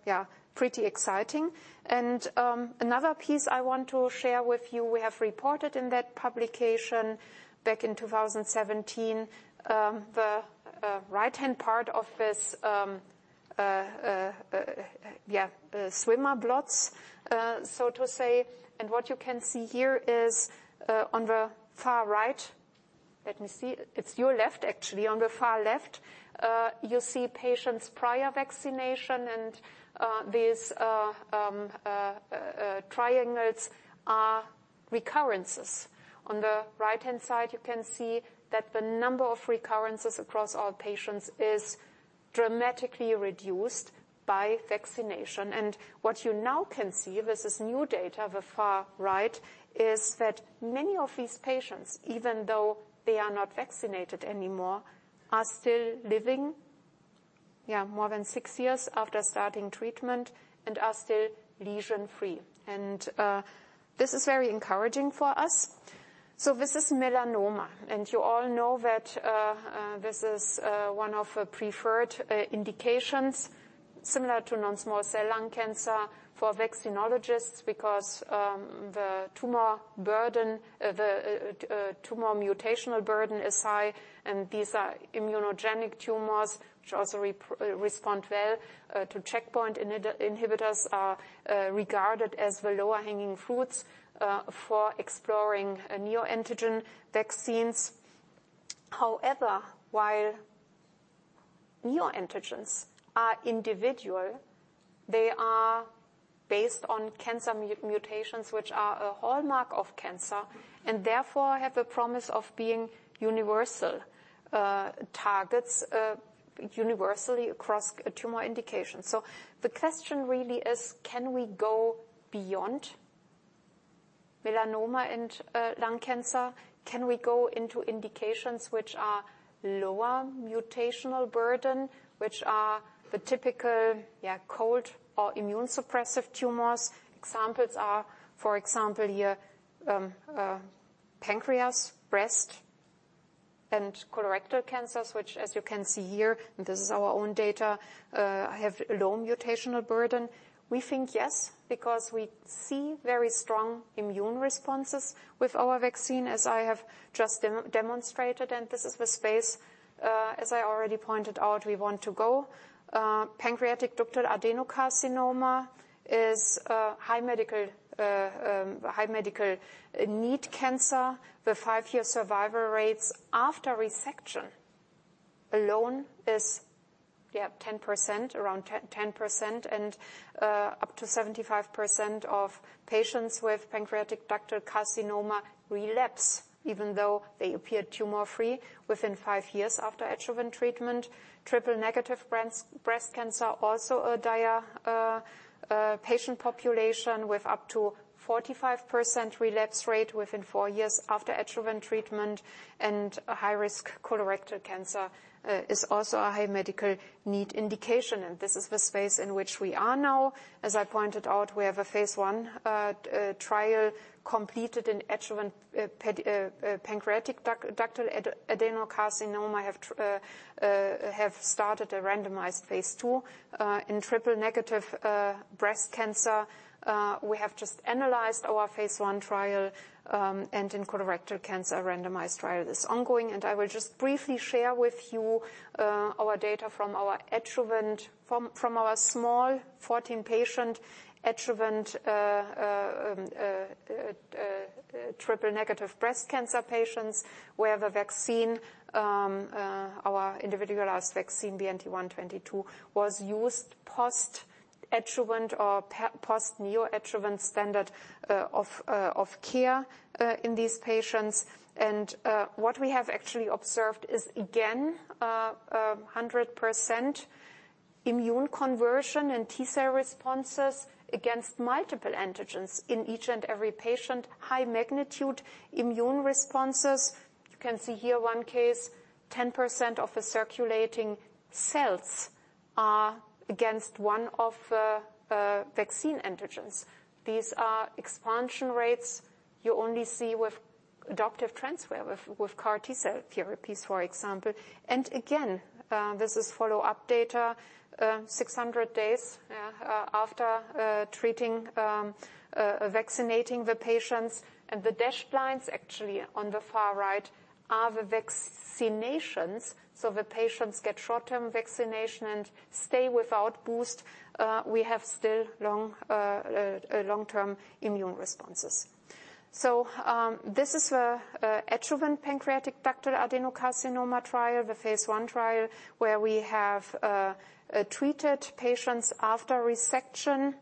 yeah, pretty exciting. And another piece I want to share with you, we have reported in that publication back in 2017, the right-hand part of this, yeah, Western blots, so to say. And what you can see here is on the far right. Let me see. It's your left, actually, on the far left, you see patients' prior vaccination, and these recurrences. On the right-hand side, you can see that the number of recurrences across all patients is dramatically reduced by vaccination. And what you now can see, this is new data, the far right, is that many of these patients, even though they are not vaccinated anymore, are still living more than six years after starting treatment and are still lesion-free. And this is very encouraging for us. So this is melanoma, and you all know that, this is one of the preferred indications, similar to non-small cell lung cancer for vaccinologists because, the tumor burden, the tumor mutational burden is high. And these are immunogenic tumors, which also respond well, to checkpoint inhibitors, are regarded as the lower-hanging fruits, for exploring neoantigen vaccines. However, while neoantigens are individual, they are based on cancer mutations which are a hallmark of cancer, and therefore have a promise of being universal targets universally across a tumor indication. So the question really is: Can we go beyond melanoma and, lung cancer? Can we go into indications which are lower mutational burden, which are the typical, yeah, cold or immune-suppressive tumors? Examples are, for example, here, pancreas, breast, and colorectal cancers, which, as you can see here, and this is our own data, have a low mutational burden. We think yes, because we see very strong immune responses with our vaccine, as I have just demonstrated, and this is the space, as I already pointed out, we want to go. Pancreatic ductal adenocarcinoma is a high medical need cancer. The five-year survival rates after resection alone is, around 10, 10%, and, up to 75% of patients with pancreatic ductal carcinoma relapse, even though they appear tumor-free within 5 years after adjuvant treatment. Triple-negative breast cancer, also a dire patient population with up to 45% relapse rate within 4 years after adjuvant treatment, and a high-risk colorectal cancer is also a high medical need indication, and this is the space in which we are now. As I pointed out, we have a Phase 1 trial completed in advanced pancreatic ductal adenocarcinoma. We have started a randomized Phase 2 in triple-negative breast cancer. We have just analyzed our Phase 1 trial, and in colorectal cancer, randomized trial is ongoing, and I will just briefly share with you... Our data from our adjuvant, from our small 14-patient adjuvant, triple negative breast cancer patients, where the vaccine, our individualized vaccine, BNT122, was used post-adjuvant or post neoadjuvant standard of care in these patients. And what we have actually observed is, again, 100% immune conversion and T-cell responses against multiple antigens in each and every patient. High magnitude immune responses. You can see here one case, 10% of the circulating cells are against one of the vaccine antigens. These are expansion rates you only see with adoptive transfer, with CAR T-cell therapies, for example. And again, this is follow-up data, 600 days, yeah, after treating, vaccinating the patients. The dashed lines actually on the far right are the vaccinations, so the patients get short-term vaccination and stay without boost. We have still long-term immune responses. So, this is an adjuvant pancreatic ductal adenocarcinoma trial, the Phase one trial, where we have treated patients after resection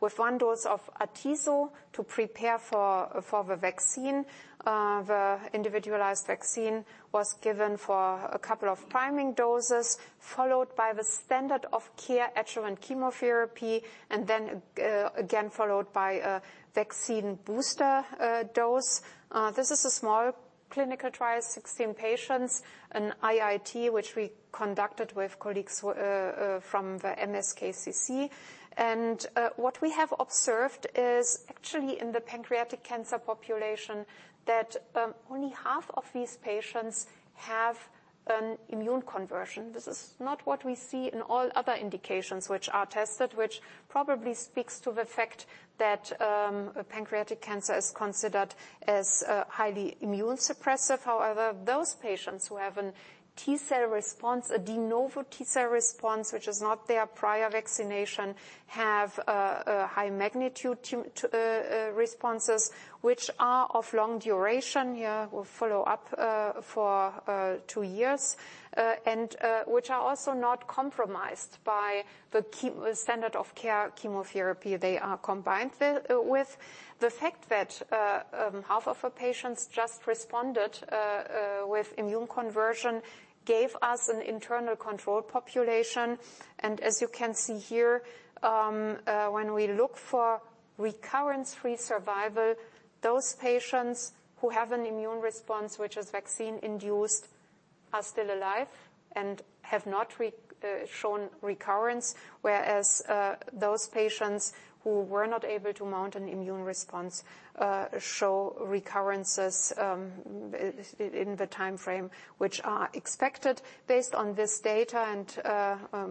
with one dose of Opdivo to prepare for the vaccine. The individualized vaccine was given for a couple of priming doses, followed by the standard of care adjuvant chemotherapy, and then again followed by a vaccine booster dose. This is a small clinical trial, 16 patients, an IIT, which we conducted with colleagues from the MSKCC. What we have observed is actually in the pancreatic cancer population that only half of these patients have an immune conversion. This is not what we see in all other indications which are tested, which probably speaks to the fact that, pancreatic cancer is considered as, highly immune suppressive. However, those patients who have an T-cell response, a de novo T-cell response, which is not their prior vaccination, have, a high magnitude to, to, responses, which are of long duration. Here, we'll follow up, for, 2 years, and, which are also not compromised by the the standard of care chemotherapy they are combined with. The fact that, half of the patients just responded, with immune conversion gave us an internal control population. And as you can see here, when we look for recurrence-free survival, those patients who have an immune response, which is vaccine-induced, are still alive and have not shown recurrence. Whereas, those patients who were not able to mount an immune response show recurrences in the time frame, which are expected. Based on this data and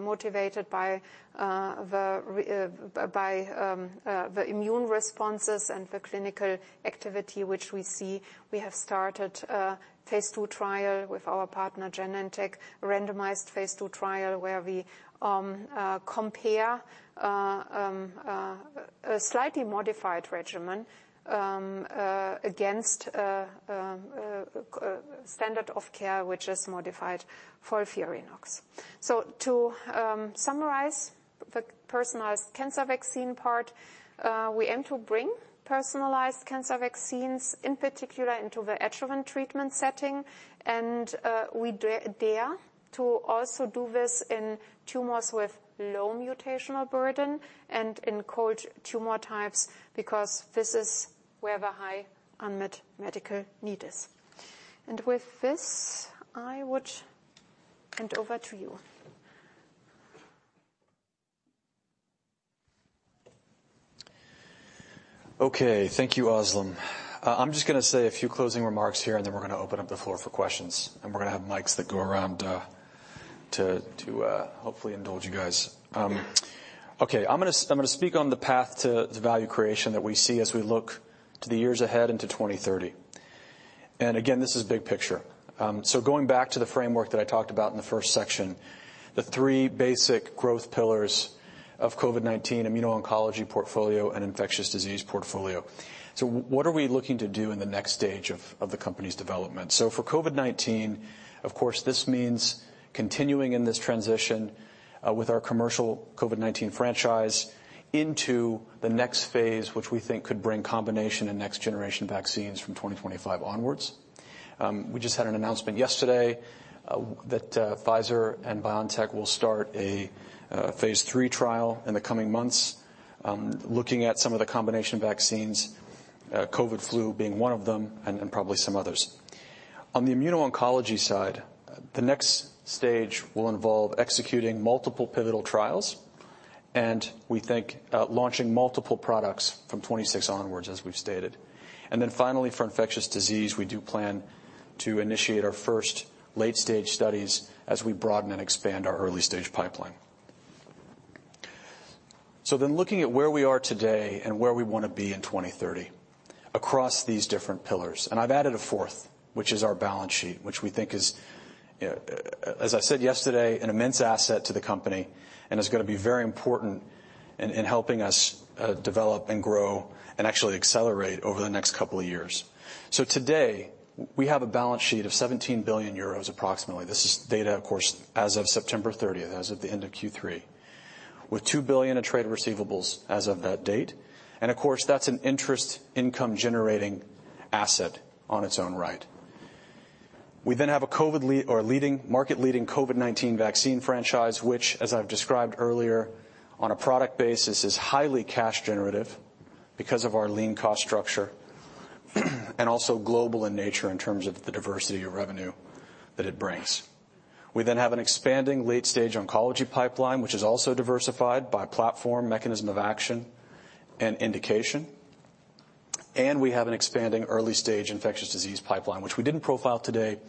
motivated by the immune responses and the clinical activity which we see, we have started a Phase 2 trial with our partner, Genentech. A randomized Phase 2 trial, where we compare a slightly modified regimen against standard of care, which is modified FOLFIRINOX. So to summarize the personalized cancer vaccine part, we aim to bring personalized cancer vaccines, in particular, into the adjuvant treatment setting, and we dare to also do this in tumors with low mutational burden and in cold tumor types, because this is where the high unmet medical need is. With this, I would hand over to you. Okay. Thank you, Özlem. I'm just gonna say a few closing remarks here, and then we're gonna open up the floor for questions, and we're gonna have mics that go around to hopefully indulge you guys. Okay, I'm gonna speak on the path to value creation that we see as we look to the years ahead and to 2030. And again, this is big picture. So going back to the framework that I talked about in the first section, the three basic growth pillars of COVID-19, immuno-oncology portfolio, and infectious disease portfolio. So what are we looking to do in the next stage of the company's development? So for COVID-19, of course, this means continuing in this transition with our commercial COVID-19 franchise into the next Phase, which we think could bring combination and next-generation vaccines from 2025 onwards. We just had an announcement yesterday that Pfizer and BioNTech will start a Phase 3 trial in the coming months, looking at some of the combination vaccines, COVID flu being one of them, and probably some others. On the immuno-oncology side, the next stage will involve executing multiple pivotal trials, and we think launching multiple products from 2026 onwards, as we've stated. And then finally, for infectious disease, we do plan to initiate our first late-stage studies as we broaden and expand our early-stage pipeline. So then looking at where we are today and where we want to be in 2030 across these different pillars, and I've added a fourth, which is our balance sheet, which we think is, as I said yesterday, an immense asset to the company, and is going to be very important in, in helping us, develop and grow and actually accelerate over the next couple of years. So today, we have a balance sheet of 17 billion euros, approximately. This is data, of course, as of September thirtieth, as of the end of Q3, with 2 billion in trade receivables as of that date. And of course, that's an interest income-generating asset on its own right. We then have a leading market-leading COVID-19 vaccine franchise, which, as I've described earlier, on a product basis, is highly cash generative because of our lean cost structure, and also global in nature in terms of the diversity of revenue that it brings. We then have an expanding late-stage oncology pipeline, which is also diversified by platform, mechanism of action, and indication. We have an expanding early-stage infectious disease pipeline, which we didn't profile today,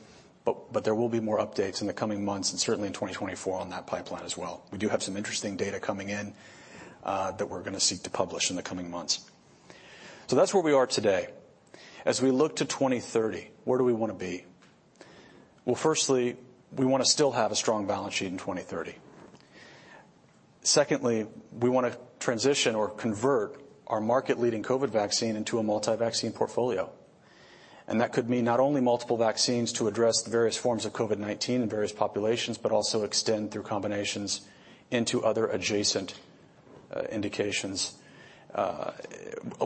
but there will be more updates in the coming months and certainly in 2024 on that pipeline as well. We do have some interesting data coming in that we're going to seek to publish in the coming months. So that's where we are today. As we look to 2030, where do we want to be? Well, firstly, we want to still have a strong balance sheet in 2030. Secondly, we want to transition or convert our market-leading COVID vaccine into a multi-vaccine portfolio. And that could mean not only multiple vaccines to address the various forms of COVID-19 in various populations, but also extend through combinations into other adjacent indications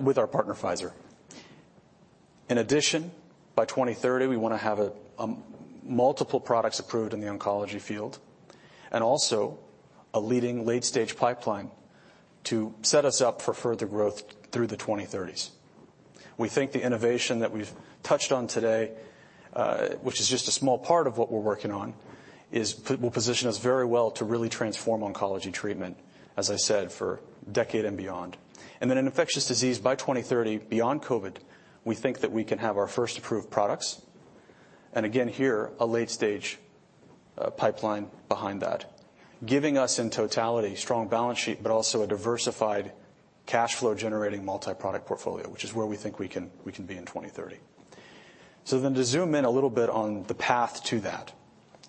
with our partner, Pfizer. In addition, by 2030, we want to have multiple products approved in the oncology field, and also a leading late-stage pipeline to set us up for further growth through the 2030s. We think the innovation that we've touched on today, which is just a small part of what we're working on, will position us very well to really transform oncology treatment, as I said, for a decade and beyond. And then in infectious disease, by 2030, beyond COVID, we think that we can have our first approved products, and again, here, a late-stage pipeline behind that, giving us, in totality, strong balance sheet, but also a diversified cash flow-generating multi-product portfolio, which is where we think we can, we can be in 2030. So then to zoom in a little bit on the path to that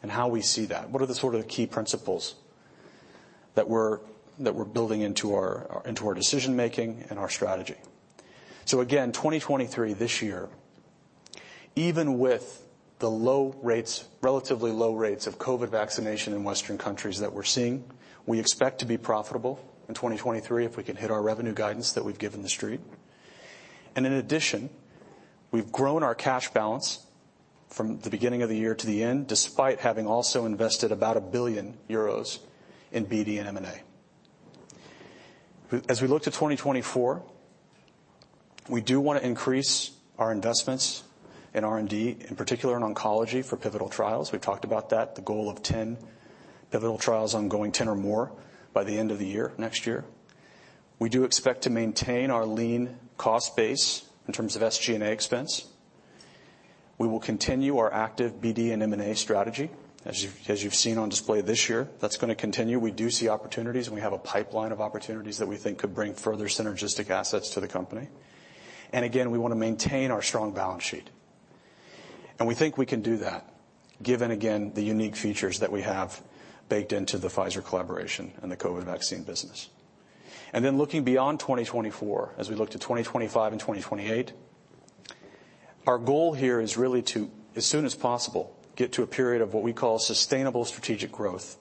and how we see that, what are the sort of key principles that we're, that we're building into our, into our decision making and our strategy? So again, 2023, this year, even with the low rates, relatively low rates of COVID vaccination in Western countries that we're seeing, we expect to be profitable in 2023 if we can hit our revenue guidance that we've given the street. In addition, we've grown our cash balance from the beginning of the year to the end, despite having also invested about 1 billion euros in BD and M&A. As we look to 2024, we do want to increase our investments in R&D, in particular in oncology, for pivotal trials. We've talked about that, the goal of 10 pivotal trials ongoing, 10 or more, by the end of the year, next year. We do expect to maintain our lean cost base in terms of SG&A expense. We will continue our active BD and M&A strategy, as you, as you've seen on display this year. That's going to continue. We do see opportunities, and we have a pipeline of opportunities that we think could bring further synergistic assets to the company. And again, we want to maintain our strong balance sheet. And we think we can do that, given, again, the unique features that we have baked into the Pfizer collaboration and the COVID vaccine business. Then looking beyond 2024, as we look to 2025 and 2028, our goal here is really to, as soon as possible, get to a period of what we call sustainable strategic growth,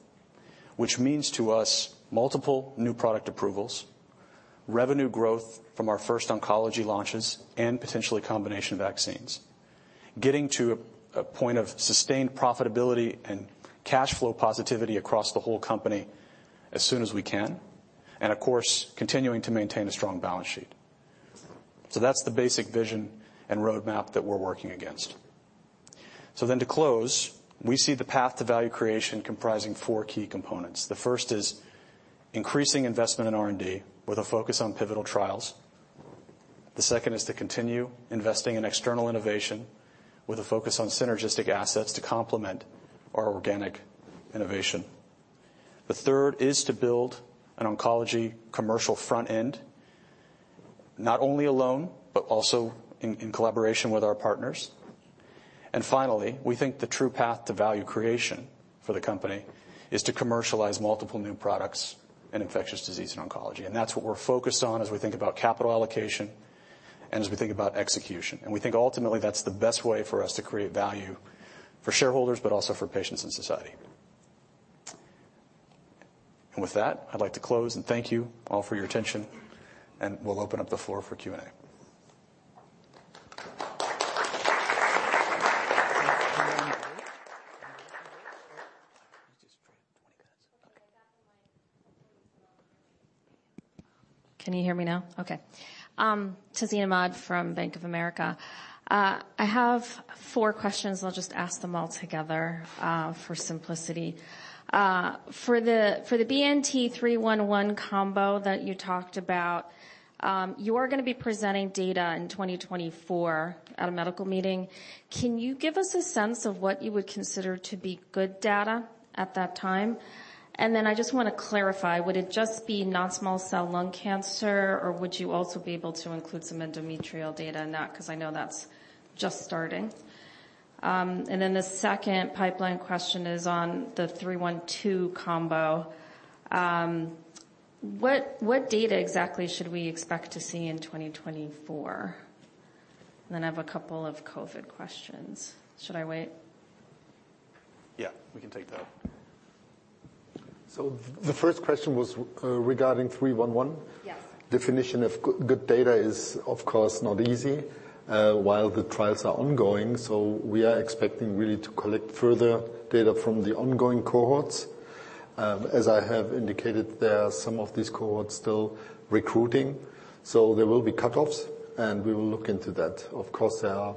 which means to us multiple new product approvals, revenue growth from our first oncology launches, and potentially combination vaccines. Getting to a point of sustained profitability and cash flow positivity across the whole company as soon as we can, and of course, continuing to maintain a strong balance sheet. So that's the basic vision and roadmap that we're working against. So then to close, we see the path to value creation comprising four key components. The first is increasing investment in R&D with a focus on pivotal trials. The second is to continue investing in external innovation with a focus on synergistic assets to complement our organic innovation. The third is to build an oncology commercial front end, not only alone, but also in collaboration with our partners. And finally, we think the true path to value creation for the company is to commercialize multiple new products in infectious disease and oncology. And that's what we're focused on as we think about capital allocation and as we think about execution. And we think ultimately, that's the best way for us to create value for shareholders, but also for patients and society. And with that, I'd like to close and thank you all for your attention, and we'll open up the floor for Q&A. Can you hear me now? Okay. Tazeen Ahmad from Bank of America. I have four questions. I'll just ask them all together, for simplicity. For the BNT-311 combo that you talked about, you are going to be presenting data in 2024 at a medical meeting. Can you give us a sense of what you would consider to be good data at that time? And then I just want to clarify, would it just be non-small cell lung cancer, or would you also be able to include some endometrial data in that? Because I know that's just starting. And then the second pipeline question is on the 312 combo. What data exactly should we expect to see in 2024? And then I have a couple of COVID questions. Should I wait? Yeah, we can take that. So the first question was regarding 311? Yes. Definition of good data is, of course, not easy while the trials are ongoing, so we are expecting really to collect further data from the ongoing cohorts. As I have indicated, there are some of these cohorts still recruiting, so there will be cutoffs, and we will look into that. Of course, there are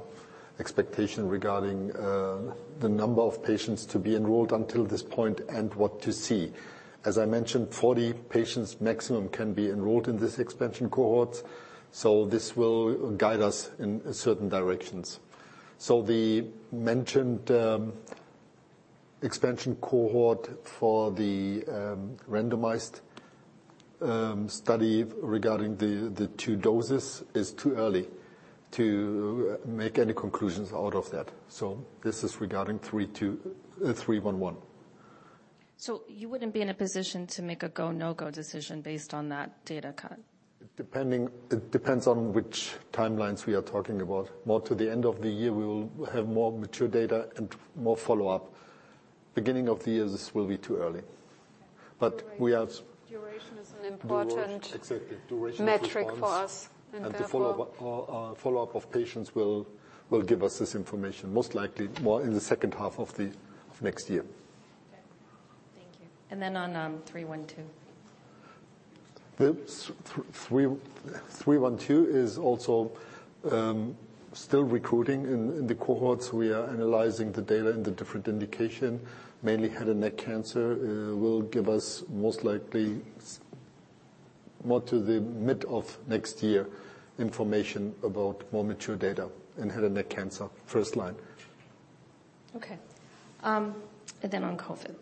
expectation regarding the number of patients to be enrolled until this point and what to see. As I mentioned, 40 patients maximum can be enrolled in this expansion cohorts, so this will guide us in certain directions. So the mentioned expansion cohort for the randomized study regarding the 2 doses is too early to make any conclusions out of that. So this is regarding 311. You wouldn't be in a position to make a go, no-go decision based on that data cut? It depends on which timelines we are talking about. More to the end of the year, we will have more mature data and more follow-up. Beginning of the year, this will be too early. But we have- Duration is an important- Exactly. Duration- metric for us, and therefore The follow-up of patients will give us this information, most likely more in the second half of the next year. Okay. Thank you. And then on 312. The BNT312 is also still recruiting. In the cohorts, we are analyzing the data in the different indication, mainly head and neck cancer, will give us most likely more to the mid of next year information about more mature data in head and neck cancer, first line. Okay. And then on COVID.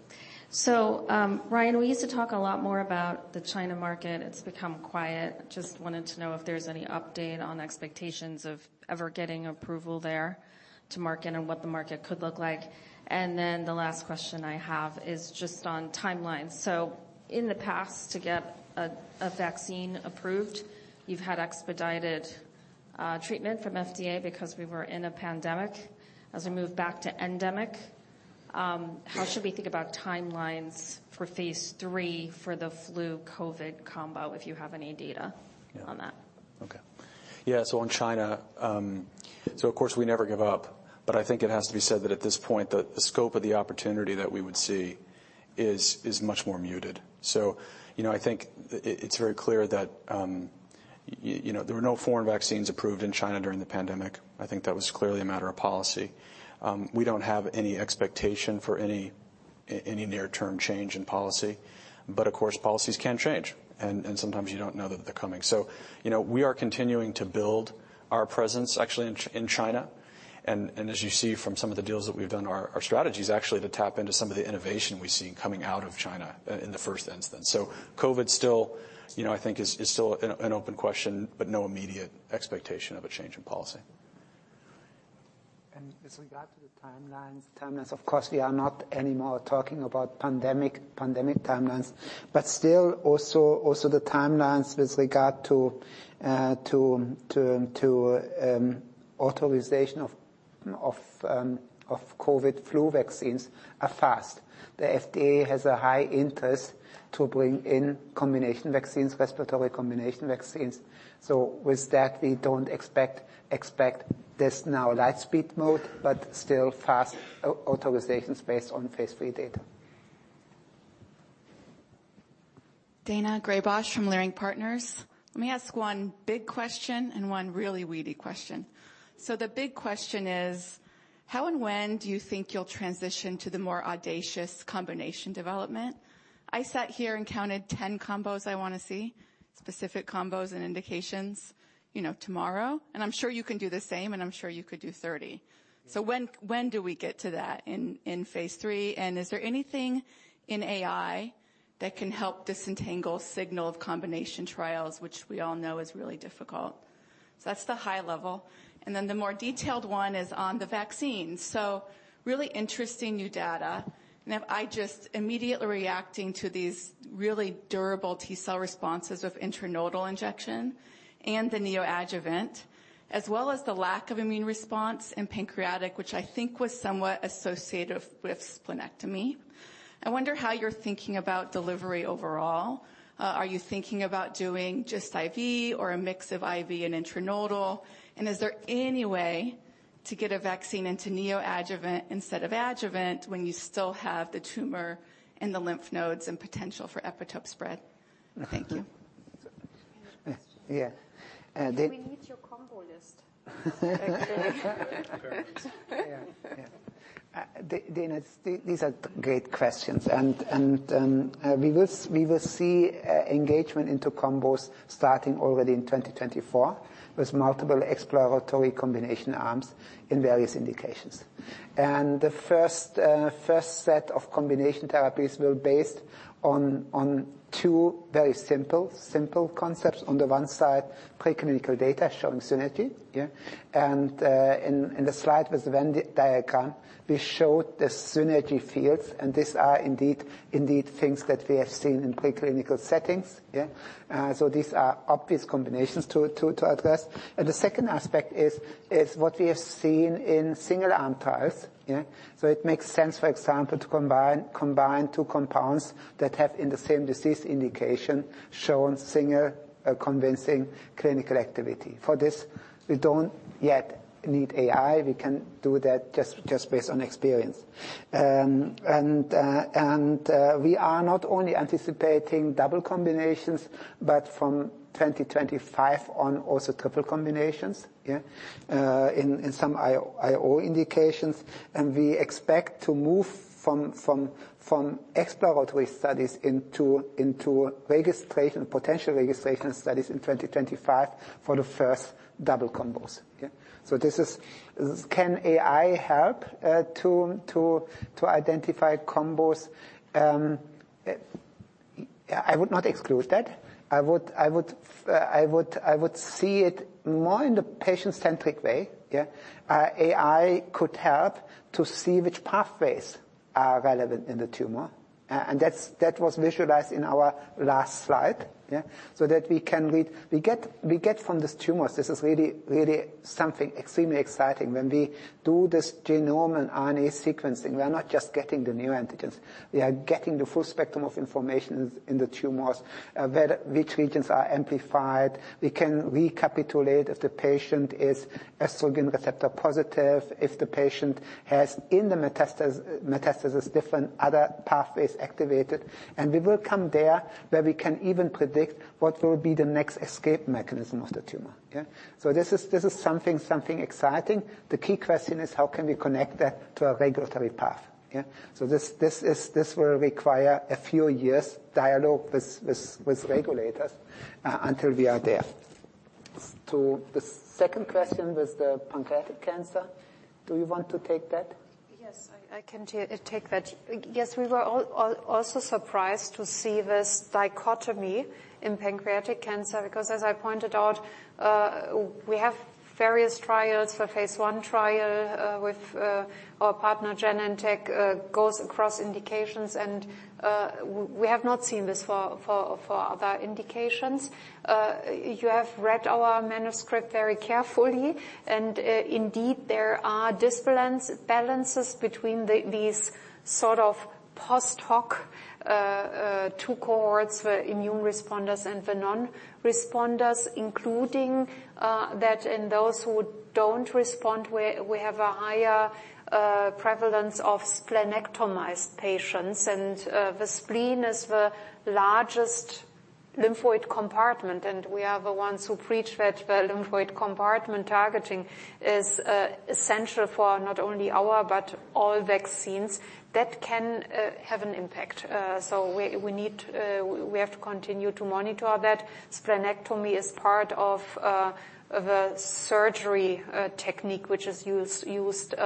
So, Ryan, we used to talk a lot more about the China market. It's become quiet. Just wanted to know if there's any update on expectations of ever getting approval there to market and what the market could look like. And then the last question I have is just on timelines. So in the past, to get a vaccine approved, you've had expedited treatment from FDA because we were in a pandemic. As we move back to endemic, how should we think about timelines for Phase 3 for the flu COVID combo, if you have any data on that? Okay. Yeah, so on China, so of course we never give up, but I think it has to be said that at this point, the scope of the opportunity that we would see is much more muted. So you know, I think it's very clear that you know, there were no foreign vaccines approved in China during the pandemic. I think that was clearly a matter of policy. We don't have any expectation for any near-term change in policy, but of course, policies can change, and sometimes you don't know that they're coming. So, you know, we are continuing to build our presence, actually, in China. As you see from some of the deals that we've done, our strategy is actually to tap into some of the innovation we've seen coming out of China in the first instance. So COVID still, you know, I think is still an open question, but no immediate expectation of a change in policy. With regard to the timelines, of course, we are not anymore talking about pandemic timelines, but still also the timelines with regard to authorization of COVID flu vaccines are fast. The FDA has a high interest to bring in combination vaccines, respiratory combination vaccines. So with that, we don't expect this now light speed mode, but still fast authorizations based on Phase 3 data. Daina Graybosch from Leerink Partners. Let me ask one big question and one really weedy question. So the big question is: how and when do you think you'll transition to the more audacious combination development? I sat here and counted 10 combos I want to see, specific combos and indications, you know, tomorrow, and I'm sure you can do the same, and I'm sure you could do 30. So when, when do we get to that in, in Phase 3, and is there anything in AI that can help disentangle signal of combination trials, which we all know is really difficult? So that's the high level, and then the more detailed one is on the vaccine. So really interesting new data, and I just immediately reacting to these really durable T cell responses of intranodal injection and the neoadjuvant, as well as the lack of immune response in pancreatic, which I think was somewhat associated with splenectomy. I wonder how you're thinking about delivery overall. Are you thinking about doing just IV or a mix of IV and intranodal? And is there any way to get a vaccine into neoadjuvant instead of adjuvant when you still have the tumor in the lymph nodes and potential for epitope spread? Thank you. Yeah, uh- We need your combo list. Yeah. Yeah.... Dana, these are great questions, and we will see engagement into combos starting already in 2024, with multiple exploratory combination arms in various indications. And the first set of combination therapies were based on two very simple concepts. On the one side, preclinical data showing synergy, yeah. And, in the slide with the Venn diagram, we showed the synergy fields, and these are indeed things that we have seen in preclinical settings, yeah. So these are obvious combinations to address. And the second aspect is what we have seen in single arm trials, yeah. So it makes sense, for example, to combine two compounds that have, in the same disease indication, shown single convincing clinical activity. For this, we don't yet need AI. We can do that just based on experience. And we are not only anticipating double combinations, but from 2025 on, also triple combinations, yeah, in some IO indications. And we expect to move from exploratory studies into registration, potential registration studies in 2025 for the first double combos. Okay, so this is. Can AI help to identify combos? I would not exclude that. I would see it more in the patient-centric way, yeah. AI could help to see which pathways are relevant in the tumor, and that was visualized in our last slide, yeah. So that we can read. We get from these tumors, this is really, really something extremely exciting. When we do this genome and RNA sequencing, we are not just getting the new antigens, we are getting the full spectrum of information in the tumors, which regions are amplified. We can recapitulate if the patient is estrogen receptor positive, if the patient has, in the metastasis, different other pathways activated. And we will come there, where we can even predict what will be the next escape mechanism of the tumor, yeah. So this is something exciting. The key question is: How can we connect that to a regulatory path, yeah? So this will require a few years' dialogue with regulators until we are there. To the second question, with the pancreatic cancer, do you want to take that? Yes, I can take that. Yes, we were also surprised to see this dichotomy in pancreatic cancer, because as I pointed out, we have various trials for Phase 1 trial with our partner Genentech, goes across indications, and we have not seen this for other indications. You have read our manuscript very carefully, and indeed, there are imbalances between these sort of post hoc two cohorts, the immune responders and the non-responders, including that in those who don't respond, we have a higher prevalence of splenectomized patients. The spleen is the largest lymphoid compartment, and we are the ones who preach that the lymphoid compartment targeting is essential for not only our, but all vaccines. That can have an impact. So we need to continue to monitor that. Splenectomy is part of the surgery technique, which is used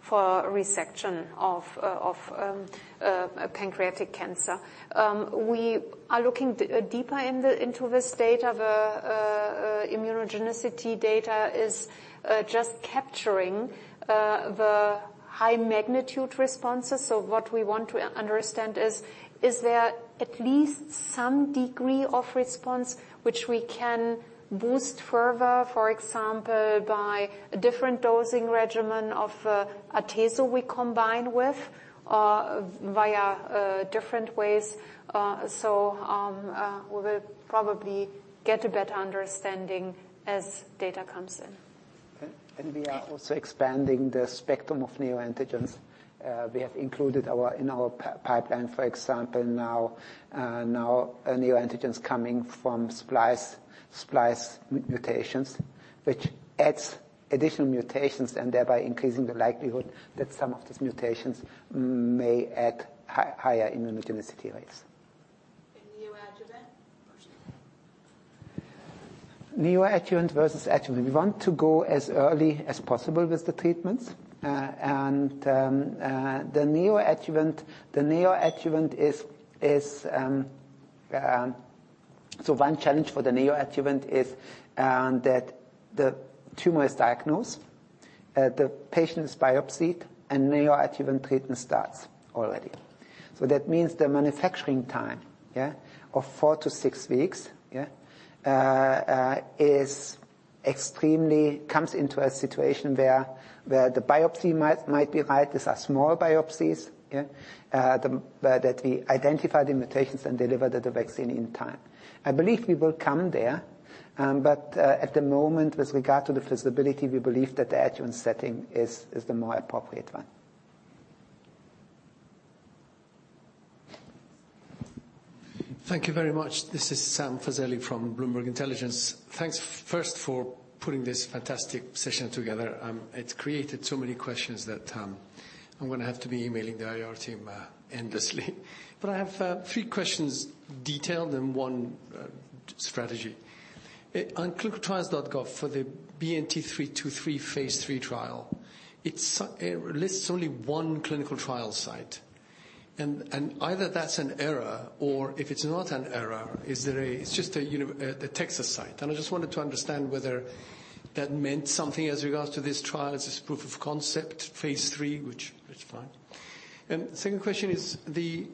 for resection of pancreatic cancer. We are looking deeper into this data. The immunogenicity data is just capturing the high magnitude responses. So what we want to understand is: Is there at least some degree of response which we can boost further, for example, by a different dosing regimen of atezolizumab we combine with via different ways? So we will probably get a better understanding as data comes in. We are also expanding the spectrum of neoantigens. We have included in our pipeline, for example, now neoantigens coming from splice mutations, which adds additional mutations, and thereby increasing the likelihood that some of these mutations may add higher immunogenicity rates. Neoadjuvant versus? Neoadjuvant versus adjuvant. We want to go as early as possible with the treatments. The neoadjuvant is. So one challenge for the neoadjuvant is that the tumor is diagnosed, the patient is biopsied, and neoadjuvant treatment starts already. So that means the manufacturing time of 4-6 weeks comes into a situation where the biopsy might be right. These are small biopsies that we identify the mutations and deliver the vaccine in time. I believe we will come there, but at the moment, with regard to the feasibility, we believe that the adjuvant setting is the more appropriate one. ...Thank you very much. This is Sam Fazeli from Bloomberg Intelligence. Thanks, first, for putting this fantastic session together. It's created so many questions that I'm gonna have to be emailing the IR team endlessly. But I have three questions detailed, and one strategy. On clinicaltrials.gov, for the BNT323 Phase 3 trial, it's lists only one clinical trial site. And either that's an error, or if it's not an error, it's just a Texas site, and I just wanted to understand whether that meant something as regards to this trial. Is this proof of concept Phase 3? Which, that's fine. And second question is, the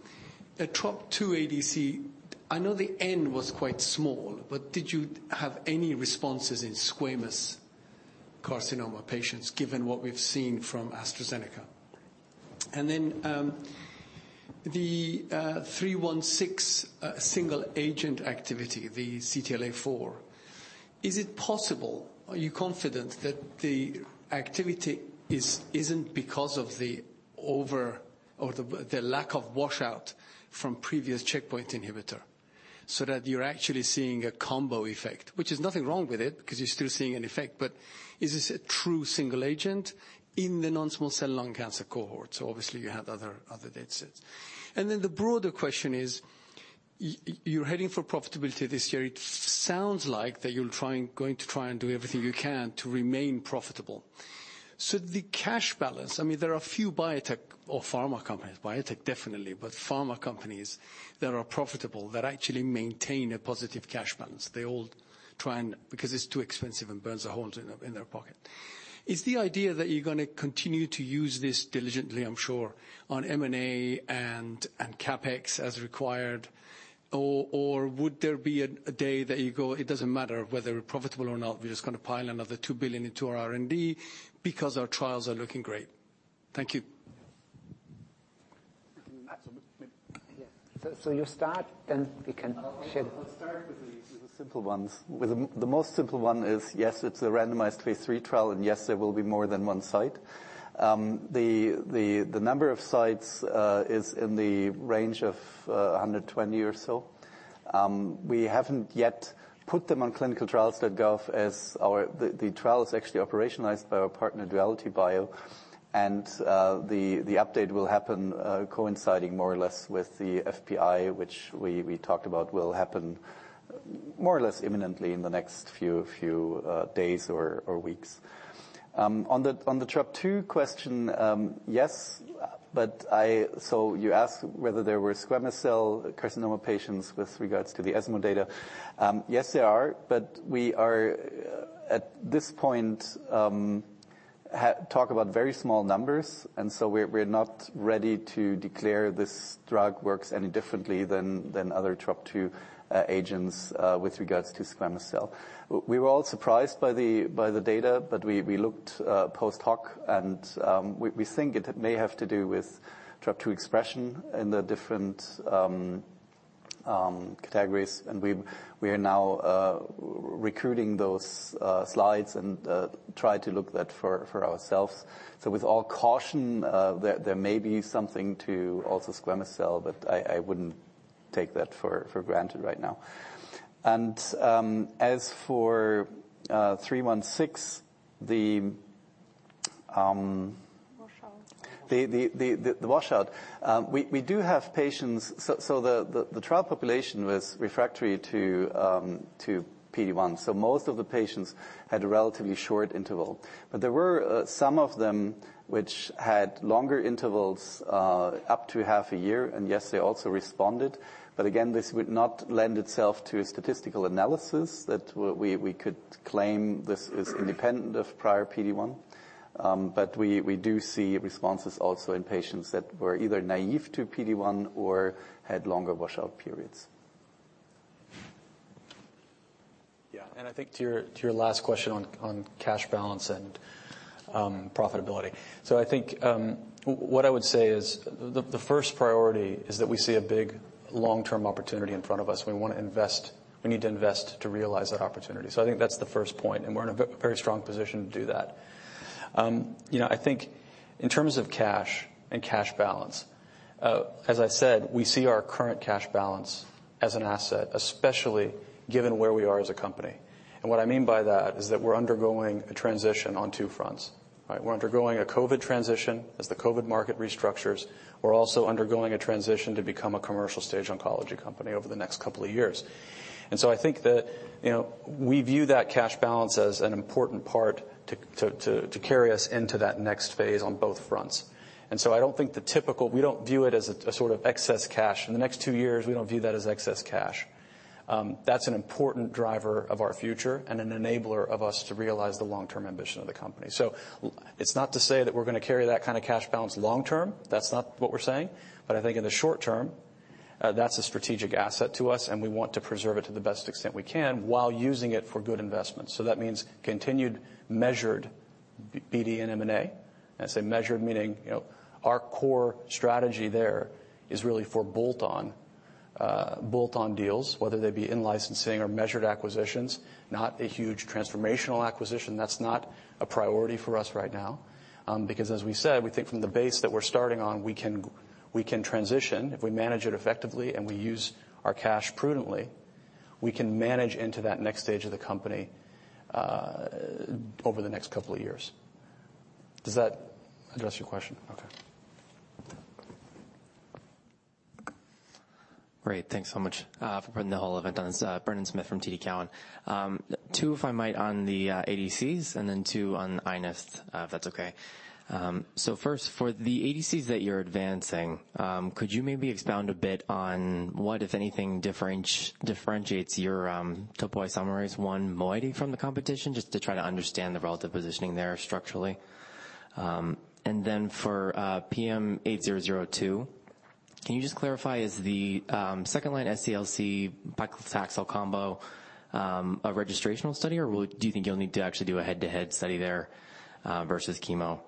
Trop-2 ADC, I know the N was quite small, but did you have any responses in squamous carcinoma patients, given what we've seen from AstraZeneca? And then, the 316 single agent activity, the CTLA-4, is it possible, are you confident that the activity isn't because of the over or the lack of washout from previous checkpoint inhibitor, so that you're actually seeing a combo effect? Which is nothing wrong with it, because you're still seeing an effect, but is this a true single agent in the non-small cell lung cancer cohort? So obviously, you have other data sets. And then the broader question is, you're heading for profitability this year. It sounds like you're trying, going to try and do everything you can to remain profitable. So the cash balance, I mean, there are a few biotech or pharma companies, biotech definitely, but pharma companies that are profitable, that actually maintain a positive cash balance. They all try and... Because it's too expensive and burns a hole in their pocket. Is the idea that you're gonna continue to use this diligently, I'm sure, on M&A and CapEx as required, or would there be a day that you go, "It doesn't matter whether we're profitable or not, we're just gonna pile another 2 billion into our R&D because our trials are looking great"? Thank you. Absolutely. Yeah. So, so you start, then we can share. I'll start with the simple ones. With the most simple one is, yes, it's a randomized Phase 3 trial, and yes, there will be more than one site. The number of sites is in the range of 120 or so. We haven't yet put them on ClinicalTrials.gov as our... The trial is actually operationalized by our partner, DualityBio. The update will happen coinciding more or less with the FPI, which we talked about will happen more or less imminently in the next few days or weeks. On the Trop-2 question, yes, but I—so you asked whether there were squamous cell carcinoma patients with regards to the ESMO data. Yes, there are, but we are at this point, have to talk about very small numbers, and so we're not ready to declare this drug works any differently than other Trop-2 agents with regards to squamous cell. We were all surprised by the data, but we looked post-hoc, and we think it may have to do with Trop-2 expression in the different categories, and we are now recruiting those slides and try to look at that for ourselves. So with all caution, there may be something to also squamous cell, but I wouldn't take that for granted right now. And as for 316, the- Washout. The washout. We do have patients. So the trial population was refractory to PD-1, so most of the patients had a relatively short interval. But there were some of them which had longer intervals, up to half a year, and yes, they also responded. But again, this would not lend itself to a statistical analysis that we could claim this is independent of prior PD-1. But we do see responses also in patients that were either naive to PD-1 or had longer washout periods. Yeah, and I think to your last question on cash balance and profitability. So I think what I would say is the first priority is that we see a big long-term opportunity in front of us, and we want to invest, we need to invest to realize that opportunity. So I think that's the first point, and we're in a very strong position to do that. You know, I think in terms of cash and cash balance, as I said, we see our current cash balance as an asset, especially given where we are as a company. And what I mean by that is that we're undergoing a transition on two fronts, right? We're undergoing a COVID transition as the COVID market restructures. We're also undergoing a transition to become a commercial stage oncology company over the next couple of years. I think that, you know, we view that cash balance as an important part to carry us into that next Phase on both fronts. So I don't think the typical—we don't view it as a sort of excess cash. In the next two years, we don't view that as excess cash. That's an important driver of our future and an enabler of us to realize the long-term ambition of the company. So it's not to say that we're gonna carry that kind of cash balance long-term. That's not what we're saying. But I think in the short term, that's a strategic asset to us, and we want to preserve it to the best extent we can, while using it for good investments. So that means continued, measured BD and M&A. I say measured meaning, you know, our core strategy there is really for bolt-on, bolt-on deals, whether they be in licensing or measured acquisitions, not a huge transformational acquisition. That's not a priority for us right now. Because as we said, we think from the base that we're starting on, we can we can transition, if we manage it effectively and we use our cash prudently.... we can manage into that next stage of the company, over the next couple of years. Does that address your question? Okay. Great. Thanks so much for putting the whole event on. It's Brendan Smith from TD Cowen. Two, if I might, on the ADCs, and then two on iNeST, if that's okay. So first, for the ADCs that you're advancing, could you maybe expound a bit on what, if anything, differentiates your topoisomerase-1 moiety from the competition, just to try to understand the relative positioning there structurally? And then for PM8002, can you just clarify, is the second-line SCLC paclitaxel combo a registrational study, or do you think you'll need to actually do a head-to-head study there versus chemo?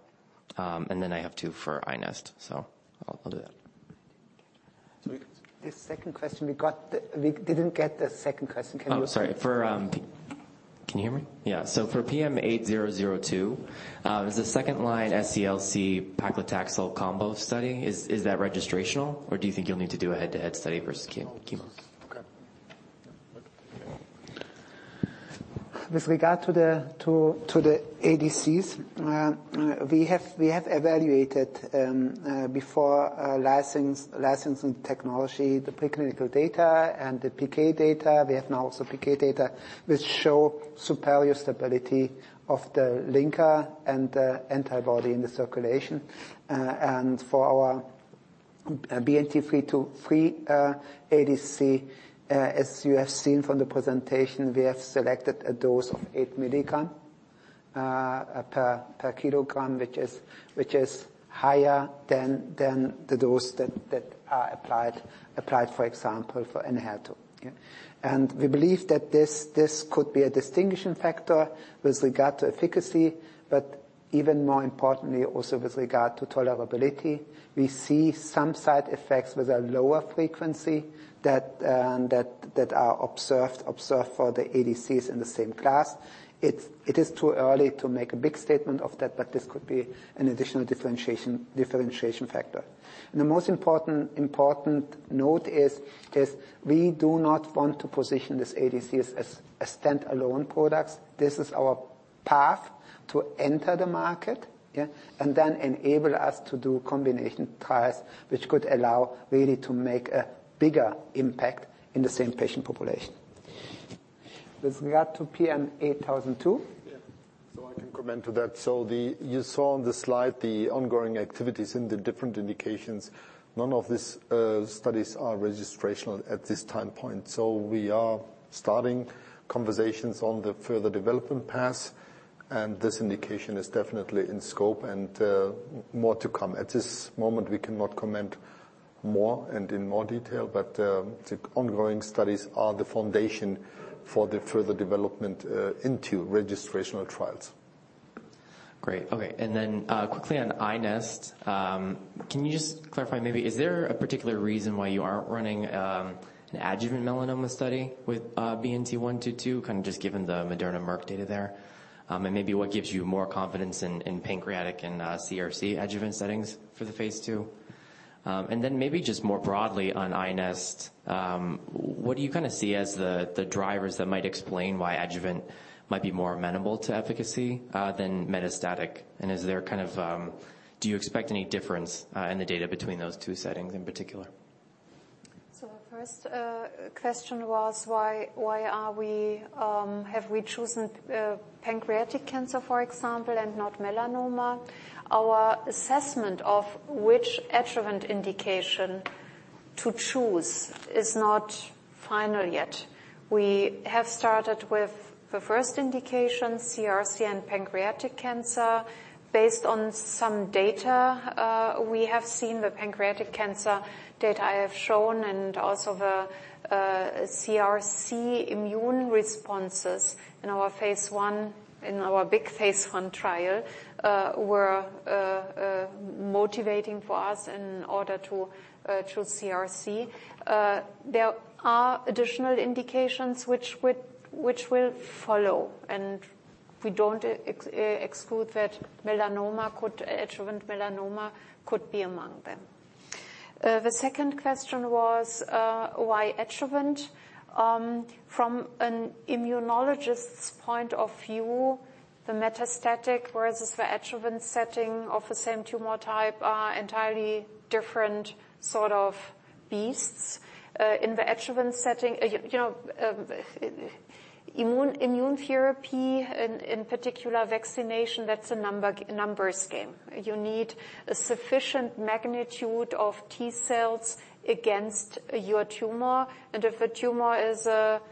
And then I have two for iNeST, so I'll do that. The second question we got, we didn't get the second question. Can you- Oh, sorry. For... Can you hear me? Yeah. So for PM8002, is the second-line SCLC paclitaxel combo study, is that registrational, or do you think you'll need to do a head-to-head study versus chemo? Okay. With regard to the ADCs, we have evaluated before licensing technology, the preclinical data and the PK data. We have now also PK data, which show superior stability of the linker and the antibody in the circulation. And for our BNT323 ADC, as you have seen from the presentation, we have selected a dose of 8 mg per kg, which is higher than the dose that are applied, for example, for Enhertu. Yeah. And we believe that this could be a distinguishing factor with regard to efficacy, but even more importantly, also with regard to tolerability. We see some side effects with a lower frequency that are observed for the ADCs in the same class. It is too early to make a big statement of that, but this could be an additional differentiation factor. And the most important note is we do not want to position these ADCs as stand-alone products. This is our path to enter the market, yeah, and then enable us to do combination trials, which could allow really to make a bigger impact in the same patient population. With regard to PM8002? Yeah. So I can comment to that. So you saw on the slide the ongoing activities in the different indications. None of these studies are registrational at this time point. So we are starting conversations on the further development path, and this indication is definitely in scope, and more to come. At this moment, we cannot comment more and in more detail, but the ongoing studies are the foundation for the further development into registrational trials. Great. Okay, and then, quickly on iNeST, can you just clarify, maybe, is there a particular reason why you aren't running, an adjuvant melanoma study with, BNT122, kind of just given the Moderna/Merck data there? And maybe what gives you more confidence in, in pancreatic and, CRC adjuvant settings for the Phase 2? And then maybe just more broadly on iNeST, what do you kind of see as the, the drivers that might explain why adjuvant might be more amenable to efficacy, than metastatic? And is there kind of... Do you expect any difference, in the data between those two settings in particular? So the first question was why have we chosen pancreatic cancer, for example, and not melanoma? Our assessment of which adjuvant indication to choose is not final yet. We have started with the first indication, CRC and pancreatic cancer. Based on some data, we have seen the pancreatic cancer data I have shown and also the CRC immune responses in our Phase 1, in our big Phase 1 trial, were motivating for us in order to choose CRC. There are additional indications which will follow, and we don't exclude that melanoma could, adjuvant melanoma could be among them. The second question was why adjuvant? From an immunologist's point of view, the metastatic, whereas the adjuvant setting of the same tumor type, are entirely different sort of beasts. In the adjuvant setting, you know, immune therapy, in particular, vaccination, that's a numbers game. You need a sufficient magnitude of T cells against your tumor, and if a tumor is a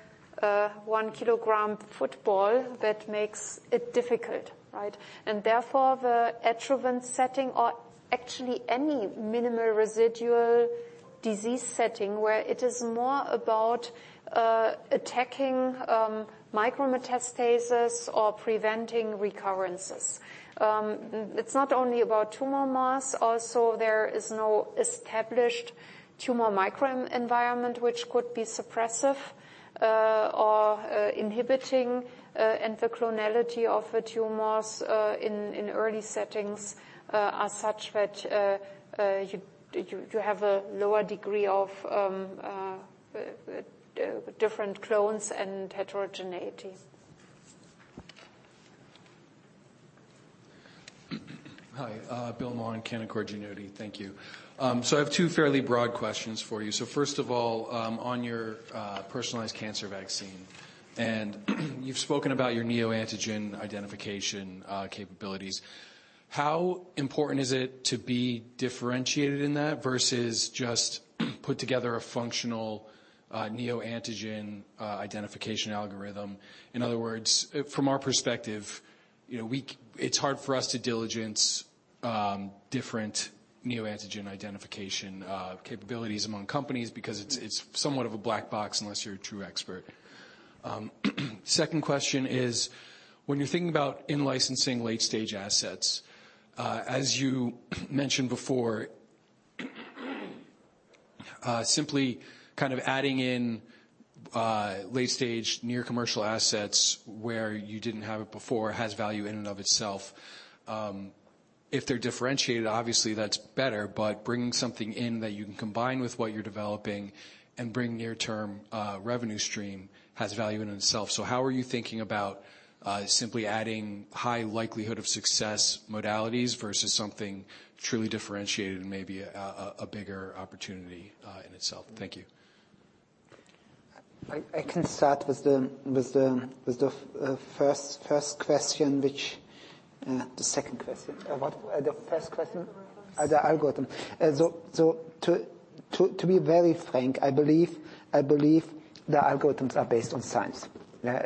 1-kilogram football, that makes it difficult, right? And therefore, the adjuvant setting, or actually any minimal residual disease setting, where it is more about attacking micrometastasis or preventing recurrences. It's not only about tumor mass. Also, there is no established tumor microenvironment which could be suppressive or inhibiting, and the clonality of the tumors in early settings are such that you have a lower degree of different clones and heterogeneity. Hi, Bill Maughan, Canaccord Genuity. Thank you. So I have two fairly broad questions for you. So first of all, on your, personalized cancer vaccine, and you've spoken about your neoantigen identification, capabilities. How important is it to be differentiated in that versus just, put together a functional, neoantigen, identification algorithm? In other words, from our perspective, you know, we-- it's hard for us to diligence, different neoantigen identification, capabilities among companies because it's, it's somewhat of a black box unless you're a true expert. Second question is, when you're thinking about in-licensing late-stage assets, as you mentioned before, simply kind of adding in, late-stage near commercial assets where you didn't have it before, has value in and of itself. If they're differentiated, obviously that's better, but bringing something in that you can combine with what you're developing and bring near-term revenue stream has value in itself. So how are you thinking about simply adding high likelihood of success modalities versus something truly differentiated and maybe a bigger opportunity in itself? Thank you. I can start with the first question, which the second question. What? The first question? The algorithm. The algorithm. So to be very frank, I believe the algorithms are based on science.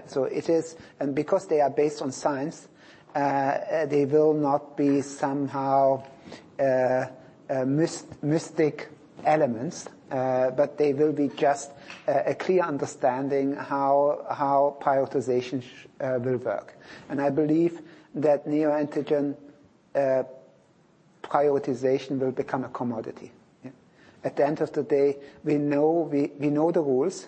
So it is. And because they are based on science, they will not be somehow mystic elements, but they will be just a clear understanding how prioritization will work. And I believe that neoantigen prioritization will become a commodity. Yeah. At the end of the day, we know the rules,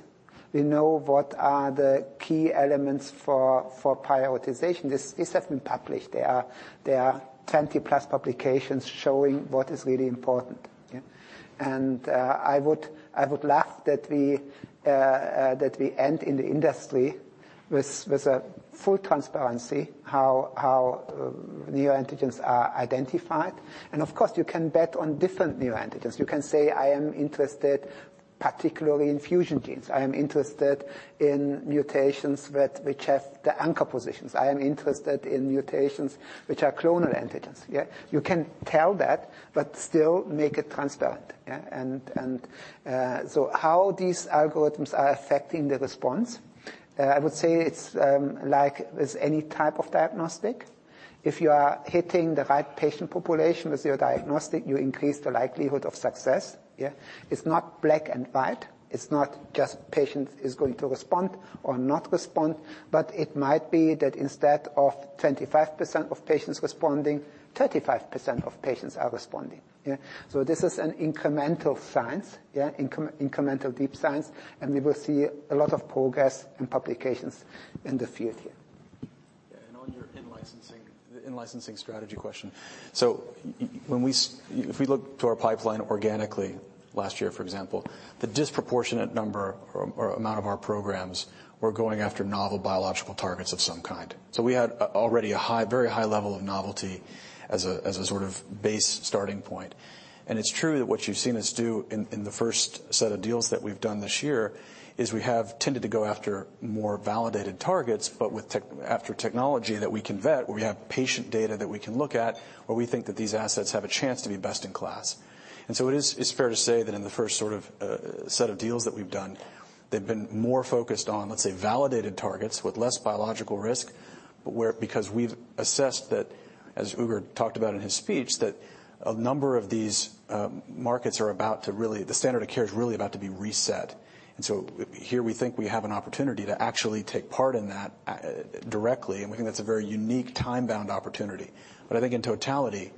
we know what are the key elements for prioritization. This has been published. There are 20-plus publications showing what is really important. Yeah. And I would love that we end in the industry with a full transparency how neoantigens are identified. And of course, you can bet on different neoantigens. You can say, "I am interested particularly in fusion genes. I am interested in mutations that which have the anchor positions. I am interested in mutations which are clonal antigens." Yeah, you can tell that, but still make it transparent. Yeah. So how these algorithms are affecting the response, I would say it's like with any type of diagnostic, if you are hitting the right patient population with your diagnostic, you increase the likelihood of success. Yeah. It's not black and white. It's not just patient is going to respond or not respond, but it might be that instead of 25% of patients responding, 35% of patients are responding. Yeah. So this is an incremental science, yeah, incremental deep science, and we will see a lot of progress and publications in the field here. Yeah. And on your in-licensing, the in-licensing strategy question. So when we look to our pipeline organically, last year, for example, the disproportionate number or amount of our programs were going after novel biological targets of some kind. So we had already a high, very high level of novelty as a sort of base starting point. And it's true that what you've seen us do in the first set of deals that we've done this year is we have tended to go after more validated targets, but with technology that we can vet, where we have patient data that we can look at, where we think that these assets have a chance to be best in class. It is fair to say that in the first sort of set of deals that we've done, they've been more focused on, let's say, validated targets with less biological risk, but where, because we've assessed that, as Uğur talked about in his speech, that a number of these markets are about to really, the standard of care is really about to be reset. So here we think we have an opportunity to actually take part in that directly, and we think that's a very unique time-bound opportunity. But I think in totality,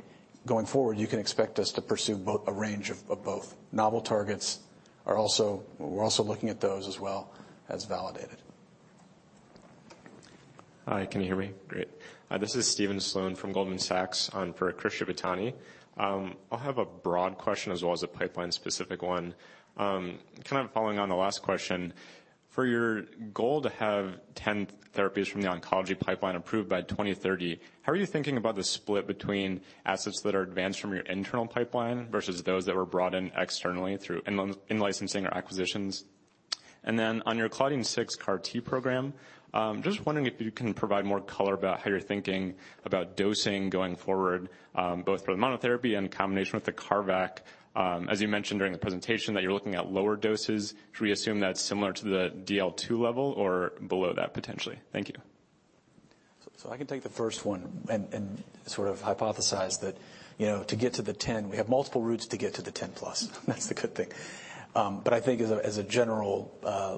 going forward, you can expect us to pursue both, a range of both. Novel targets are also, we're also looking at those as well as validated. Hi, can you hear me? Great. This is Stephen Sloan from Goldman Sachs, for Chris Shibutani. I'll have a broad question as well as a pipeline-specific one. Kind of following on the last question, for your goal to have 10 therapies from the oncology pipeline approved by 2030, how are you thinking about the split between assets that are advanced from your internal pipeline versus those that were brought in externally through in-licensing or acquisitions? And then on your Claudin-6 CAR-T program, just wondering if you can provide more color about how you're thinking about dosing going forward, both for the monotherapy and combination with the CARVac. As you mentioned during the presentation, that you're looking at lower doses, should we assume that's similar to the DL 2 level or below that, potentially? Thank you. So I can take the first one and sort of hypothesize that, you know, to get to the 10, we have multiple routes to get to the 10+. That's the good thing. But I think as a general,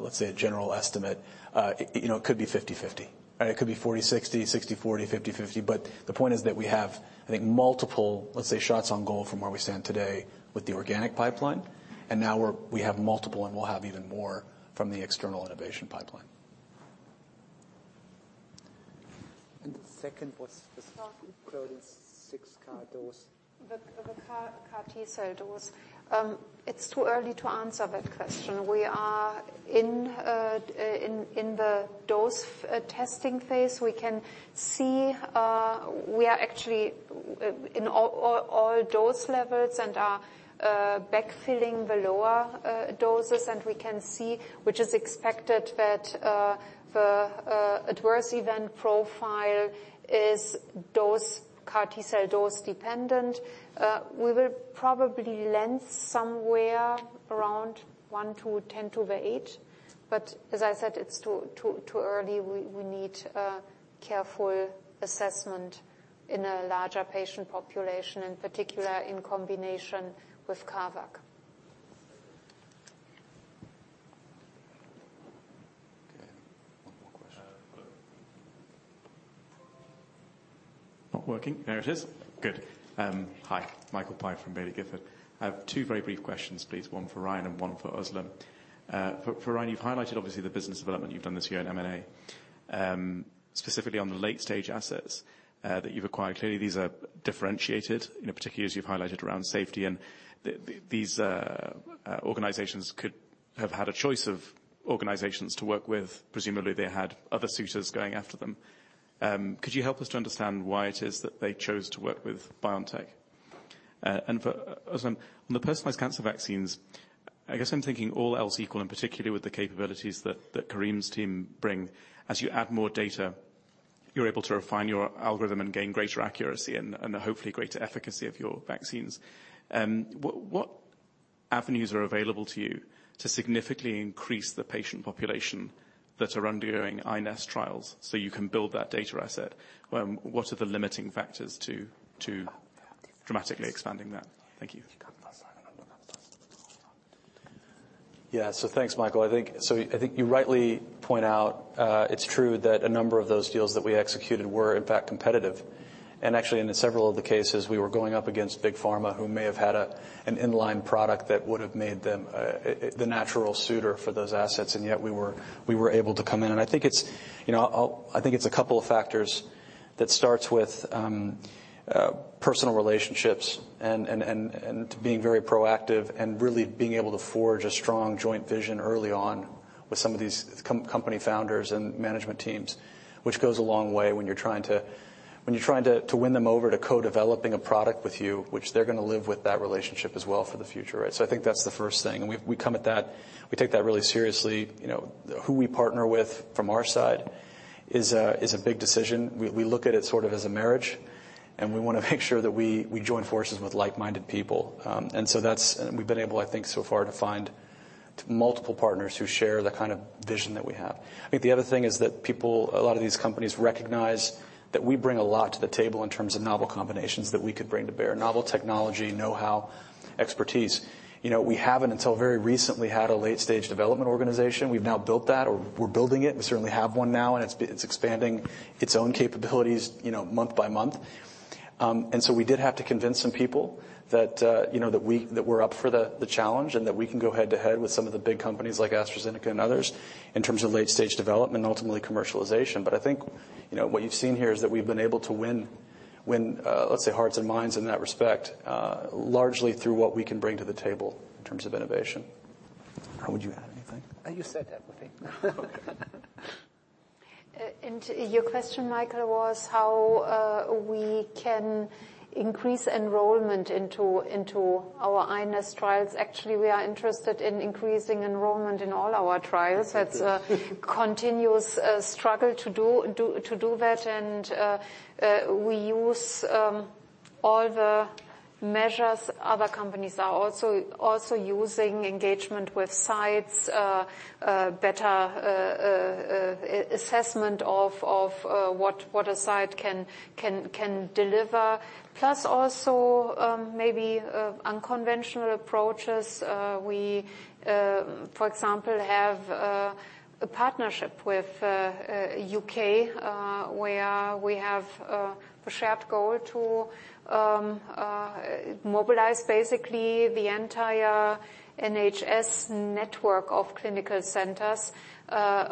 let's say, a general estimate, you know, it could be 50/50. It could be 40/60, 60/40, 50/50, but the point is that we have, I think, multiple, let's say, shots on goal from where we stand today with the organic pipeline, and now we have multiple, and we'll have even more from the external innovation pipeline. The second was the second question?... 6 CAR dose. The CAR T-cell dose. It's too early to answer that question. We are in the dose testing Phase. We can see... We are actually in all dose levels, and are backfilling the lower doses. And we can see, which is expected, that the adverse event profile is dose-CAR T-cell dose dependent. We will probably land somewhere around 1 to 10^8, but as I said, it's too early. We need a careful assessment in a larger patient population, in particular, in combination with CARVac. Okay, one more question. Not working. There it is. Good. Hi, Michael Pye from Baillie Gifford. I have two very brief questions, please, one for Ryan and one for Özlem. For Ryan, you've highlighted, obviously, the business development you've done this year in M&A. Specifically on the late-stage assets that you've acquired, clearly these are differentiated, you know, particularly as you've highlighted around safety. And these organizations could have had a choice of organizations to work with. Presumably, they had other suitors going after them. Could you help us to understand why it is that they chose to work with BioNTech? And for Özlem, on the personalized cancer vaccines, I guess I'm thinking all else equal, and particularly with the capabilities that Karim's team bring, as you add more data, you're able to refine your algorithm and gain greater accuracy and hopefully greater efficacy of your vaccines. What avenues are available to you to significantly increase the patient population that are undergoing iNeST trials, so you can build that data asset? What are the limiting factors to dramatically expanding that? Thank you. Yeah. So thanks, Michael. I think. So I think you rightly point out, it's true that a number of those deals that we executed were, in fact, competitive. And actually, in several of the cases, we were going up against Big Pharma, who may have had a an in-line product that would have made them the natural suitor for those assets, and yet we were able to come in. And I think it's, you know, I think it's a couple of factors that starts with personal relationships and to being very proactive, and really being able to forge a strong joint vision early on with some of these company founders and management teams. Which goes a long way when you're trying to win them over to co-developing a product with you, which they're gonna live with that relationship as well for the future, right? So I think that's the first thing, and we come at that. We take that really seriously. You know, who we partner with from our side is a big decision. We look at it sort of as a marriage, and we wanna make sure that we join forces with like-minded people. And so that's. And we've been able, I think, so far to find multiple partners who share the kind of vision that we have. I think the other thing is that people, a lot of these companies recognize that we bring a lot to the table in terms of novel combinations that we could bring to bear, novel technology, know-how, expertise. You know, we haven't, until very recently, had a late-stage development organization. We've now built that, or we're building it. We certainly have one now, and it's expanding its own capabilities, you know, month by month. And so we did have to convince some people that, you know, that we're up for the challenge, and that we can go head-to-head with some of the big companies like AstraZeneca and others, in terms of late-stage development and ultimately commercialization. I think, you know, what you've seen here is that we've been able to win, win, let's say, hearts and minds in that respect, largely through what we can bring to the table in terms of innovation. How would you add anything? You said everything. Your question, Michael, was how we can increase enrollment into our iNeST trials. Actually, we are interested in increasing enrollment in all our trials. That's a continuous struggle to do that. We use all the measures other companies are also using: engagement with sites, better assessment of what a site can deliver, plus also maybe unconventional approaches. We, for example, have a partnership with UK, where we have a shared goal to mobilize basically the entire NHS network of clinical centers,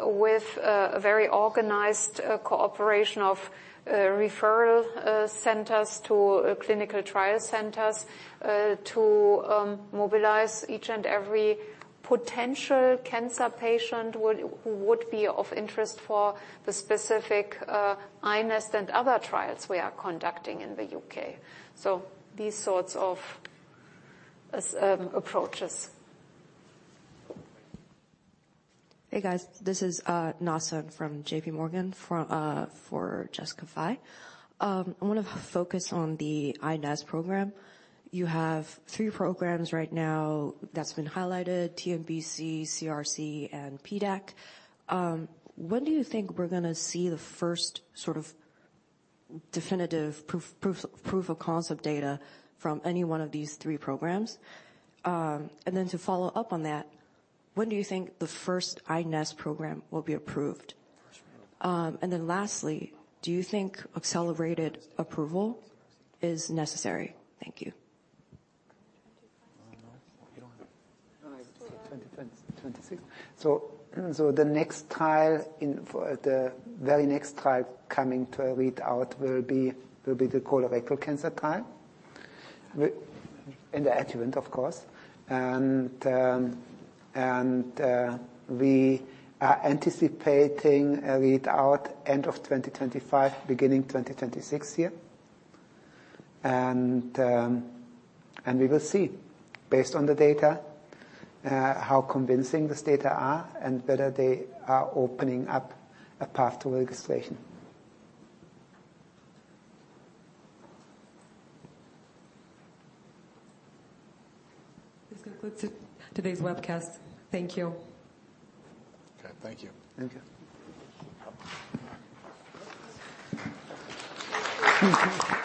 with a very organized cooperation of referral centers to clinical trial centers, to mobilize each and every potential cancer patient would who would be of interest for the specific iNeST and other trials we are conducting in the UK. So these sorts of approaches. Thank you. Hey, guys. This is Nasim from J.P. Morgan, for Jessica Fye. I wanna focus on the iNeST program. You have three programs right now that's been highlighted: TNBC, CRC, and PDAC. When do you think we're gonna see the first sort of definitive proof of concept data from any one of these three programs? And then to follow up on that, when do you think the first iNeST program will be approved? First one. And then lastly, do you think accelerated approval is necessary? Thank you. Twenty-five. I don't know. You don't know? 2026. The very next trial coming to a readout will be the colorectal cancer trial in the adjuvant, of course. We are anticipating a readout end of 2025, beginning 2026 year. We will see, based on the data, how convincing this data are and whether they are opening up a path to registration. This concludes today's webcast. Thank you. Okay, thank you. Thank you. Thank you.